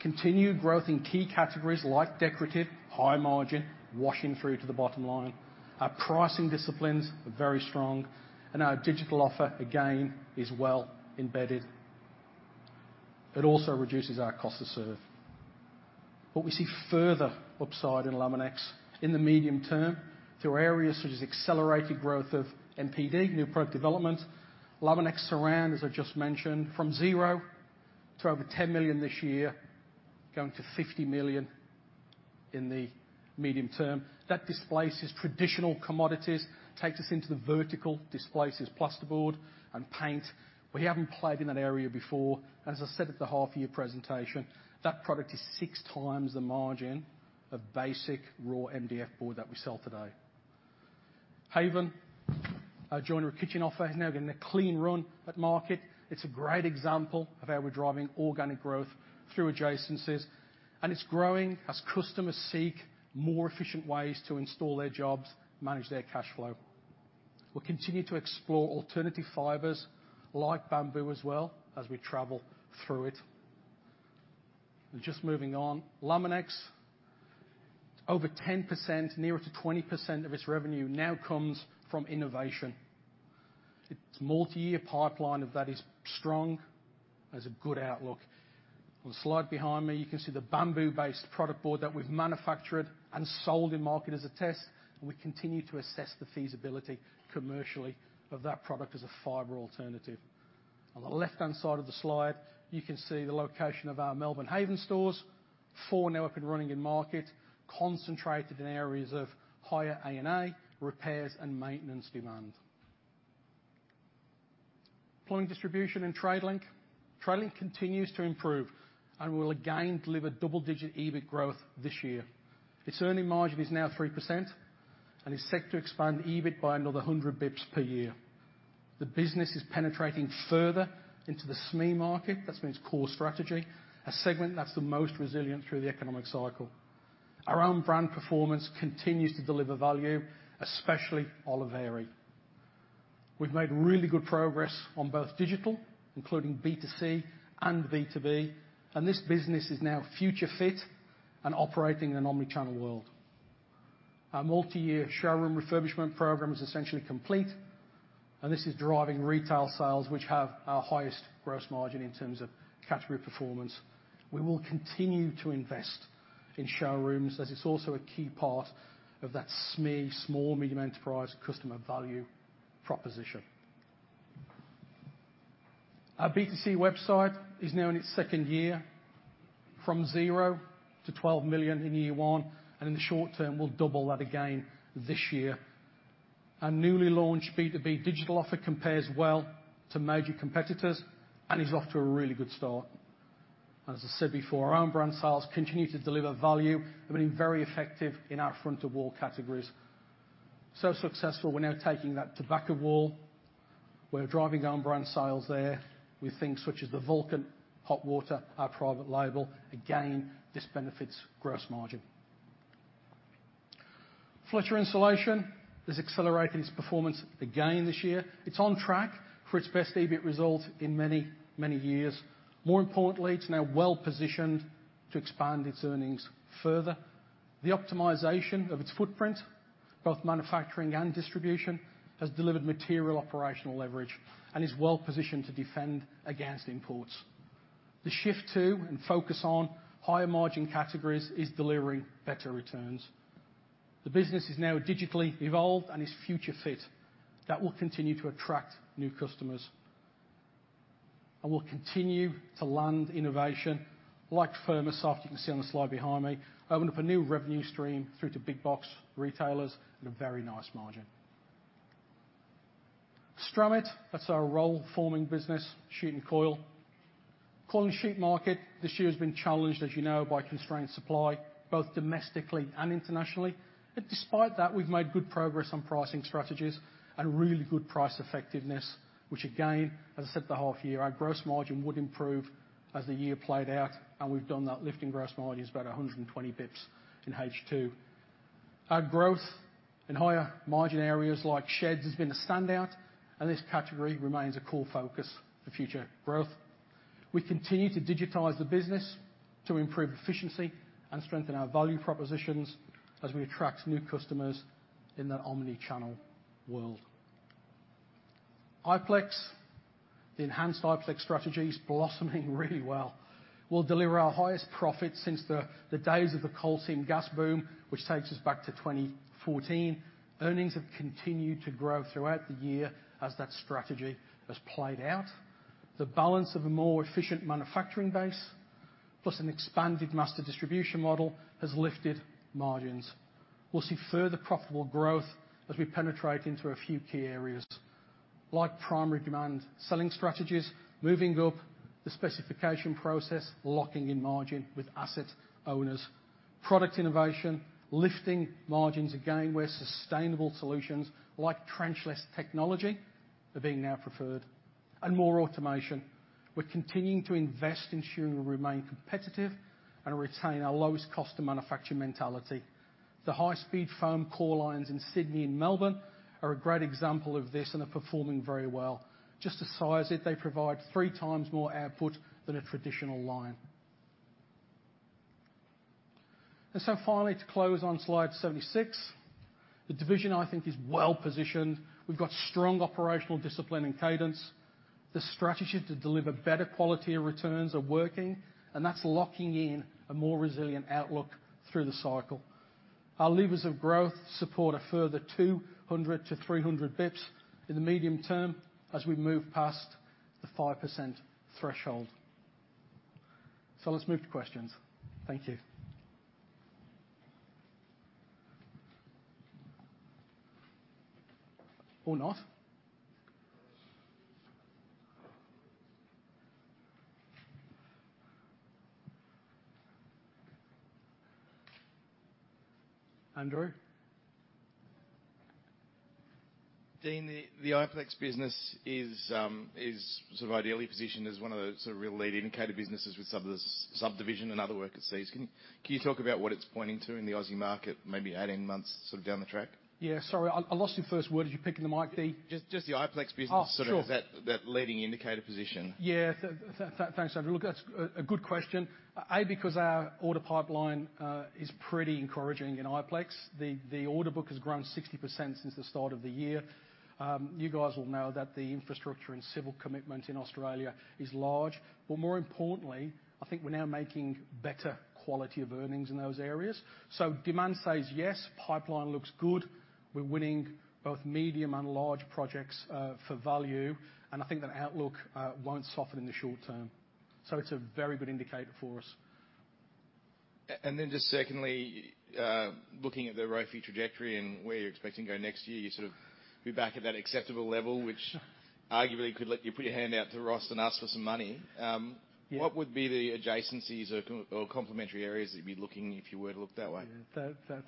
Continued growth in key categories like decorative, high margin, washing through to the bottom line. Our pricing disciplines are very strong, and our digital offer, again, is well embedded. It also reduces our cost to serve. We see further upside in Laminex in the medium term through areas such as accelerated growth of NPD, New Product Development. Laminex Surround, as I just mentioned, from zero to over 10 million this year, going to 50 million in the medium term. That displaces traditional commodities, takes us into the vertical, displaces plasterboard and paint. We haven't played in that area before. As I said at the half-year presentation, that product is six times the margin of basic raw MDF board that we sell today. Haven, our joinery kitchen offer, is now getting a clean run at market. It's a great example of how we're driving organic growth through adjacencies, and it's growing as customers seek more efficient ways to install their jobs, manage their cash flow. We'll continue to explore alternative fibers like bamboo as well as we travel through it. Just moving on. Laminex, over 10%, nearer to 20% of its revenue now comes from innovation. Its multi-year pipeline of that is strong. That's a good outlook. On the slide behind me, you can see the bamboo-based product board that we've manufactured and sold in market as a test, and we continue to assess the feasibility commercially of that product as a fiber alternative. On the left-hand side of the slide, you can see the location of our Melbourne Haven stores. Four now up and running in market, concentrated in areas of higher R&A, repairs, and maintenance demand. Plumbing distribution and Tradelink. Tradelink continues to improve and will again deliver double-digit EBIT growth this year. Its earnings margin is now 3% and is set to expand EBIT by another 100 basis points per year. The business is penetrating further into the SME market. That's been its core strategy, a segment that's the most resilient through the economic cycle. Our own brand performance continues to deliver value, especially Oliveri. We've made really good progress on both digital, including B2C and B2B, and this business is now future fit and operating in an omni-channel world. Our multi-year showroom refurbishment program is essentially complete, and this is driving retail sales, which have our highest gross margin in terms of category performance. We will continue to invest in showrooms as it's also a key part of that SME, small medium enterprise customer value proposition. Our B2C website is now in its second year from 0 to 12 million in year one, and in the short term, we'll double that again this year. Our newly launched B2B digital offer compares well to major competitors and is off to a really good start. As I said before, our own brand sales continue to deliver value, have been very effective in our front-of-wall categories. Successful, we're now taking that to back of wall. We're driving our own brand sales there with things such as the Vulcan hot water, our private label. Again, this benefits gross margin. Fletcher Insulation has accelerated its performance again this year. It's on track for its best EBIT result in many, many years. More importantly, it's now well positioned to expand its earnings further. The optimization of its footprint, both manufacturing and distribution, has delivered material operational leverage and is well positioned to defend against imports. The shift to and focus on higher margin categories is delivering better returns. The business is now digitally evolved and is future fit. That will continue to attract new customers. We'll continue to land innovation like FirmaSoft, you can see on the slide behind me, opening up a new revenue stream through to big box retailers and a very nice margin. Stramit, that's our rollforming business, sheet and coil. Coil and sheet market this year has been challenged, as you know, by constrained supply, both domestically and internationally. Despite that, we've made good progress on pricing strategies and really good price effectiveness, which again, as I said at the half year, our gross margin would improve as the year played out, and we've done that, lifting gross margin by about 100 basis points in H2. Our growth in higher margin areas like sheds has been a standout, and this category remains a core focus for future growth. We continue to digitize the business to improve efficiency and strengthen our value propositions as we attract new customers in that omni-channel world. Iplex, the enhanced Iplex strategy is blossoming really well. We'll deliver our highest profits since the days of the coal seam gas boom, which takes us back to 2014. Earnings have continued to grow throughout the year as that strategy has played out. The balance of a more efficient manufacturing base, plus an expanded master distribution model, has lifted margins. We'll see further profitable growth as we penetrate into a few key areas, like primary demand selling strategies, moving up the specification process, locking in margin with asset owners. Product innovation, lifting margins again, where sustainable solutions like trench-less technology are being now preferred. More automation. We're continuing to invest, ensuring we remain competitive and retain our lowest cost to manufacture mentality. The high-speed foam core lines in Sydney and Melbourne are a great example of this and are performing very well. Just to size it, they provide three times more output than a traditional line. Finally, to close on slide 76, the division I think is well positioned. We've got strong operational discipline and cadence. The strategy to deliver better quality of returns are working, and that's locking in a more resilient outlook through the cycle. Our levers of growth support a further 200-300 bps in the medium term as we move past the 5% threshold. Let's move to questions. Thank you. Or not. Andrew? Dean, the Iplex business is sort of ideally positioned as one of the sort of real lead indicator businesses with subdivision and other work it sees. Can you talk about what it's pointing to in the Aussie market, maybe 18 months sort of down the track? Yeah. Sorry, I lost your first word. Did you pick in the mic, Dee? Just the Iplex business sort of that leading indicator position. Thanks, Andrew. Look, that's a good question. Because our order pipeline is pretty encouraging in Iplex. The order book has grown 60% since the start of the year. You guys will know that the infrastructure and civil commitment in Australia is large. More importantly, I think we're now making better quality of earnings in those areas. Demand says yes, pipeline looks good. We're winning both medium and large projects for value, and I think that outlook won't soften in the short term. It's a very good indicator for us. Just secondly, looking at the ROFE trajectory and where you're expecting to go next year, you sort of be back at that acceptable level, which arguably could let you put your hand out to Ross and ask for some money. What would be the adjacencies or complementary areas that you'd be looking at if you were to look that way?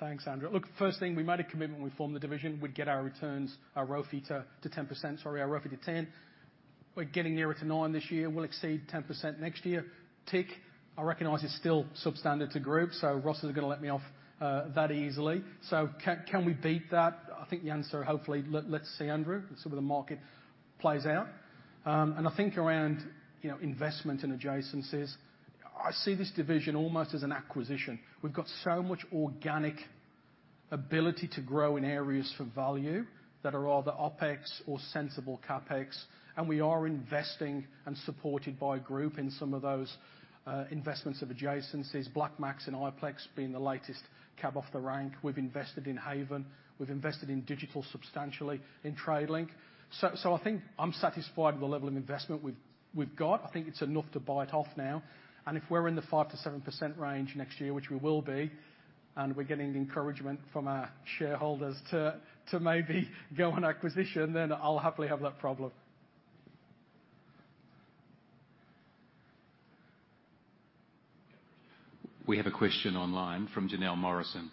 Thanks, Andrew. Look, first thing, we made a commitment when we formed the division. We'd get our returns, our ROFE to 10%. Sorry, our ROFE to ten. We're getting nearer to 9% this year. We'll exceed 10% next year. Tick. I recognize it's still substandard to growth, so Ross isn't gonna let me off that easily. Can we beat that? I think the answer, hopefully. Let's see, Andrew, sort of the market plays out. I think around, you know, investment and adjacencies, I see this division almost as an acquisition. We've got so much organic ability to grow in areas for value that are all the OpEx or sensible CapEx, and we are investing and supported by group in some of those investments of adjacencies. BlackMax and Iplex being the latest cab off the rank. We've invested in Haven. We've invested in digital substantially in Tradelink. I think I'm satisfied with the level of investment we've got. I think it's enough to bite off now. If we're in the 5%-7% range next year, which we will be, and we're getting encouragement from our shareholders to maybe go on acquisition, then I'll happily have that problem. We have a question online from Janelle Morrison.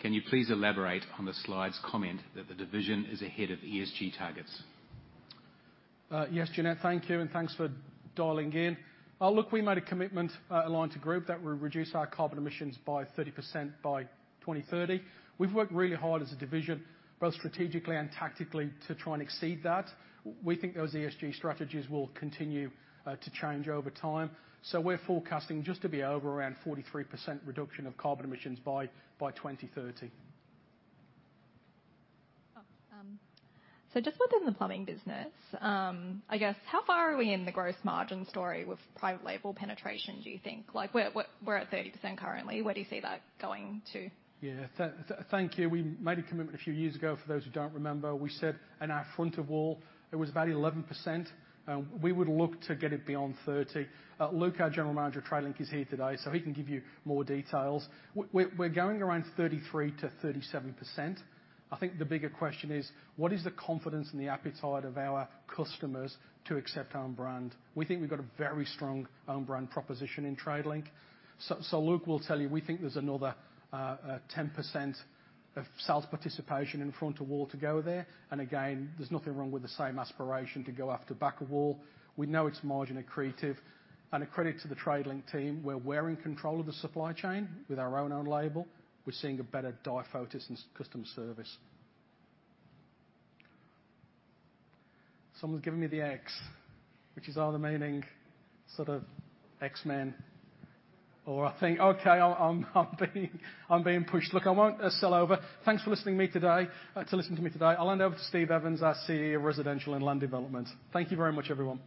Can you please elaborate on the slide's comment that the division is ahead of ESG targets? Yes, Janelle. Thank you, and thanks for dialing in. Look, we made a commitment aligned to group that we'll reduce our carbon emissions by 30% by 2030. We've worked really hard as a division, both strategically and tactically to try and exceed that. We think those ESG strategies will continue to change over time, so we're forecasting just to be over around 43% reduction of carbon emissions by 2030. Just within the plumbing business, I guess how far are we in the gross margin story with private label penetration do you think? We're at 30% currently. Where do you see that going to? Yeah. Thank you. We made a commitment a few years ago, for those who don't remember. We said in our front of wall it was about 11% and we would look to get it beyond 30%. Luke, our general manager of Tradelink, is here today, so he can give you more details. We're going around 33%-37%. I think the bigger question is what is the confidence and the appetite of our customers to accept own brand? We think we've got a very strong own brand proposition in Tradelink. Luke will tell you, we think there's another 10% of sales participation in front of wall to go there. Again, there's nothing wrong with the same aspiration to go after back of wall. We know it's margin accretive. A credit to the Tradelink team, where we're in control of the supply chain with our own label. We're seeing a better focus in customer service. Someone's giving me the X, which is our remaining sort of ten minutes, I think. Okay, I'm being pushed. Look, I won't go over. Thanks for listening to me today. I'll hand over to Steve Evans, our CEO of Residential and Development. Thank you very much, everyone.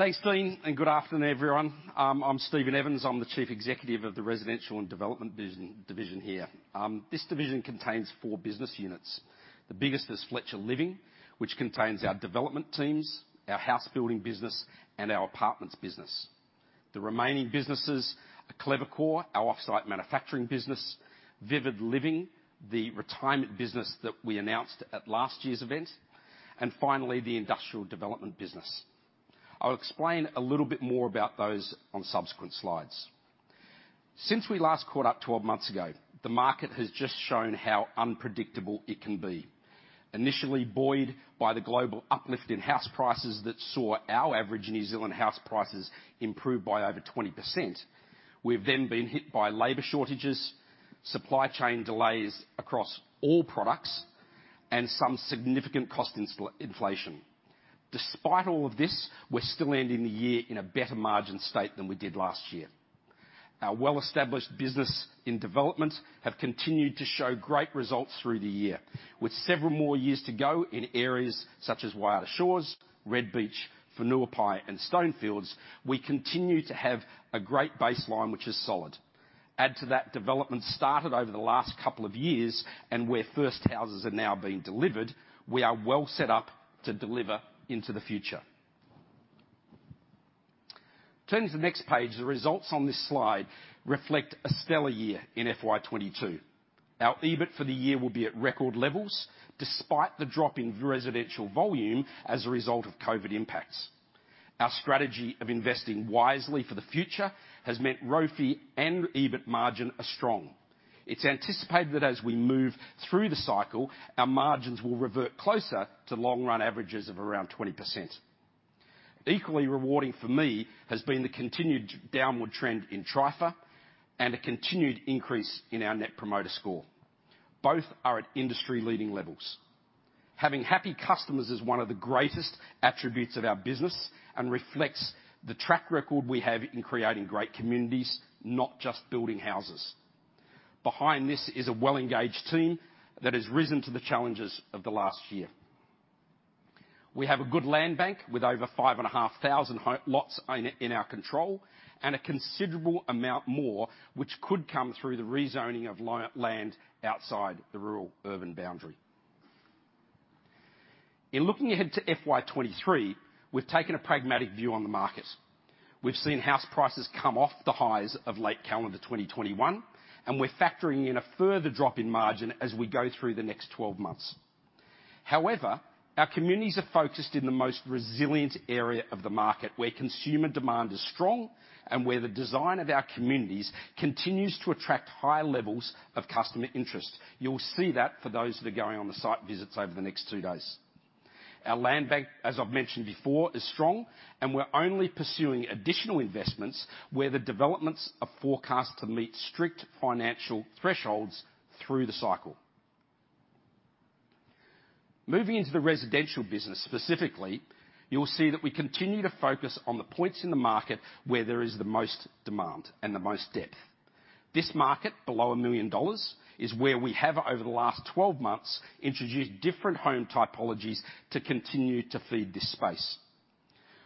Thanks, Dean, and good afternoon, everyone. I'm Stephen Evans. I'm the Chief Executive of the Residential and Development Division here. This division contains four business units. The biggest is Fletcher Living, which contains our development teams, our house building business, and our apartments business. The remaining businesses are Clever Core, our offsite manufacturing business. Vivid Living, the retirement business that we announced at last year's event. And finally, the Industrial Development business. I'll explain a little bit more about those on subsequent slides. Since we last caught up 12 months ago, the market has just shown how unpredictable it can be. Initially buoyed by the global uplift in house prices that saw our average New Zealand house prices improve by over 20%. We've then been hit by labor shortages, supply chain delays across all products, and some significant cost inflation. Despite all of this, we're still ending the year in a better margin state than we did last year. Our well-established business in developments have continued to show great results through the year. With several more years to go in areas such as Waiata Shores, Red Beach, Whenuapai, and Stonefields, we continue to have a great baseline which is solid. Add to that development started over the last couple of years and where first houses are now being delivered, we are well set up to deliver into the future. Turning to the next page, the results on this slide reflect a stellar year in FY 2022. Our EBIT for the year will be at record levels despite the drop in residential volume as a result of COVID impacts. Our strategy of investing wisely for the future has meant ROFE and EBIT margin are strong. It's anticipated that as we move through the cycle, our margins will revert closer to long run averages of around 20%. Equally rewarding for me has been the continued downward trend in TRIFR and a continued increase in our net promoter score. Both are at industry leading levels. Having happy customers is one of the greatest attributes of our business and reflects the track record we have in creating great communities, not just building houses. Behind this is a well-engaged team that has risen to the challenges of the last year. We have a good land bank with over 5,500 home lots in our control, and a considerable amount more which could come through the rezoning of land outside the rural-urban boundary. In looking ahead to FY 2023, we've taken a pragmatic view on the market. We've seen house prices come off the highs of late calendar 2021, and we're factoring in a further drop in margin as we go through the next 12 months. However, our communities are focused in the most resilient area of the market, where consumer demand is strong, and where the design of our communities continues to attract high levels of customer interest. You'll see that for those that are going on the site visits over the next two days. Our land bank, as I've mentioned before, is strong, and we're only pursuing additional investments where the developments are forecast to meet strict financial thresholds through the cycle. Moving into the residential business specifically, you'll see that we continue to focus on the points in the market where there is the most demand and the most depth. This market, below 1 million dollars, is where we have over the last 12 months introduced different home typologies to continue to feed this space.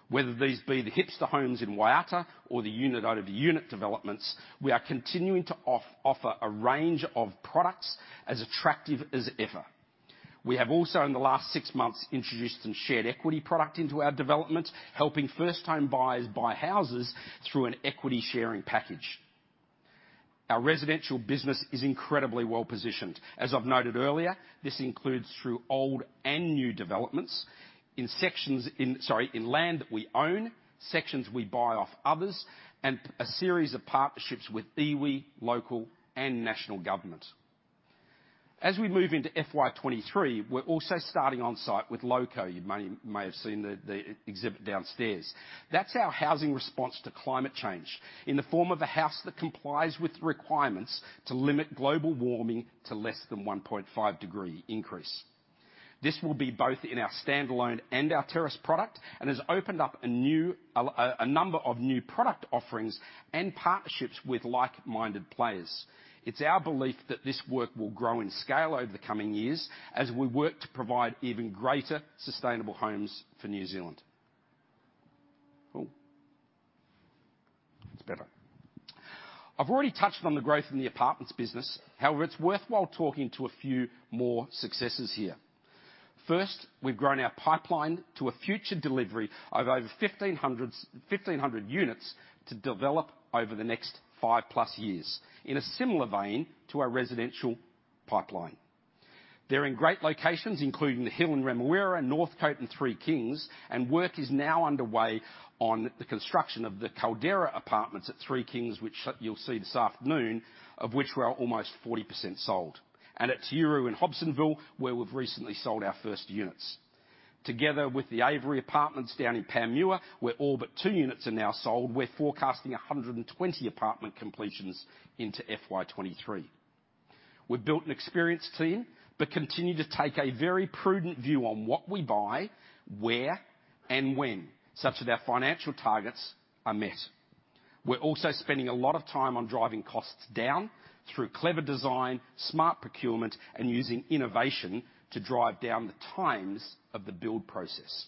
Whether these be the Hipster Homes in Waiata or the unit out of unit developments, we are continuing to offer a range of products as attractive as ever. We have also in the last six months introduced some shared equity product into our developments, helping first-time buyers buy houses through an equity sharing package. Our residential business is incredibly well-positioned. As I've noted earlier, this includes through old and new developments in land that we own, sections we buy off others, and a series of partnerships with iwi, local, and national government. As we move into FY 2023, we're also starting on site with LowCO. You may have seen the exhibit downstairs. That's our housing response to climate change in the form of a house that complies with requirements to limit global warming to less than 1.5 degree increase. This will be both in our standalone and our terrace product and has opened up a number of new product offerings and partnerships with like-minded players. It's our belief that this work will grow in scale over the coming years as we work to provide even greater sustainable homes for New Zealand. Cool. That's better. I've already touched on the growth in the apartments business. However, it's worthwhile talking to a few more successes here. First, we've grown our pipeline to a future delivery of over 1,500 units to develop over the next 5+ years in a similar vein to our residential pipeline. They're in great locations, including The Hill in Remuera and Northcote and Three Kings, and work is now underway on the construction of the Caldera Apartments at Three Kings, which you'll see this afternoon, of which we're almost 40% sold. At Te Uru Apartments in Hobsonville Point, where we've recently sold our first units. Together with The Aviary Apartments down in Panmure, where all but two units are now sold, we're forecasting 120 apartment completions into FY 2023. We've built an experienced team but continue to take a very prudent view on what we buy, where, and when, such that our financial targets are met. We're also spending a lot of time on driving costs down through clever design, smart procurement, and using innovation to drive down the times of the build process.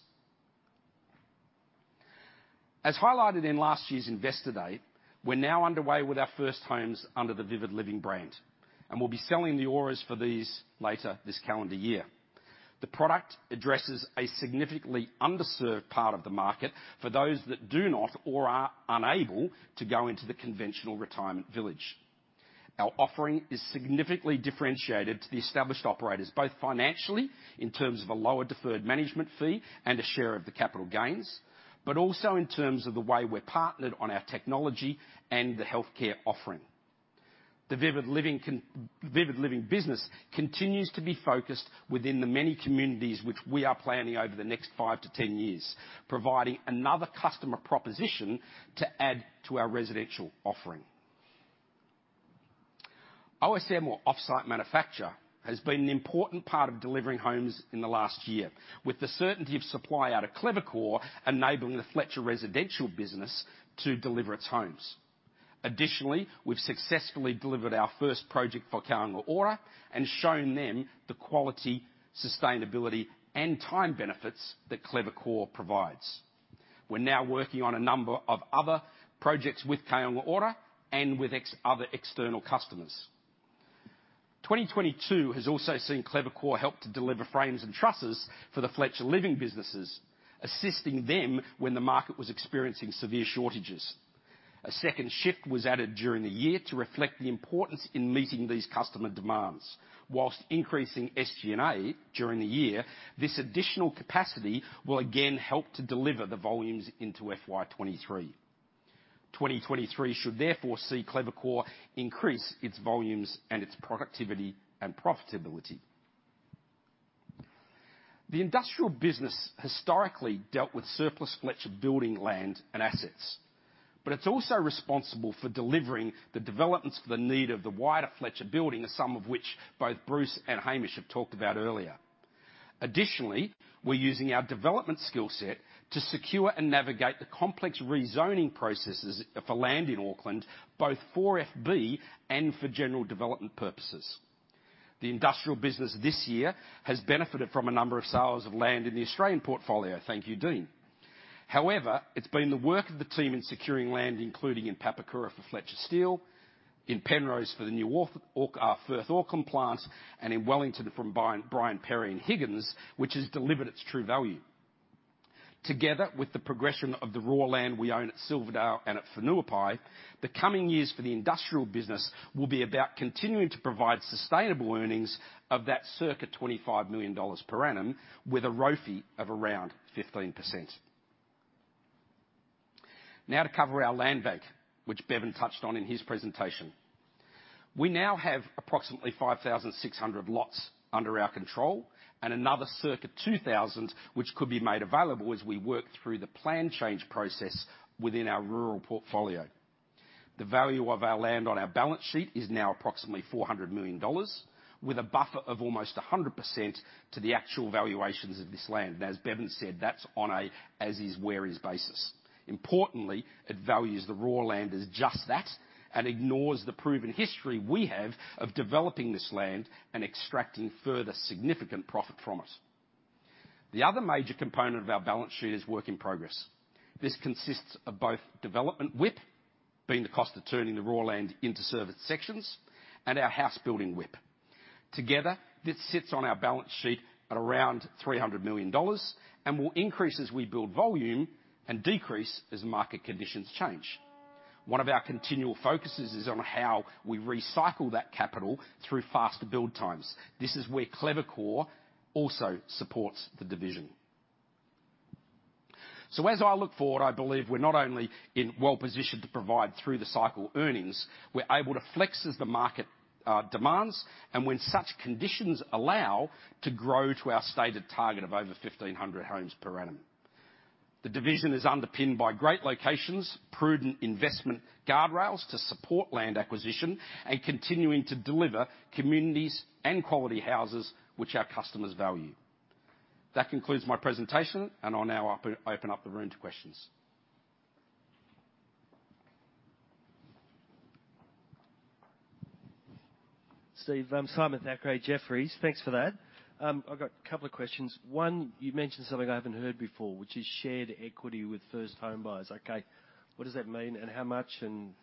As highlighted in last year's Investor Day, we're now underway with our first homes under the Vivid Living brand, and we'll be selling the units for these later this calendar year. The product addresses a significantly underserved part of the market for those that do not or are unable to go into the conventional retirement village. Our offering is significantly differentiated to the established operators, both financially in terms of a lower deferred management fee and a share of the capital gains, but also in terms of the way we're partnered on our technology and the healthcare offering. The Vivid Living business continues to be focused within the many communities which we are planning over the next five to ten years, providing another customer proposition to add to our residential offering. OSM or off-site manufacture has been an important part of delivering homes in the last year, with the certainty of supply out of Clever Core enabling the Fletcher Living business to deliver its homes. Additionally, we've successfully delivered our first project for Kāinga Ora and shown them the quality, sustainability, and time benefits that Clever Core provides. We're now working on a number of other projects with Kāinga Ora and with other external customers. 2022 has also seen Clever Core help to deliver frames and trusses for the Fletcher Living businesses, assisting them when the market was experiencing severe shortages. A second shift was added during the year to reflect the importance in meeting these customer demands. While increasing SG&A during the year, this additional capacity will again help to deliver the volumes into FY 2023. 2023 should therefore see Clever Core increase its volumes and its productivity and profitability. The industrial business historically dealt with surplus Fletcher Building land and assets, but it's also responsible for delivering the developments for the need of the wider Fletcher Building, some of which both Bruce and Hamish have talked about earlier. Additionally, we're using our development skill set to secure and navigate the complex rezoning processes for land in Auckland, both for FB and for general development purposes. The industrial business this year has benefited from a number of sales of land in the Australian portfolio. Thank you, Dean. However, it's been the work of the team in securing land, including in Papakura for Fletcher Steel, in Penrose for the new Firth Auckland plant, and in Wellington from Brian Perry and Higgins, which has delivered its true value. Together with the progression of the raw land we own at Silverdale and at Whenuapai, the coming years for the industrial business will be about continuing to provide sustainable earnings of that circa 25 million dollars per annum with a ROFE of around 15%. Now to cover our land bank, which Bevan touched on in his presentation. We now have approximately 5,600 lots under our control and another circa 2,000 which could be made available as we work through the plan change process within our rural portfolio. The value of our land on our balance sheet is now approximately 400 million dollars, with a buffer of almost 100% to the actual valuations of this land. As Bevan said, that's on a as is where is basis. Importantly, it values the raw land as just that and ignores the proven history we have of developing this land and extracting further significant profit from it. The other major component of our balance sheet is work in progress. This consists of both development WIP, being the cost of turning the raw land into service sections, and our house building WIP. Together, this sits on our balance sheet at around 300 million dollars and will increase as we build volume and decrease as market conditions change. One of our continual focuses is on how we recycle that capital through faster build times. This is where Clever Core also supports the division. As I look forward, I believe we're not only well-positioned to provide through the cycle earnings, we're able to flex as the market demands, and when such conditions allow, to grow to our stated target of over 1,500 homes per annum. The division is underpinned by great locations, prudent investment guardrails to support land acquisition, and continuing to deliver communities and quality houses which our customers value. That concludes my presentation, and I'll now open up the room to questions. Steve, Simon Thackray, Jefferies. Thanks for that. I've got a couple of questions. One, you mentioned something I haven't heard before, which is shared equity with first home buyers. Okay, what does that mean and how much and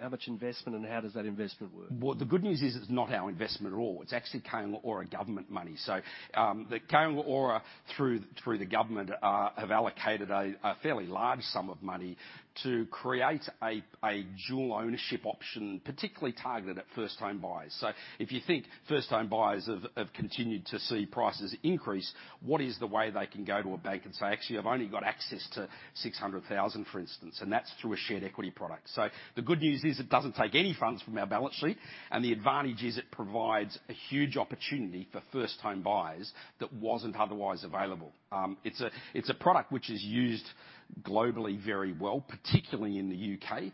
how much investment and how does that investment work? Well, the good news is it's not our investment at all. It's actually Kāinga Ora government money. The Kāinga Ora, through the government, have allocated a fairly large sum of money to create a dual ownership option, particularly targeted at first home buyers. If you think first home buyers have continued to see prices increase, what is the way they can go to a bank and say, "Actually, I've only got access to 600,000," for instance, and that's through a shared equity product. The good news is it doesn't take any funds from our balance sheet, and the advantage is it provides a huge opportunity for first home buyers that wasn't otherwise available. It's a product which is used globally very well, particularly in the UK,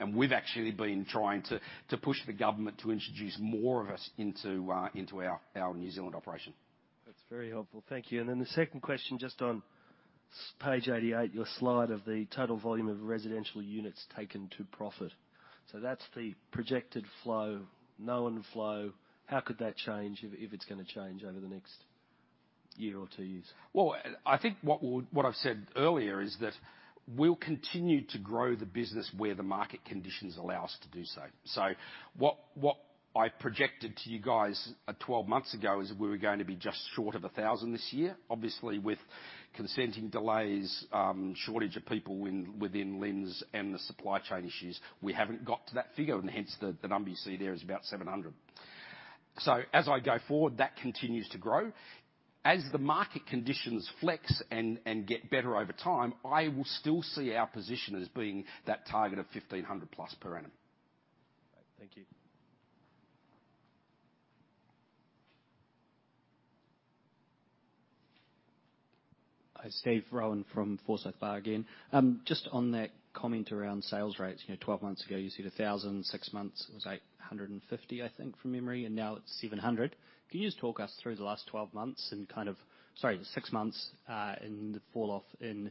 and we've actually been trying to push the government to introduce more of it into our New Zealand operation. That's very helpful. Thank you. The second question, just on page 88, your slide of the total volume of residential units taken to profit. That's the projected flow, known flow. How could that change if it's gonna change over the next year or two years? Well, I think what I've said earlier is that we'll continue to grow the business where the market conditions allow us to do so. What I projected to you guys twelve months ago is we were going to be just short of 1,000 this year. Obviously, with consenting delays, shortage of people within LINZ and the supply chain issues, we haven't got to that figure, and hence the number you see there is about 700. As I go forward, that continues to grow. As the market conditions flex and get better over time, I will still see our position as being that target of 1,500 plus per annum. Thank you. Hi, Steve. Rohan from Forsyth Barr again. Just on that comment around sales rates. You know, 12 months ago you said 1,000, six months it was like 150, I think, from memory, and now it's 700. Can you just talk us through the last 12 months and the six months, and the fall off in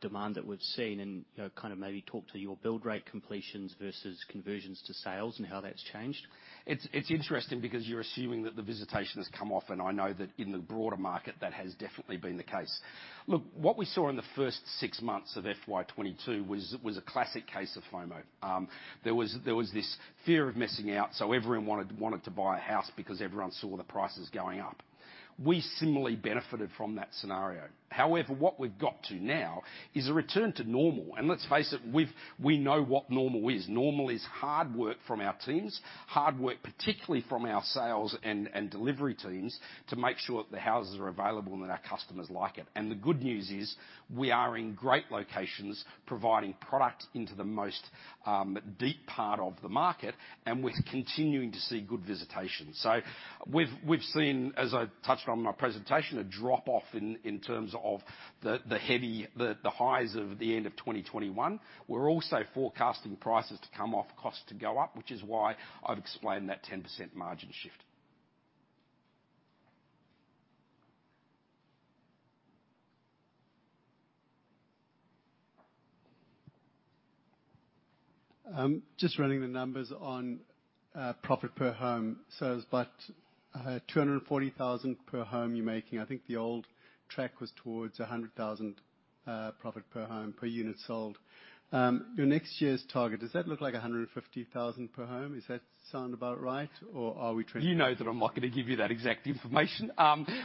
demand that we've seen and, you know, kind of maybe talk to your build rate completions versus conversions to sales and how that's changed? It's interesting because you're assuming that the visitation has come off, and I know that in the broader market that has definitely been the case. Look, what we saw in the first six months of FY 2022 was a classic case of FOMO. There was this fear of missing out, so everyone wanted to buy a house because everyone saw the prices going up. We similarly benefited from that scenario. However, what we've got to now is a return to normal. Let's face it, we know what normal is. Normal is hard work from our teams, hard work, particularly from our sales and delivery teams, to make sure the houses are available and that our customers like it. The good news is we are in great locations providing product into the most deep part of the market, and we're continuing to see good visitation. We've seen, as I touched on in my presentation, a drop-off in terms of the highs of the end of 2021. We're also forecasting prices to come off, costs to go up, which is why I've explained that 10% margin shift. Just running the numbers on profit per home. It's about 240,000 per home you're making. I think the old track was towards 100,000 profit per home per unit sold. Your next year's target, does that look like 150,000 per home? Does that sound about right? Or are we trending. You know that I'm not gonna give you that exact information.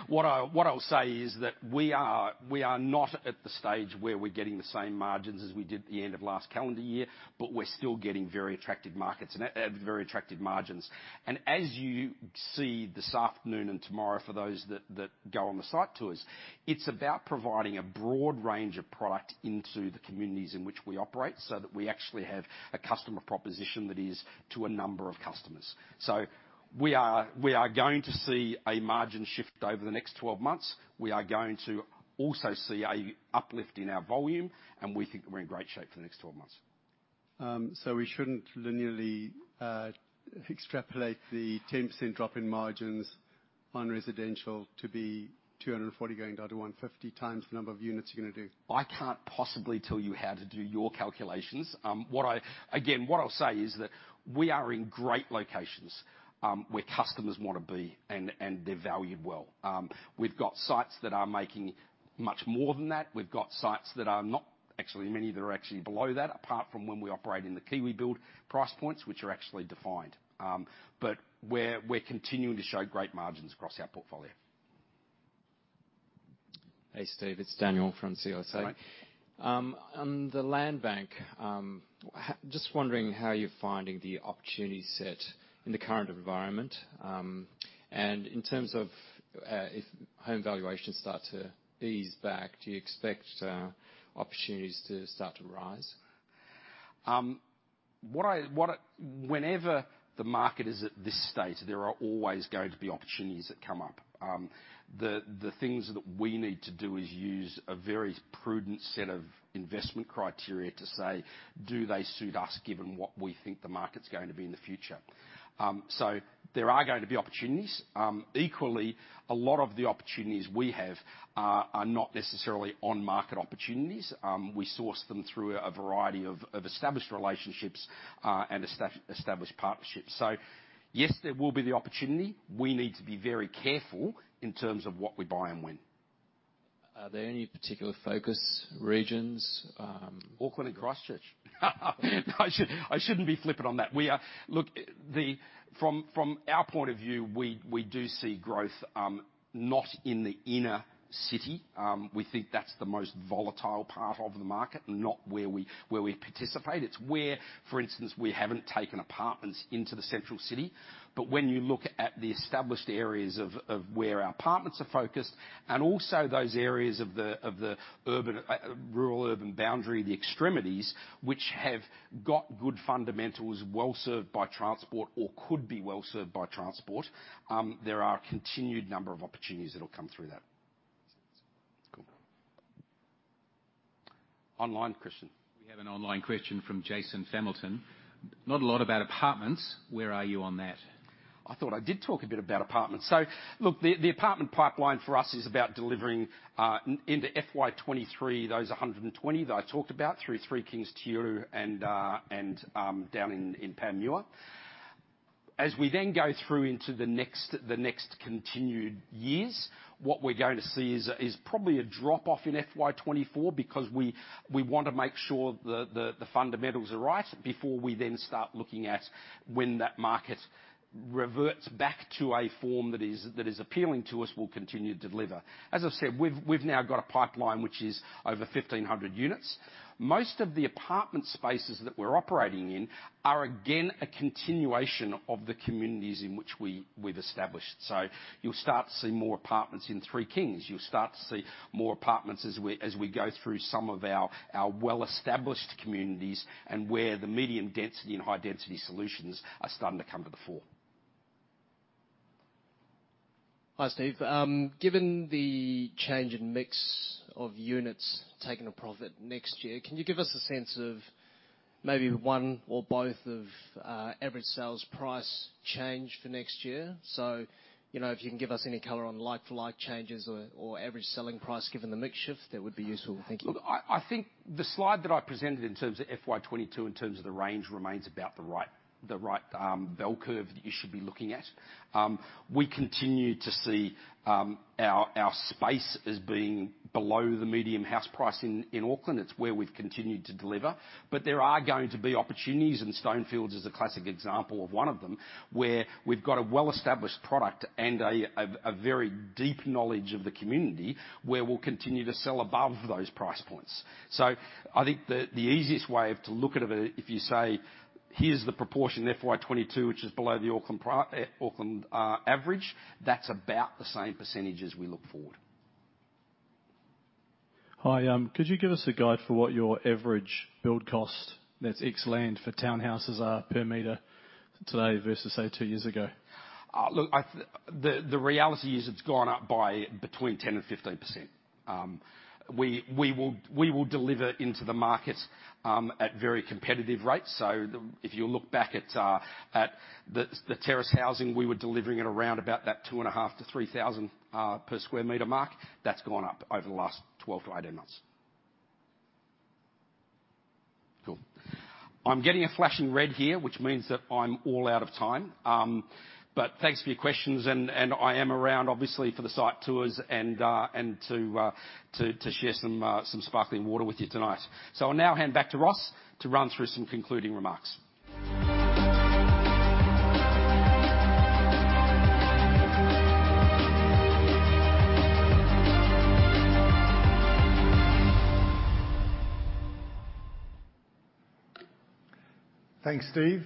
What I'll say is that we are not at the stage where we're getting the same margins as we did at the end of last calendar year, but we're still getting very attractive markets and very attractive margins. As you see this afternoon and tomorrow for those that go on the site tours, it's about providing a broad range of product into the communities in which we operate, so that we actually have a customer proposition that is to a number of customers. We are going to see a margin shift over the next 12 months. We are going to also see an uplift in our volume, and we think we're in great shape for the next 12 months. We shouldn't linearly extrapolate the 10% drop in margins on residential to be 240 going down to 150 times the number of units you're gonna do? I can't possibly tell you how to do your calculations. What I'll say is that we are in great locations, where customers wanna be, and they're valued well. We've got sites that are making much more than that. We've got sites that are not. Actually, many that are actually below that, apart from when we operate in the KiwiBuild price points, which are actually defined. We're continuing to show great margins across our portfolio. Hey, Steve, it's Daniel from CLSA. Hi. On the land bank, just wondering how you're finding the opportunity set in the current environment. In terms of, if home valuations start to ease back, do you expect opportunities to start to rise? Whenever the market is at this state, there are always going to be opportunities that come up. The things that we need to do is use a very prudent set of investment criteria to say, "Do they suit us given what we think the market's going to be in the future?" There are going to be opportunities. Equally, a lot of the opportunities we have are not necessarily on market opportunities. We source them through a variety of established relationships and established partnerships. Yes, there will be the opportunity. We need to be very careful in terms of what we buy and when. Are there any particular focus regions? Auckland and Christchurch. No, I shouldn't be flippant on that. Look, from our point of view, we do see growth, not in the inner city. We think that's the most volatile part of the market and not where we participate. It's where, for instance, we haven't taken apartments into the central city. When you look at the established areas of where our apartments are focused, and also those areas of the urban-rural boundary, the extremities, which have got good fundamentals, well-served by transport or could be well served by transport, there are a continued number of opportunities that'll come through that. Cool. Online question. We have an online question from Jason Hamilton. Not a lot about apartments. Where are you on that? I thought I did talk a bit about apartments. Look, the apartment pipeline for us is about delivering into FY 2023, those 120 that I talked about through Three Kings, Te Aro, and down in Panmure. As we then go through into the next continued years, what we're going to see is probably a drop-off in FY 2024 because we want to make sure the fundamentals are right before we then start looking at when that market reverts back to a form that is appealing to us, we'll continue to deliver. As I've said, we've now got a pipeline which is over 1,500 units. Most of the apartment spaces that we're operating in are again a continuation of the communities in which we've established. You'll start to see more apartments in Three Kings. You'll start to see more apartments as we go through some of our well-established communities and where the medium density and high density solutions are starting to come to the fore. Hi, Steve. Given the change in mix of units taken to profit next year, can you give us a sense of maybe one or both of average sales price change for next year? You know, if you can give us any color on like-for-like changes or average selling price given the mix shift, that would be useful. Thank you. Look, I think the slide that I presented in terms of FY 2022 in terms of the range remains about the right bell curve that you should be looking at. We continue to see our space as being below the median house price in Auckland. It's where we've continued to deliver. There are going to be opportunities, and Stonefields is a classic example of one of them, where we've got a well-established product and a very deep knowledge of the community, where we'll continue to sell above those price points. I think the easiest way to look at it, if you say here's the proportion in FY 2022 which is below the Auckland average, that's about the same percentage as we look forward. Hi. Could you give us a guide for what your average build cost, that's ex land, for townhouses are per meter today versus, say, two years ago? The reality is it's gone up by between 10% and 15%. We will deliver into the market at very competitive rates. If you look back at the terrace housing, we were delivering at around about that 2,500 per sq m-NZD 3,000 per sq m mark. That's gone up over the last 12-18 months. Cool. I'm getting a flashing red here, which means that I'm all out of time. Thanks for your questions and I am around obviously for the site tours and to share some sparkling water with you tonight. I'll now hand back to Ross to run through some concluding remarks. Thanks, Steve.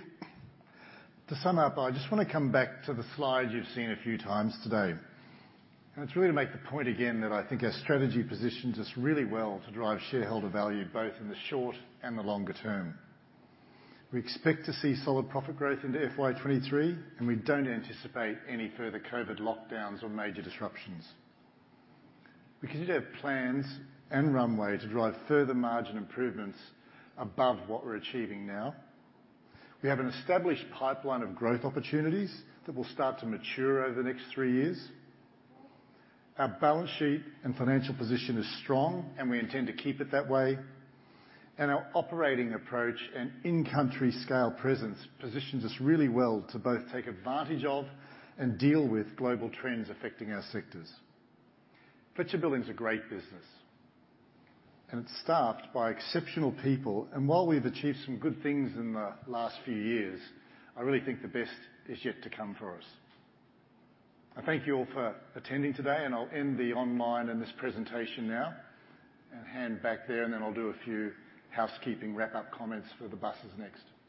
To sum up, I just wanna come back to the slide you've seen a few times today. It's really to make the point again that I think our strategy positions us really well to drive shareholder value, both in the short and the longer term. We expect to see solid profit growth into FY 2023, and we don't anticipate any further COVID lockdowns or major disruptions. We continue to have plans and runway to drive further margin improvements above what we're achieving now. We have an established pipeline of growth opportunities that will start to mature over the next three years. Our balance sheet and financial position is strong, and we intend to keep it that way. Our operating approach and in-country scale presence positions us really well to both take advantage of and deal with global trends affecting our sectors. Fletcher Building's a great business, and it's staffed by exceptional people. While we've achieved some good things in the last few years, I really think the best is yet to come for us. I thank you all for attending today, and I'll end the online and this presentation now and hand back there, and then I'll do a few housekeeping wrap-up comments for the buses next.